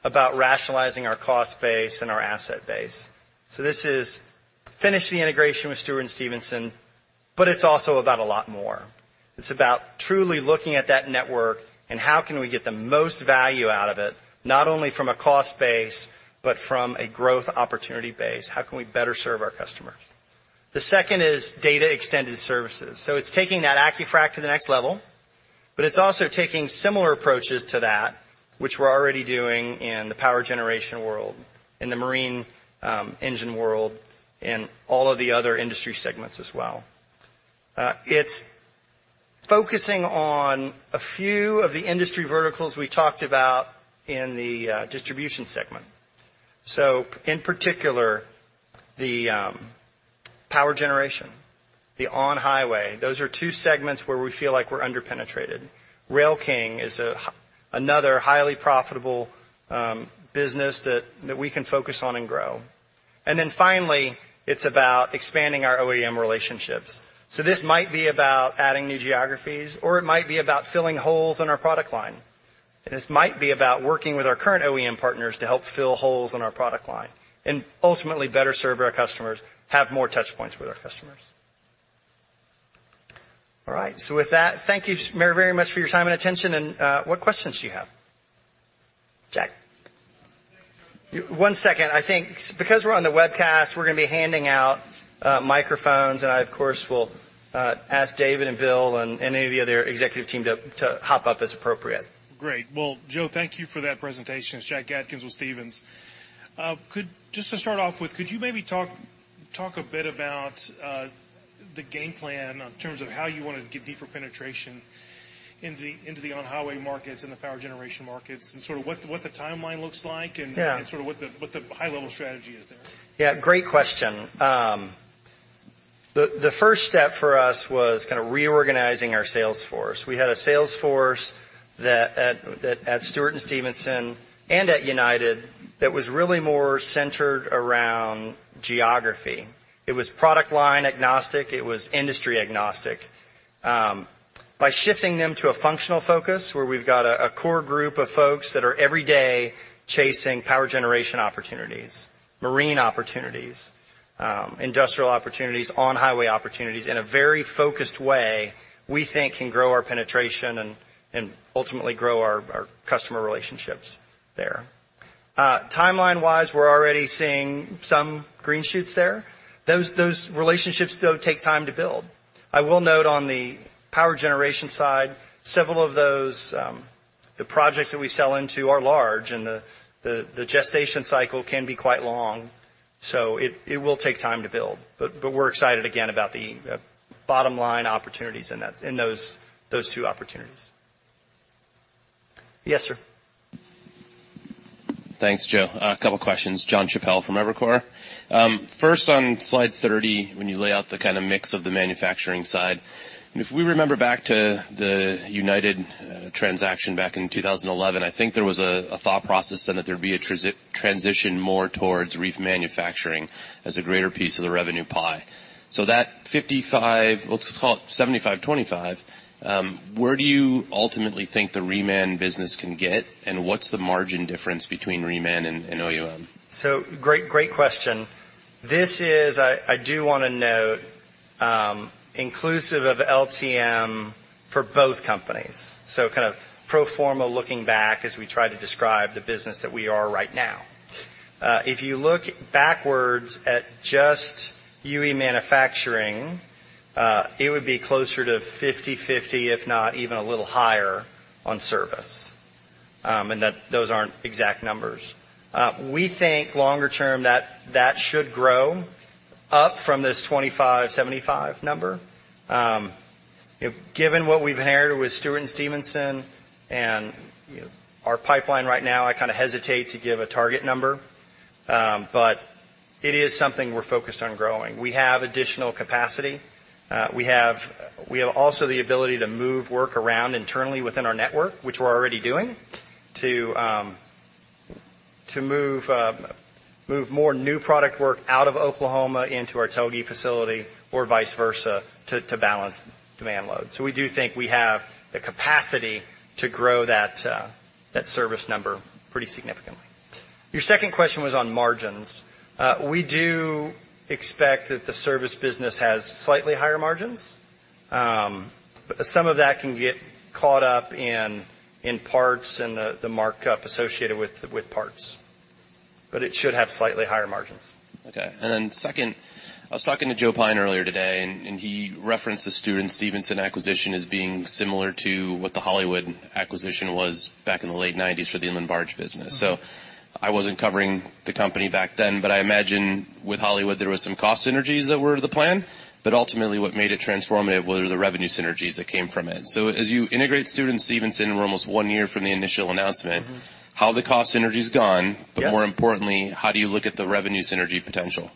eah. -hmm. .But more importantly, how do you look at the revenue synergy potential?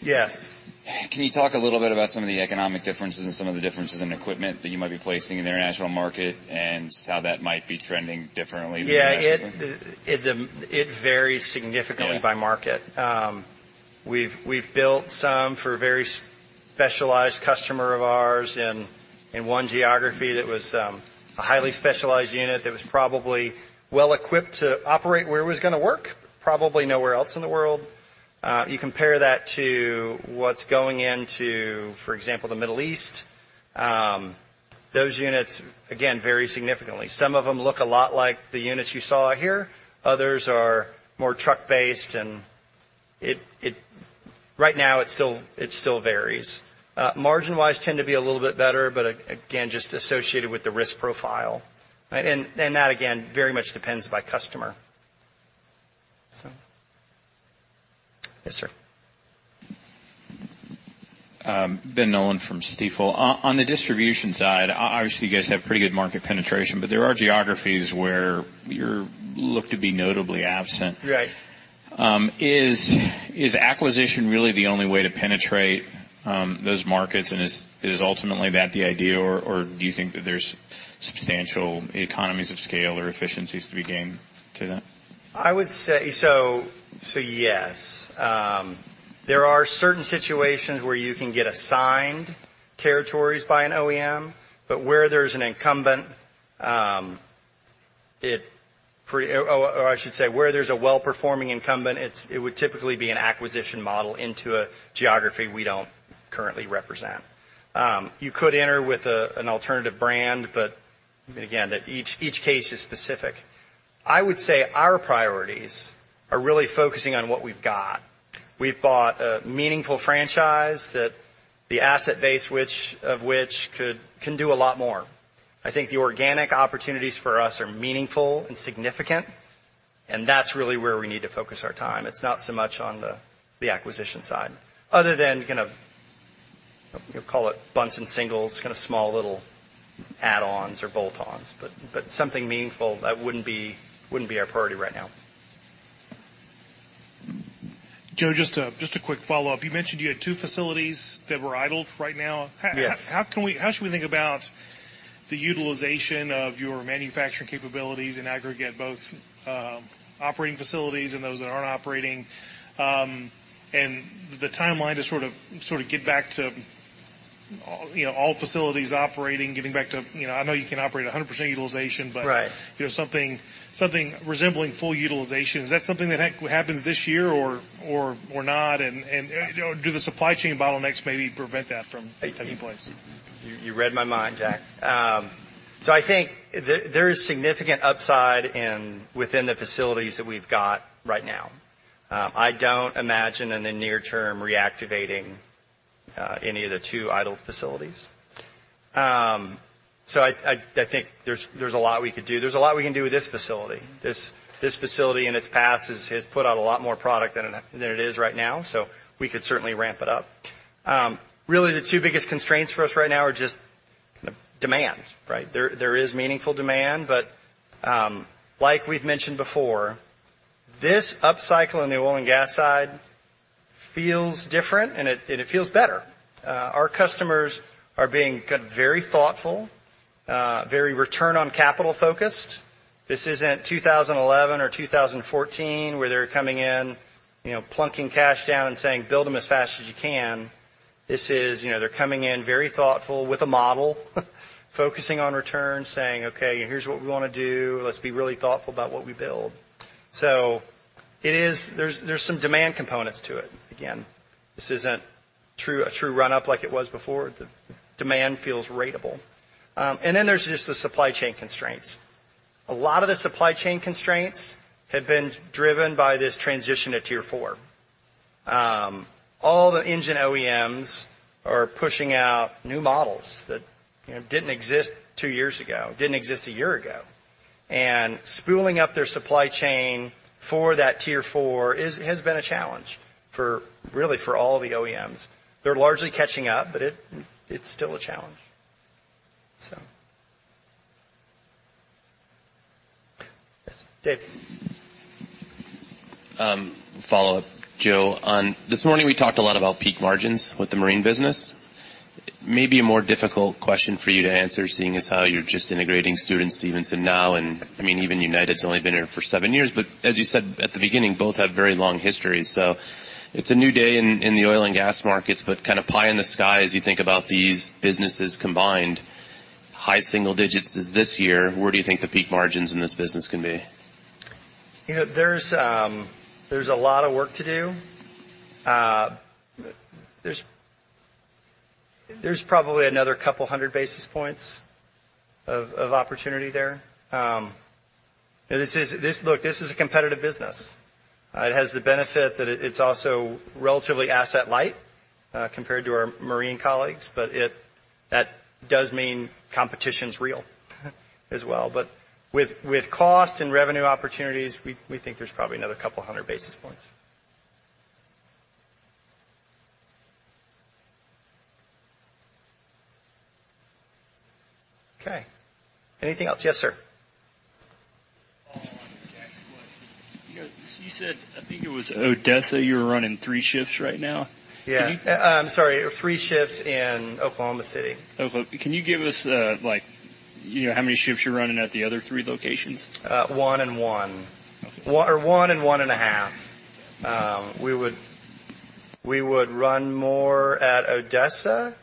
Yes. Can you talk a little bit about some of the economic differences and some of the differences in equipment that you might be placing in the international market, and how that might be trending differently than domestically? Yeah, it varies significantly- YeahBy market. We've built some for a very specialized customer of ours in one geography that was a highly specialized unit that was probably well equipped to operate where it was gonna work, probably nowhere else in the world. You compare that to what's going into, for example, the Middle East, those units, again, vary significantly. Some of them look a lot like the units you saw here, others are more truck-based, and it—right now, it still varies. Margin-wise, tend to be a little bit better, but again, just associated with the risk profile. And that, again, very much depends by customer. So, Yes, sir. Ben Nolan from Stifel. On the distribution side, obviously, you guys have pretty good market penetration, but there are geographies where you're looked to be notably absent. Right. Is acquisition really the only way to penetrate those markets? And is that ultimately the idea, or do you think that there's substantial economies of scale or efficiencies to be gained to that? I would say so, yes. There are certain situations where you can get assigned territories by an OEM, but where there's an incumbent, or I should say, where there's a well-performing incumbent, it would typically be an acquisition model into a geography we don't currently represent. You could enter with an alternative brand, but again, that each case is specific. I would say our priorities are really focusing on what we've got. We've bought a meaningful franchise that the asset base, which can do a lot more. I think the organic opportunities for us are meaningful and significant, and that's really where we need to focus our time. It's not so much on the acquisition side, other than, you know, call it bunts and singles, kind of small little add-ons or bolt-ons, but something meaningful, that wouldn't be our priority right now. Joe, just a quick follow-up. You mentioned you had two facilities that were idled right now. Yes. How can we—how should we think about the utilization of your manufacturing capabilities in aggregate, both operating facilities and those that aren't operating, and the timeline to sort of get back to, you know, all facilities operating, getting back to, you know, I know you can operate 100% utilization, but- Right. You know, something, something resembling full utilization. Is that something that happens this year or not? And you know, do the supply chain bottlenecks maybe prevent that from taking place? You read my mind, Jack. So I think there is significant upside within the facilities that we've got right now. I don't imagine in the near term reactivating any of the two idle facilities. So I think there's a lot we could do. There's a lot we can do with this facility. This facility in its past has put out a lot more product than it is right now, so we could certainly ramp it up. Really, the two biggest constraints for us right now are just kind of demand, right? There is meaningful demand, but like we've mentioned before, this upcycle in the oil and gas side feels different, and it feels better. Our customers are being very thoughtful, very return on capital focused. This isn't 2011 or 2014, where they're coming in, you know, plunking cash down and saying, "Build them as fast as you can." This is, you know, they're coming in very thoughtful with a model, focusing on returns, saying, "Okay, here's what we wanna do. Let's be really thoughtful about what we build." So it is. There's, there's some demand components to it. Again, this isn't true, a true run-up like it was before. The demand feels ratable. And then there's just the supply chain constraints. A lot of the supply chain constraints have been driven by this transition to Tier 4. All the engine OEMs are pushing out new models that, you know, didn't exist two years ago, didn't exist a year ago, and spooling up their supply chain for that Tier 4 has been a challenge for, really, for all the OEMs. They're largely catching up, but it, it's still a challenge. Yes, Dave? Follow-up, Joe. On this morning, we talked a lot about peak margins with the marine business. Maybe a more difficult question for you to answer, seeing as how you're just integrating Stewart & Stevenson now, and, I mean, even United's only been here for seven years. But as you said at the beginning, both have very long histories. So it's a new day in, in the oil and gas markets, but kind of pie in the sky as you think about these businesses combined. High single digits is this year, where do you think the peak margins in this business can be? You know, there's a lot of work to do. There's probably another couple hundred basis points of opportunity there. Look, this is a competitive business. It has the benefit that it, it's also relatively asset light, compared to our marine colleagues, but it, that does mean competition's real as well. But with cost and revenue opportunities, we think there's probably another couple hundred basis points. Okay. Anything else? Yes, sir. On the next one. You know, you said, I think it was Odessa, you're running three shifts right now? Yeah. Can you- I'm sorry, three shifts in Oklahoma City. Can you give us the, like, you know, how many shifts you're running at the other three locations? 1 and 1. Okay. 1 or 1.5. We would run more at Odessa,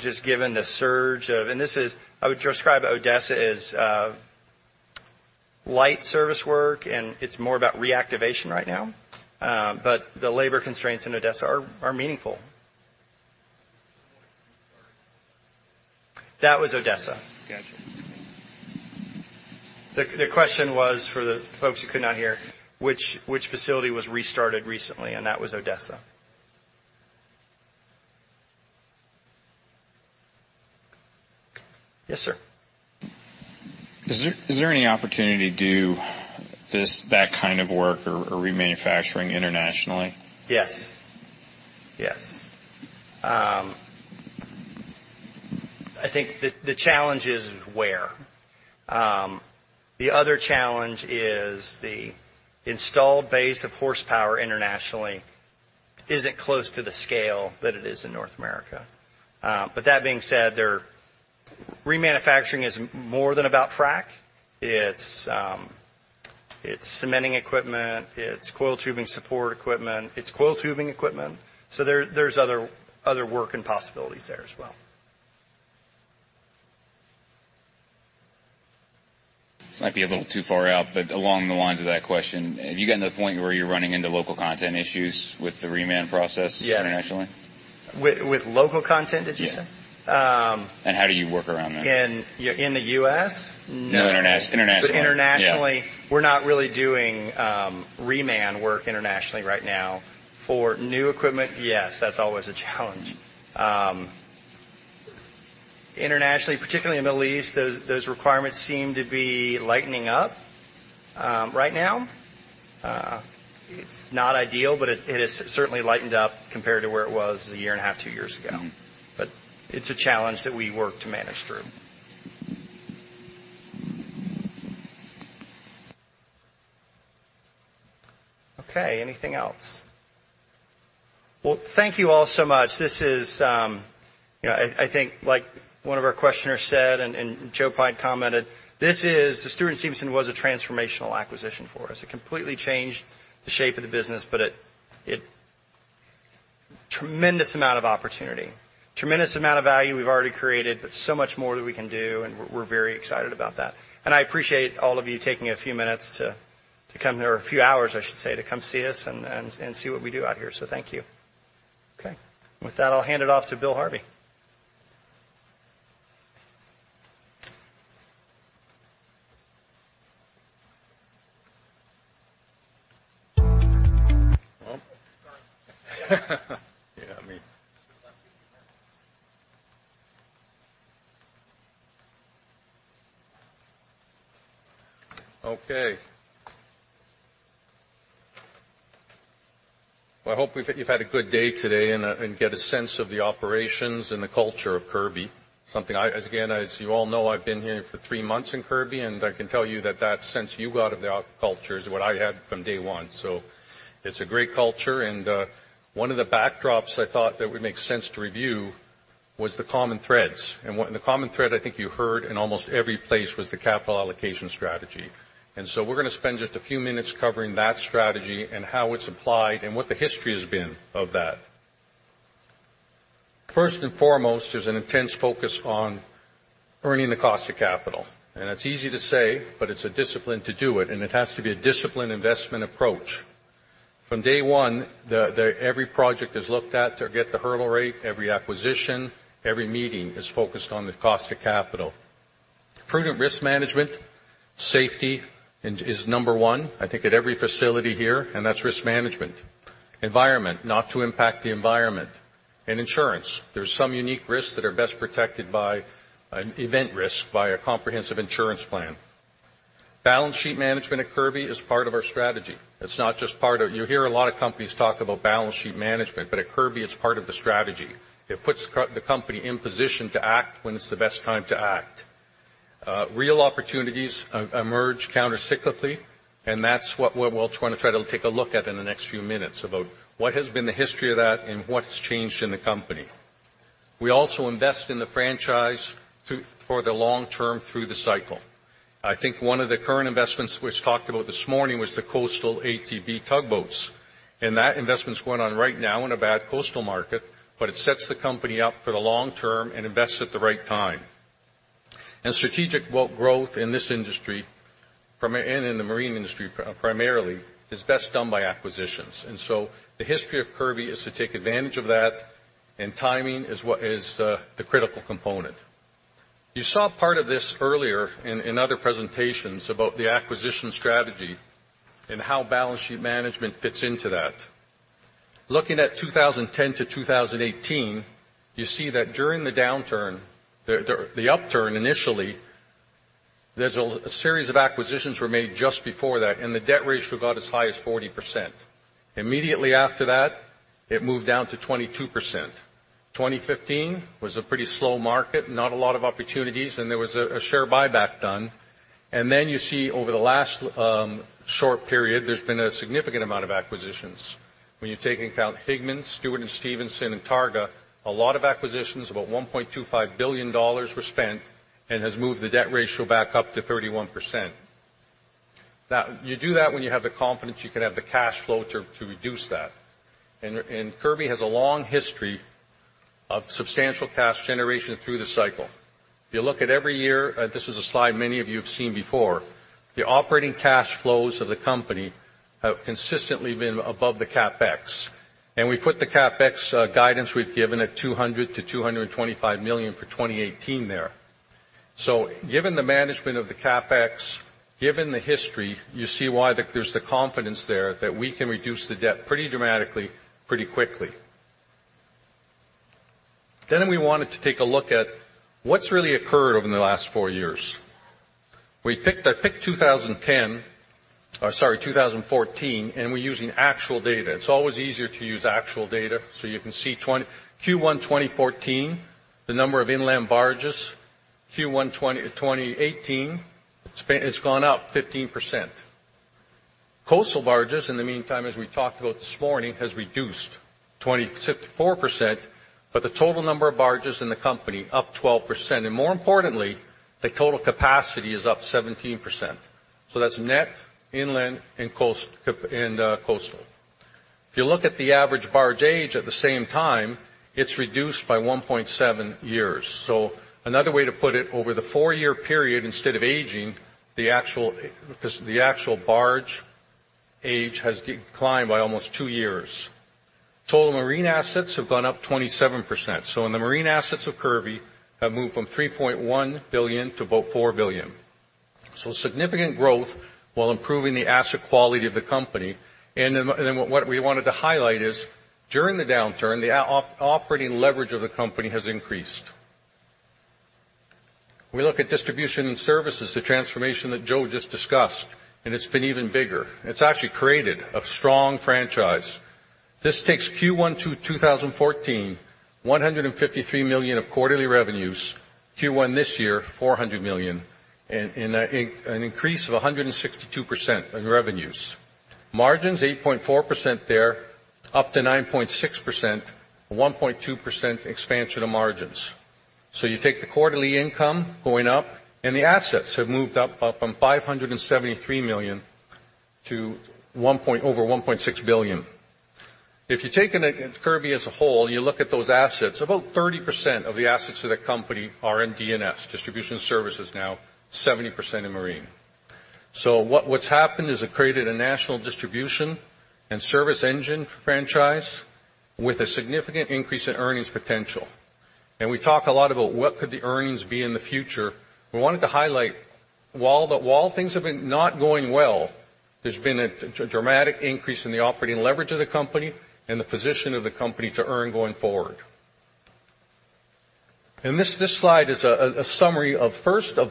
just given the surge of. This is. I would describe Odessa as light service work, and it's more about reactivation right now. But the labor constraints in Odessa are meaningful. Which one started? That was Odessa. Gotcha. The question was, for the folks who could not hear, which facility was restarted recently, and that was Odessa. Yes, sir. Is there any opportunity to do this, that kind of work or remanufacturing internationally? Yes. Yes. I think the challenge is where. The other challenge is the installed base of horsepower internationally isn't close to the scale that it is in North America. But that being said, there, remanufacturing is more than about frac. It's, it's cementing equipment, it's coiled tubing support equipment, it's coiled tubing equipment. So there, there's other, other work and possibilities there as well. This might be a little too far out, but along the lines of that question, have you gotten to the point where you're running into local content issues with the reman process? Yes. -internationally? With local content, did you say? Yeah. Um- How do you work around that? In, yeah, in the U.S.? No. No, intern-internationally. But internationally- Yeah. We're not really doing reman work internationally right now. For new equipment, yes, that's always a challenge. Mm-hmm. Internationally, particularly in the Middle East, those requirements seem to be lightening up. Right now, it's not ideal, but it has certainly lightened up compared to where it was a year and a half, two years ago. Mm-hmm. But it's a challenge that we work to manage through. Okay, anything else? Well, thank you all so much. This is, you know, I think, like one of our questioners said, and Joe Pyne commented, this is—the Stewart & Stevenson was a transformational acquisition for us. It completely changed the shape of the business, but it. Tremendous amount of opportunity, tremendous amount of value we've already created, but so much more that we can do, and we're very excited about that. And I appreciate all of you taking a few minutes to come here, or a few hours, I should say, to come see us and see what we do out here, so thank you. Okay. With that, I'll hand it off to Bill Harvey. Well, yeah, I mean. Okay. Well, I hope you've had a good day today and get a sense of the operations and the culture of Kirby. Something I, as again, as you all know, I've been here for three months in Kirby, and I can tell you that that sense you got of the culture is what I had from day one. So it's a great culture, and one of the backdrops I thought that would make sense to review was the common threads. And what and the common thread I think you heard in almost every place was the capital allocation strategy. And so we're gonna spend just a few minutes covering that strategy and how it's applied and what the history has been of that. First and foremost, there's an intense focus on earning the cost of capital. And it's easy to say, but it's a discipline to do it, and it has to be a disciplined investment approach. From day one, every project is looked at to get the hurdle rate, every acquisition, every meeting is focused on the cost of capital. Prudent risk management, safety, and is number one, I think, at every facility here, and that's risk management, environment, not to impact the environment. In insurance, there's some unique risks that are best protected by an event risk, by a comprehensive insurance plan. Balance sheet management at Kirby is part of our strategy. It's not just part of—you hear a lot of companies talk about balance sheet management, but at Kirby, it's part of the strategy. It puts the company in position to act when it's the best time to act. Real opportunities emerge countercyclically, and that's what we'll try to take a look at in the next few minutes, about what has been the history of that and what's changed in the company. We also invest in the franchise for the long term through the cycle. I think one of the current investments which talked about this morning was the coastal ATB tugboats, and that investment's going on right now in a bad coastal market, but it sets the company up for the long term and invests at the right time. And strategic growth in this industry, from and in the marine industry primarily, is best done by acquisitions. And so the history of Kirby is to take advantage of that, and timing is what is the critical component. You saw part of this earlier in other presentations about the acquisition strategy and how balance sheet management fits into that. Looking at 2010 to 2018, you see that during the downturn, the upturn initially, there's a series of acquisitions were made just before that, and the debt ratio got as high as 40%. Immediately after that, it moved down to 22%. 2015 was a pretty slow market, not a lot of opportunities, and there was a share buyback done. And then you see over the last short period, there's been a significant amount of acquisitions. When you take into account Higman, Stewart & Stevenson, and Targa, a lot of acquisitions, about $1.25 billion were spent and has moved the debt ratio back up to 31%. Now, you do that when you have the confidence you can have the cash flow to, to reduce that. And, and Kirby has a long history of substantial cash generation through the cycle. If you look at every year, this is a slide many of you have seen before, the operating cash flows of the company have consistently been above the CapEx, and we put the CapEx, guidance we've given at $200 million-$225 million for 2018 there. So given the management of the CapEx, given the history, you see why there's the confidence there that we can reduce the debt pretty dramatically, pretty quickly. Then we wanted to take a look at what's really occurred over the last four years. We picked. I picked 2010, or sorry, 2014, and we're using actual data. It's always easier to use actual data, so you can see Q1 2014, the number of inland barges, Q1 2018, it's gone up 15%. Coastal barges, in the meantime, as we talked about this morning, has reduced 24%, but the total number of barges in the company, up 12%. And more importantly, the total capacity is up 17%. So that's net, inland, and coast, cap- and coastal. If you look at the average barge age at the same time, it's reduced by 1.7 years. So another way to put it, over the four-year period, instead of aging, the actual, the actual barge age has declined by almost two years. Total marine assets have gone up 27%. So in the marine assets of Kirby have moved from $3.1 billion to about $4 billion. So significant growth while improving the asset quality of the company. And then what we wanted to highlight is, during the downturn, the operating leverage of the company has increased. We look at distribution and services, the transformation that Joe just discussed, and it's been even bigger. It's actually created a strong franchise. This takes Q1 2014, $153 million of quarterly revenues, Q1 this year, $400 million, and an increase of 162% in revenues. Margins, 8.4% there, up to 9.6%, 1.2% expansion of margins. So you take the quarterly income going up, and the assets have moved up, up from $573 million to over $1.6 billion. If you're taking it in Kirby as a whole, you look at those assets, about 30% of the assets of the company are in D&S, distribution and services now, 70% in marine. So what, what's happened is it created a national distribution and service engine franchise with a significant increase in earnings potential. And we talk a lot about what could the earnings be in the future. We wanted to highlight, while things have been not going well, there's been a dramatic increase in the operating leverage of the company and the position of the company to earn going forward. This slide is a summary of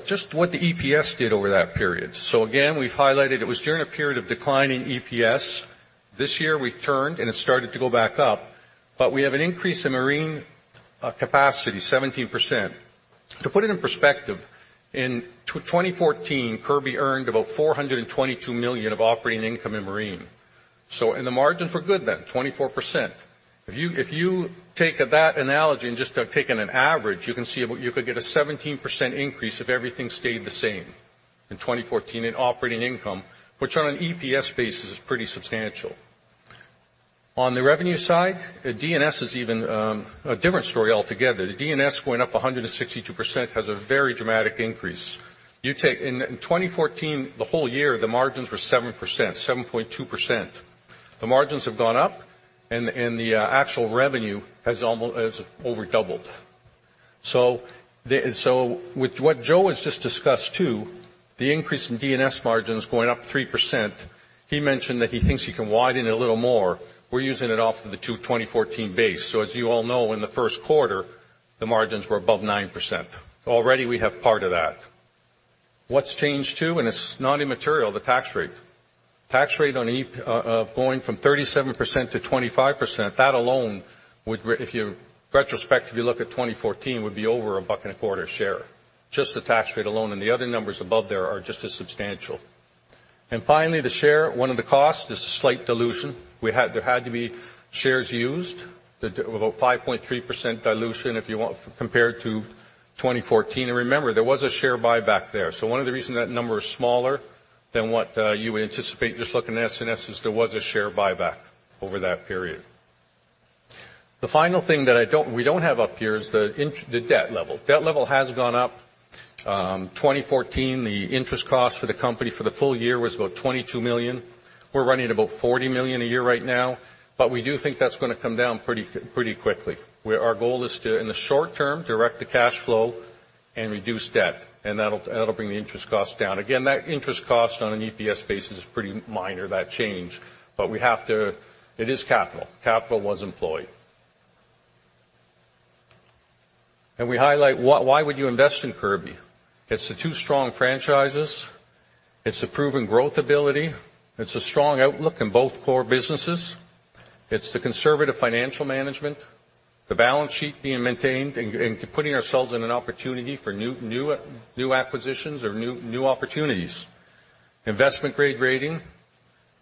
just what the EPS did over that period. So again, we've highlighted it was during a period of declining EPS. This year, we've turned, and it started to go back up, but we have an increase in marine capacity, 17%. To put it in perspective, in 2014, Kirby earned about $422 million of operating income in marine. So and the margin for good then, 24%. If you take that analogy and just have taken an average, you can see what you could get a 17% increase if everything stayed the same in 2014 in operating income, which on an EPS basis, is pretty substantial. On the revenue side, the D&S is even a different story altogether. The D&S going up 162% has a very dramatic increase. You take, In 2014, the whole year, the margins were 7%, 7.2%. The margins have gone up, and the, and the actual revenue has over doubled. So the, so with what Joe has just discussed, too, the increase in D&S margins going up 3%, he mentioned that he thinks he can widen it a little more. We're using it off of the 2014 base. So as you all know, in the first quarter, the margins were above 9%. Already, we have part of that. What's changed, too, and it's not immaterial, the tax rate. Tax rate on EP- going from 37% to 25%, that alone would re- if you retrospect, if you look at 2014, would be over $1.25 a share, just the tax rate alone, and the other numbers above there are just as substantial. Finally, the share, one of the costs is a slight dilution. We had-- There had to be shares used, about 5.3% dilution, if you want, compared to 2014. And remember, there was a share buyback there. So one of the reasons that number is smaller than what you would anticipate, just looking at S&S, is there was a share buyback over that period. The final thing that I don't, we don't have up here is the int- the debt level. Debt level has gone up. 2014, the interest cost for the company for the full year was about $22 million. We're running about $40 million a year right now, but we do think that's gonna come down pretty, pretty quickly, where our goal is to, in the short term, direct the cash flow and reduce debt, and that'll, that'll bring the interest cost down. Again, that interest cost on an EPS basis is pretty minor, that change, but we have to. It is capital. Capital was employed. And we highlight why, why would you invest in Kirby? It's the two strong franchises, it's a proven growth ability, it's a strong outlook in both core businesses, it's the conservative financial management, the balance sheet being maintained and, and putting ourselves in an opportunity for new, new, new acquisitions or new, new opportunities, investment-grade rating,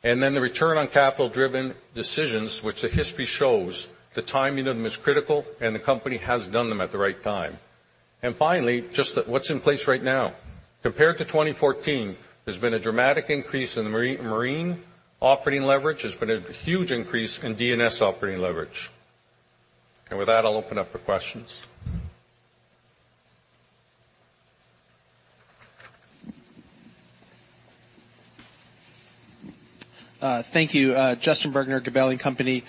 and then the return on capital-driven decisions, which the history shows the timing of them is critical, and the company has done them at the right time. And finally, just what's in place right now. Compared to 2014, there's been a dramatic increase in the marine, marine operating leverage. There's been a huge increase in D&S operating leverage. And with that, I'll open up for questions. Thank you. Justin Bergner, Gabelli & Company.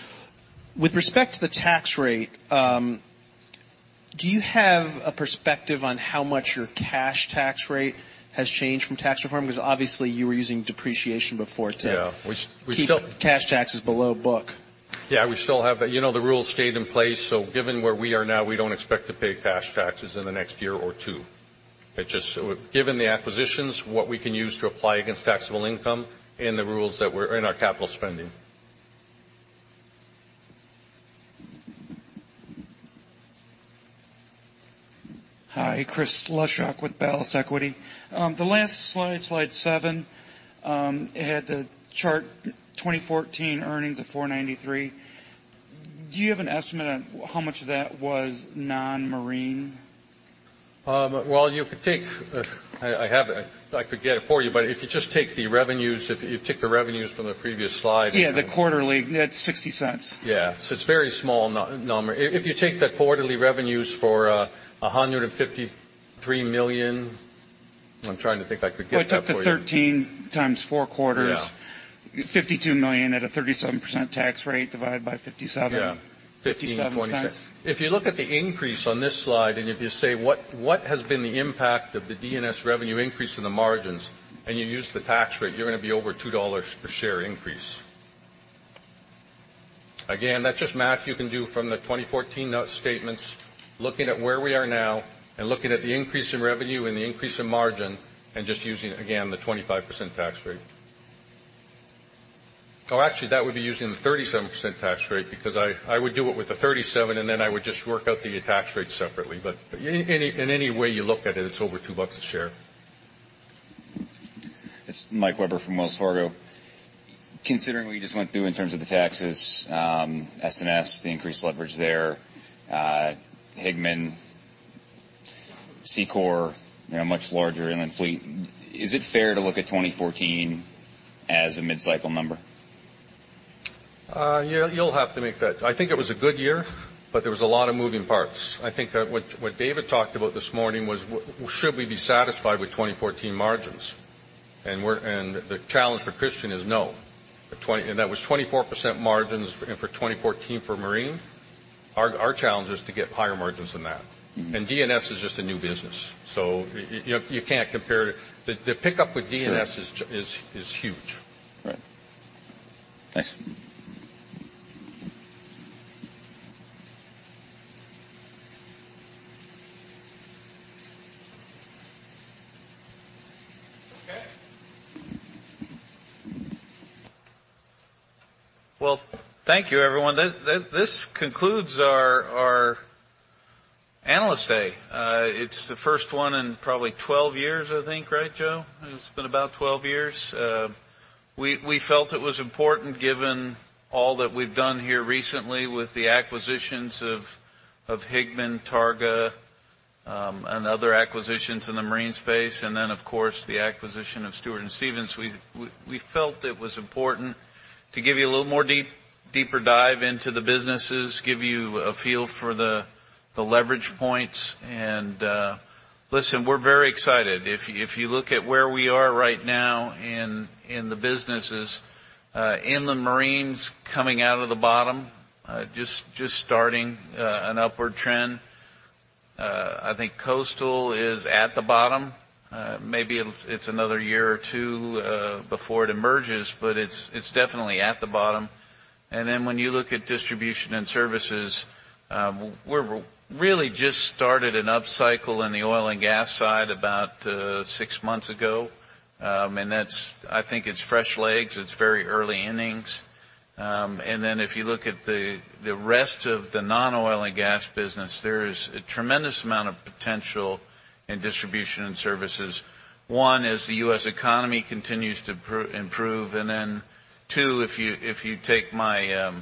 With respect to the tax rate, do you have a perspective on how much your cash tax rate has changed from tax reform? Because obviously, you were using depreciation before to- Yeah. We still- Keep cash taxes below book. Yeah, we still have that. You know, the rules stayed in place, so given where we are now, we don't expect to pay cash taxes in the next year or two. So given the acquisitions, what we can use to apply against taxable income and the rules that we're in our capital spending. Hi, Chris Leshock with Ballast Equity. The last slide, slide seven, it had the chart 2014 earnings of $4.93. Do you have an estimate on how much of that was non-marine? Well, you could take. I have it. I could get it for you, but if you just take the revenues, if you take the revenues from the previous slide- Yeah, the quarterly, it's $0.60. Yeah. So it's a very small number. If you take the quarterly revenues for $153 million, I'm trying to think if I could get that for you. Well, I took the 13 times 4 quarters. Yeah. $52 million at a 37% tax rate, divided by 57- Yeah. Fifty-seven cents. If you look at the increase on this slide, and if you say, "What, what has been the impact of the D&S revenue increase in the margins?" And you use the tax rate, you're gonna be over $2 per share increase. Again, that's just math you can do from the 2014 note statements, looking at where we are now and looking at the increase in revenue and the increase in margin and just using, again, the 25% tax rate. Or actually, that would be using the 37% tax rate, because I would do it with the 37, and then I would just work out the tax rate separately. But any way you look at it, it's over $2 a share. It's Mike Webber from Wells Fargo. Considering what you just went through in terms of the taxes, S&S, the increased leverage there, Higman, SEACOR, now much larger in the fleet, is it fair to look at 2014 as a mid-cycle number? Yeah, you'll have to make that. I think it was a good year, but there was a lot of moving parts. I think that what David talked about this morning was should we be satisfied with 2014 margins? And we're and the challenge for Christian is no. The twenty, and that was 24% margins and for 2014 for Marine, our challenge is to get higher margins than that. Mm-hmm. D&S is just a new business, so you can't compare it. The pickup with D&S Sure is huge. Right. Thanks. Okay. Well, thank you, everyone. This concludes our Analyst Day. It's the first one in probably 12 years, I think, right, Joe? It's been about 12 years. We felt it was important, given all that we've done here recently with the acquisitions of Higman, Targa, and other acquisitions in the marine space, and then, of course, the acquisition of Stewart & Stevenson. We felt it was important to give you a little more deeper dive into the businesses, give you a feel for the leverage points, and listen, we're very excited. If you look at where we are right now in the businesses, inland marine's coming out of the bottom, just starting an upward trend. I think coastal is at the bottom. Maybe it's another year or two before it emerges, but it's definitely at the bottom. And then when you look at distribution and services, we're really just started an upcycle in the oil and gas side about six months ago. And that's, I think it's fresh legs, it's very early innings. And then if you look at the rest of the non-oil and gas business, there is a tremendous amount of potential in distribution and services. One, as the U.S. economy continues to improve, and then, two, if you take my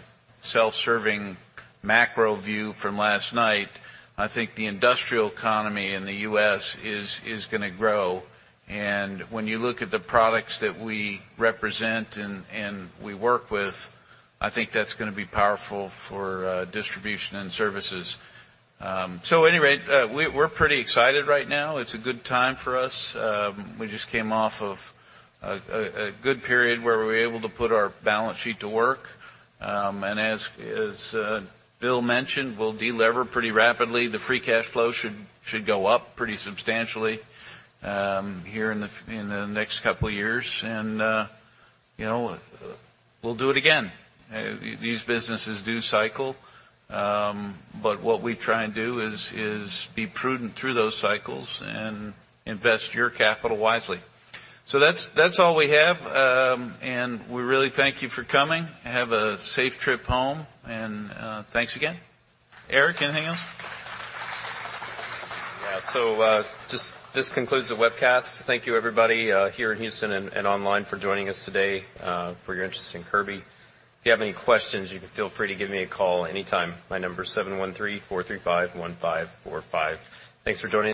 self-serving macro view from last night, I think the industrial economy in the U.S. is gonna grow. And when you look at the products that we represent and we work with, I think that's gonna be powerful for distribution and services. So at any rate, we're pretty excited right now. It's a good time for us. We just came off of a good period where we were able to put our balance sheet to work. And as Bill mentioned, we'll deliver pretty rapidly. The free cash flow should go up pretty substantially here in the next couple of years. And you know, we'll do it again. These businesses do cycle, but what we try and do is be prudent through those cycles and invest your capital wisely. So that's all we have, and we really thank you for coming, and have a safe trip home, and thanks again. Eric, you wanna hang on? Yeah. So, this concludes the webcast. Thank you, everybody, here in Houston and online for joining us today, for your interest in Kirby. If you have any questions, you can feel free to give me a call anytime. My number is 713-435-1545. Thanks for joining us.